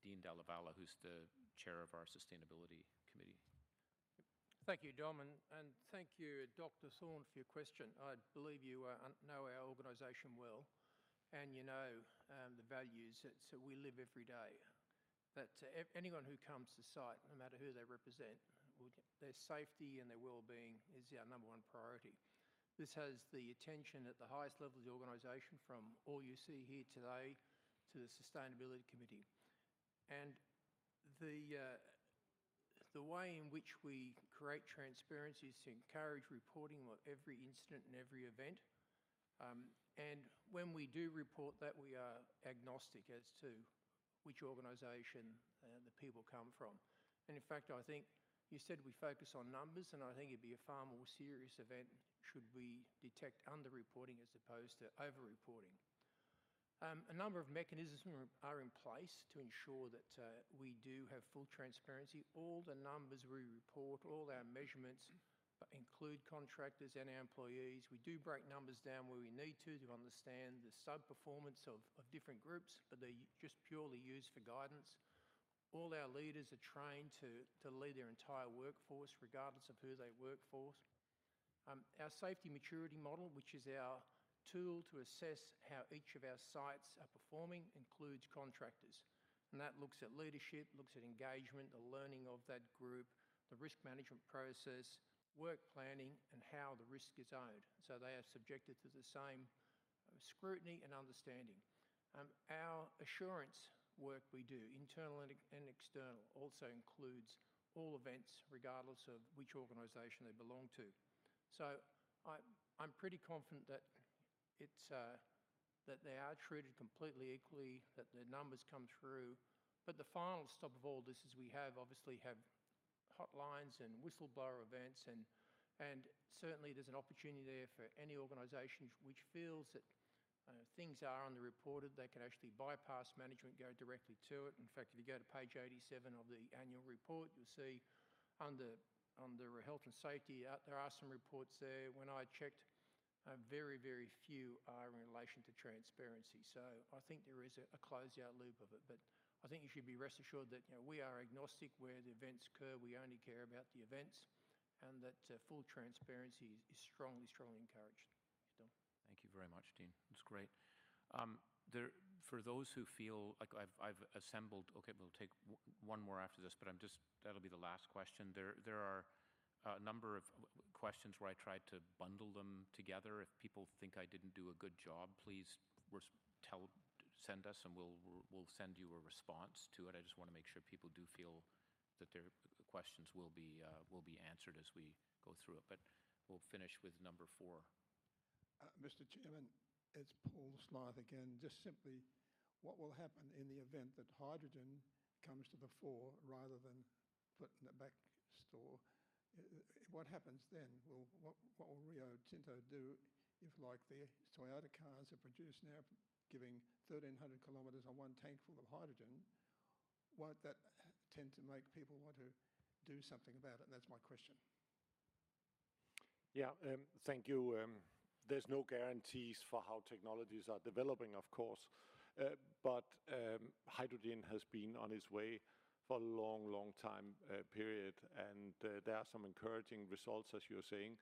Dean Dalla Valle, who's the Chair of our Sustainability Committee. Thank you, Dom, and thank you, Dr. Thorne, for your question. I believe you know our organization well and you know the values that we live every day. That anyone who comes to site, no matter who they represent, their safety and their well-being is our number one priority. This has the attention at the highest level of the organization, from all you see here today, to the Sustainability Committee. The way in which we create transparency is to encourage reporting of every incident and every event. When we do report that, we are agnostic as to which organization the people come from. In fact, I think you said we focus on numbers, and I think it'd be a far more serious event should we detect under-reporting as opposed to over-reporting. A number of mechanisms are in place to ensure that we do have full transparency. All the numbers we report, all our measurements include contractors and our employees. We do break numbers down where we need to to understand the sub-performance of different groups, but they're just purely used for guidance. All our leaders are trained to lead their entire workforce regardless of who they work for. Our safety maturity model, which is our tool to assess how each of our sites are performing, includes contractors. That looks at leadership, looks at engagement, the learning of that group, the risk management process, work planning, and how the risk is owed. They are subjected to the same scrutiny and understanding. Our assurance work we do, internal and external, also includes all events regardless of which organization they belong to. I'm pretty confident that they are treated completely equally, that the numbers come through. The final stop of all this is we have obviously hotlines and whistleblower events, and certainly there's an opportunity there for any organization which feels that things are under-reported, they can actually bypass management, go directly to it. In fact, if you go to page 87 of the annual report, you'll see under health and safety, there are some reports there. When I checked, very, very few are in relation to transparency. I think there is a closeout loop of it. I think you should be rest assured that we are agnostic where the events occur. We only care about the events and that full transparency is strongly, strongly encouraged. Thank you very much, Dean. It's great. For those who feel like I've assembled, okay, we'll take one more after this, but that'll be the last question. There are a number of questions where I tried to bundle them together. If people think I didn't do a good job, please send us and we'll send you a response to it. I just want to make sure people do feel that their questions will be answered as we go through it. We'll finish with number four. Mr. Chairman, it's Paul Smyth again. Just simply, what will happen in the event that hydrogen comes to the fore rather than put in the back store? What happens then? What will Rio Tinto do if like the Toyota cars are produced now, giving 1,300 kilometers on one tank full of hydrogen? Won't that tend to make people want to do something about it? That's my question. Yeah, thank you. There's no guarantees for how technologies are developing, of course. Hydrogen has been on its way for a long, long time period, and there are some encouraging results, as you're saying.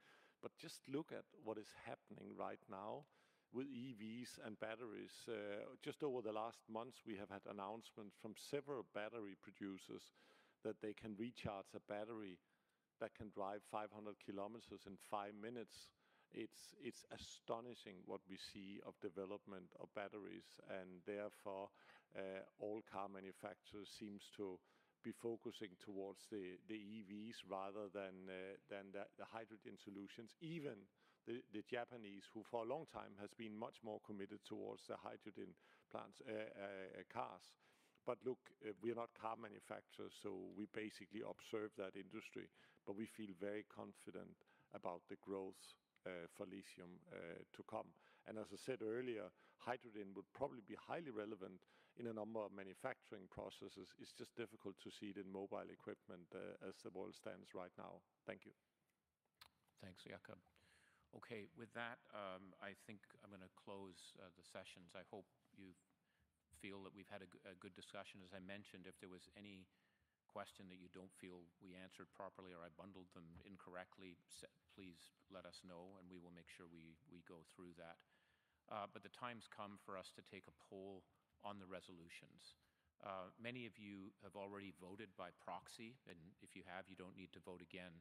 Just look at what is happening right now with EVs and batteries. Just over the last months, we have had announcements from several battery producers that they can recharge a battery that can drive 500 kilometers in five minutes. It's astonishing what we see of development of batteries, and therefore all car manufacturers seem to be focusing towards the EVs rather than the hydrogen solutions. Even the Japanese, who for a long time have been much more committed towards the hydrogen cars. Look, we're not car manufacturers, so we basically observe that industry, but we feel very confident about the growth for lithium to come. As I said earlier, hydrogen would probably be highly relevant in a number of manufacturing processes. It's just difficult to see it in mobile equipment as the world stands right now. Thank you. Thanks, Jakob. Okay, with that, I think I'm going to close the sessions. I hope you feel that we've had a good discussion. As I mentioned, if there was any question that you don't feel we answered properly or I bundled them incorrectly, please let us know and we will make sure we go through that. The time's come for us to take a poll on the resolutions. Many of you have already voted by proxy, and if you have, you don't need to vote again.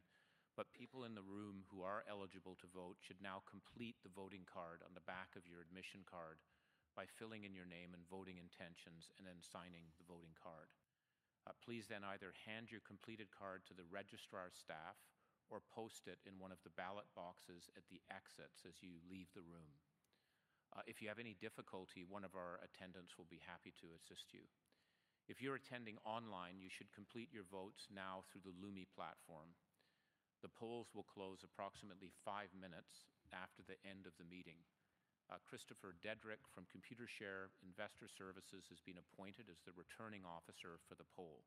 People in the room who are eligible to vote should now complete the voting card on the back of your admission card by filling in your name and voting intentions and then signing the voting card. Please then either hand your completed card to the registrar staff or post it in one of the ballot boxes at the exits as you leave the room. If you have any difficulty, one of our attendants will be happy to assist you. If you're attending online, you should complete your votes now through the Lumi platform. The polls will close approximately five minutes after the end of the meeting. Christopher Dedrick from Computershare Investor Services has been appointed as the returning officer for the poll.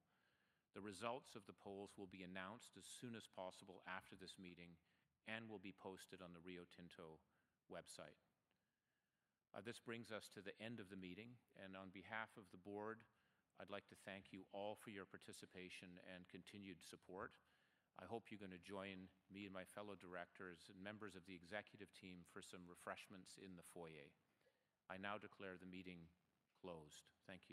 The results of the polls will be announced as soon as possible after this meeting and will be posted on the Rio Tinto website. This brings us to the end of the meeting, and on behalf of the board, I'd like to thank you all for your participation and continued support. I hope you're going to join me and my fellow directors and members of the executive team for some refreshments in the foyer. I now declare the meeting closed. Thank you.